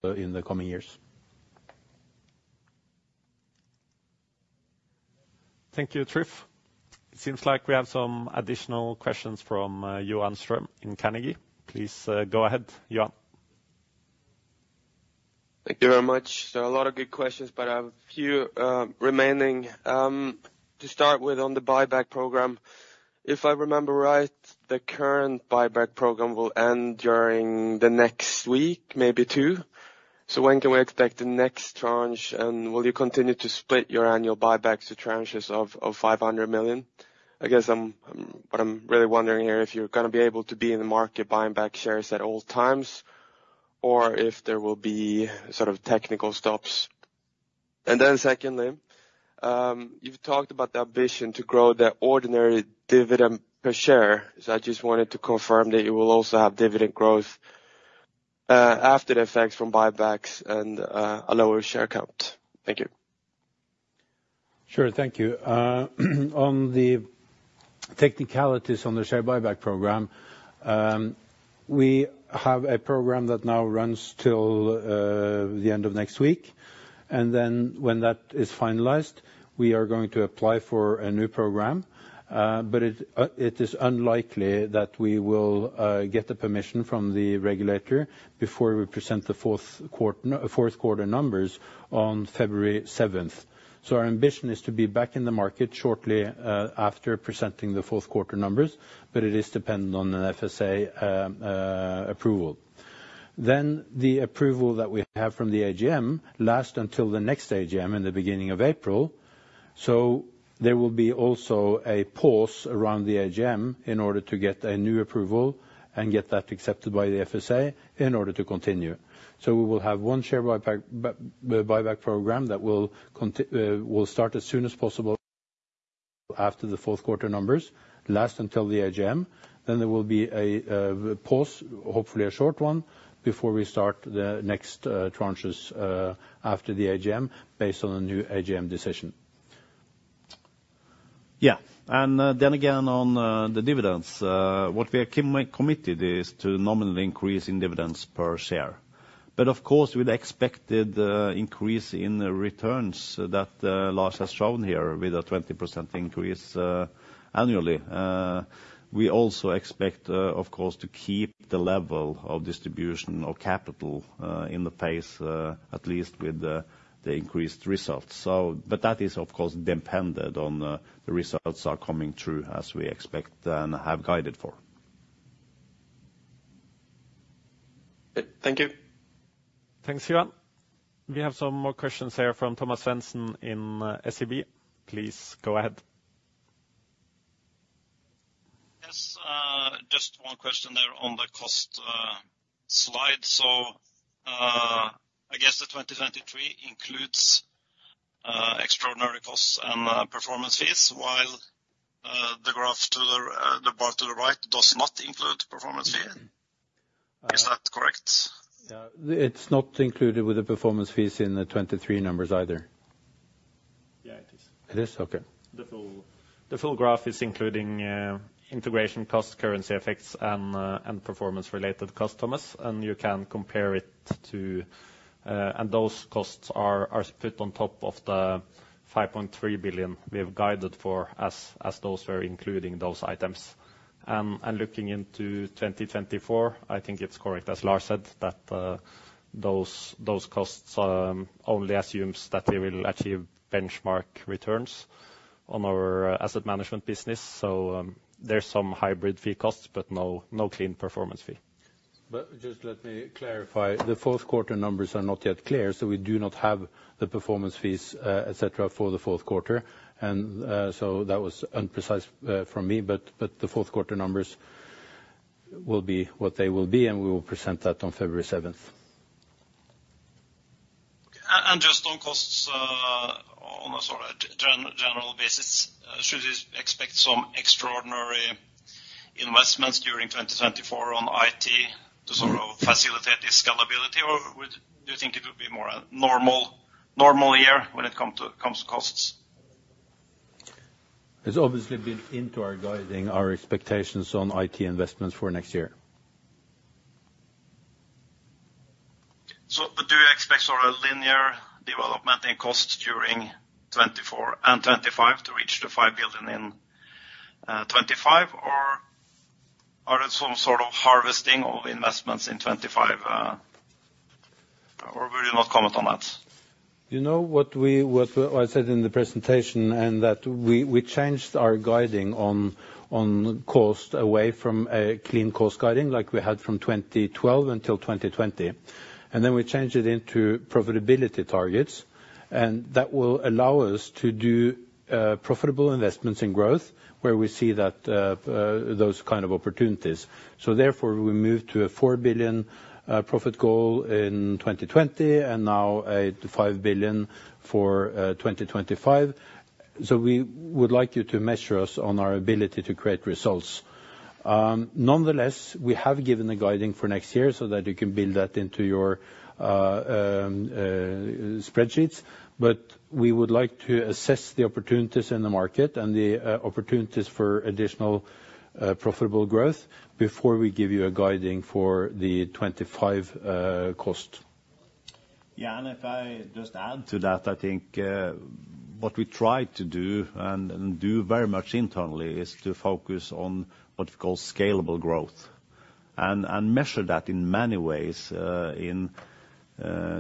in the coming years. Thank you, Trygve. It seems like we have some additional questions from Johan Ström in Carnegie. Please, go ahead, Johan. Thank you very much. So a lot of good questions, but I have a few remaining. To start with, on the buyback program, if I remember right, the current buyback program will end during the next week, maybe two. So when can we expect the next tranche, and will you continue to split your annual buybacks to tranches of, of 500 million? I guess I'm, what I'm really wondering here, if you're gonna be able to be in the market buying back shares at all times, or if there will be sort of technical stops. And then secondly, you've talked about the ambition to grow the ordinary dividend per share. So I just wanted to confirm that you will also have dividend growth after the effects from buybacks and a lower share count. Thank you. Sure, thank you. On the technicalities on the share buyback program, we have a program that now runs till the end of next week, and then when that is finalized, we are going to apply for a new program. But it is unlikely that we will get the permission from the regulator before we present the fourth quarter numbers on February seventh. So our ambition is to be back in the market shortly after presenting the fourth quarter numbers, but it is dependent on the FSA approval. Then the approval that we have from the AGM lasts until the next AGM in the beginning of April, so there will be also a pause around the AGM in order to get a new approval and get that accepted by the FSA in order to continue. So we will have one share buyback program that will start as soon as possible after the fourth quarter numbers, last until the AGM. Then there will be a pause, hopefully a short one, before we start the next tranches after the AGM, based on the new AGM decision. Yeah, and then again, on the dividends, what we are committed is to nominally increase in dividends per share. But of course, with the expected increase in the returns that Lars has shown here, with a 20% increase annually, we also expect, of course, to keep the level of distribution of Capital in the pace at least with the increased results. So but that is, of course, dependent on the results are coming through as we expect and have guided for. Thank you. Thanks, Johan. We have some more questions here from Thomas Svendsen in SEB. Please go ahead. Yes, just one question there on the cost slide. So, I guess the 2023 includes extraordinary costs and performance fees, while the graph to the, the bar to the right does not include performance fee. Is that correct? Yeah, it's not included with the performance fees in the 2023 numbers either. Yeah, it is. It is? Okay. The full graph is including integration costs, currency effects, and performance-related customers, and you can compare it to... And those costs are put on top of the 5.3 billion we have guided for, as those were including those items. And looking into 2024, I think it's correct, as Lars said, that those costs only assumes that we will achieve benchmark returns on our asset management business. So, there's some hybrid fee costs, but no clean performance fee. But just let me clarify. The fourth quarter numbers are not yet clear, so we do not have the performance fees, et cetera, for the fourth quarter, and, so that was imprecise, from me. But, but the fourth quarter numbers will be what they will be, and we will present that on February seventh. Okay. And just on costs, on a sort of general basis, should we expect some extraordinary investments during 2024 on IT to sort of facilitate this scalability, or would you think it would be more a normal year when it comes to costs? It's obviously built into our guidance, our expectations on IT investments for next year. So, but do you expect sort of linear development in costs during 2024 and 2025 to reach 5 billion in 2025, or are there some sort of harvesting of investments in 2025, or will you not comment on that? You know, what we, what I said in the presentation, and that we, we changed our guiding on, on cost away from a clean cost guiding like we had from 2012 until 2020. And then we changed it into profitability targets, and that will allow us to do profitable investments in growth, where we see that those kind of opportunities. So therefore, we moved to a 4 billion profit goal in 2020, and now a 5 billion for 2025. So we would like you to measure us on our ability to create results. Nonetheless, we have given the guiding for next year so that you can build that into your spreadsheets. We would like to assess the opportunities in the market and the opportunities for additional profitable growth before we give you a guiding for the 25 cost. Yeah, and if I just add to that, I think what we try to do, and do very much internally, is to focus on what we call scalable growth, and measure that in many ways, in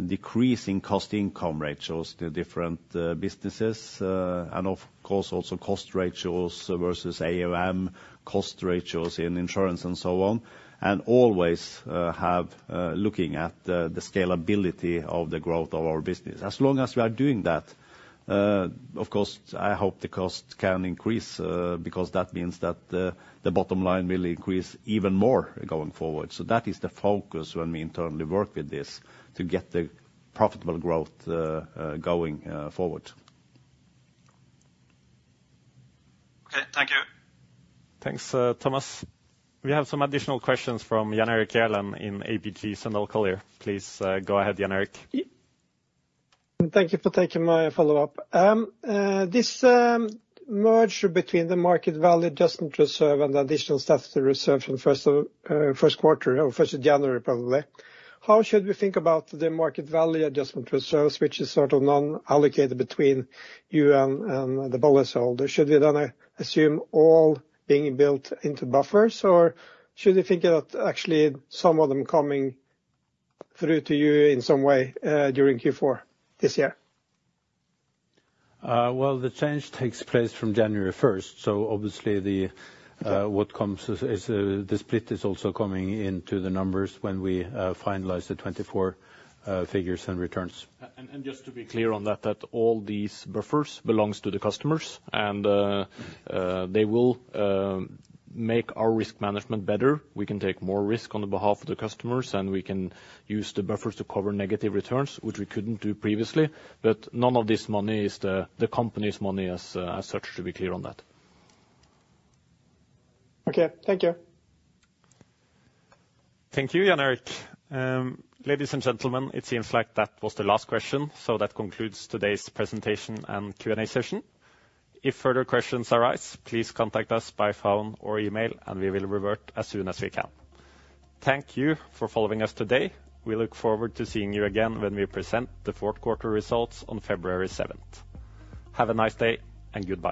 decreasing cost income ratios to different businesses, and of course, also cost ratios versus AUM, cost ratios in insurance, and so on. And always looking at the scalability of the growth of our business. As long as we are doing that, of course, I hope the cost can increase, because that means that the bottom line will increase even more going forward. So that is the focus when we internally work with this, to get the profitable growth going forward. Okay, thank you. Thanks, Thomas. We have some additional questions from Jan Erik Gjerland in ABG Sundal Collier. Please, go ahead, Jan Erik. Thank you for taking my follow-up. This merger between the market value adjustment reserve and the additional statutory reserve in first of first quarter, or first of January, probably. How should we think about the market value adjustment reserves, which is sort of non-allocated between you and the bonus holder? Should we then assume all being built into buffers, or should we think about actually some of them coming through to you in some way during Q4 this year? Well, the change takes place from January first, so obviously the split is also coming into the numbers when we finalize the 2024 figures and returns. Just to be clear on that, all these buffers belong to the customers, and they will make our risk management better. We can take more risk on the behalf of the customers, and we can use the buffers to cover negative returns, which we couldn't do previously. But none of this money is the company's money as such, to be clear on that. Okay, thank you. Thank you, Jan Erik. Ladies and gentlemen, it seems like that was the last question, so that concludes today's presentation and Q&A session. If further questions arise, please contact us by phone or email, and we will revert as soon as we can. Thank you for following us today. We look forward to seeing you again when we present the fourth quarter results on February seventh. Have a nice day, and goodbye.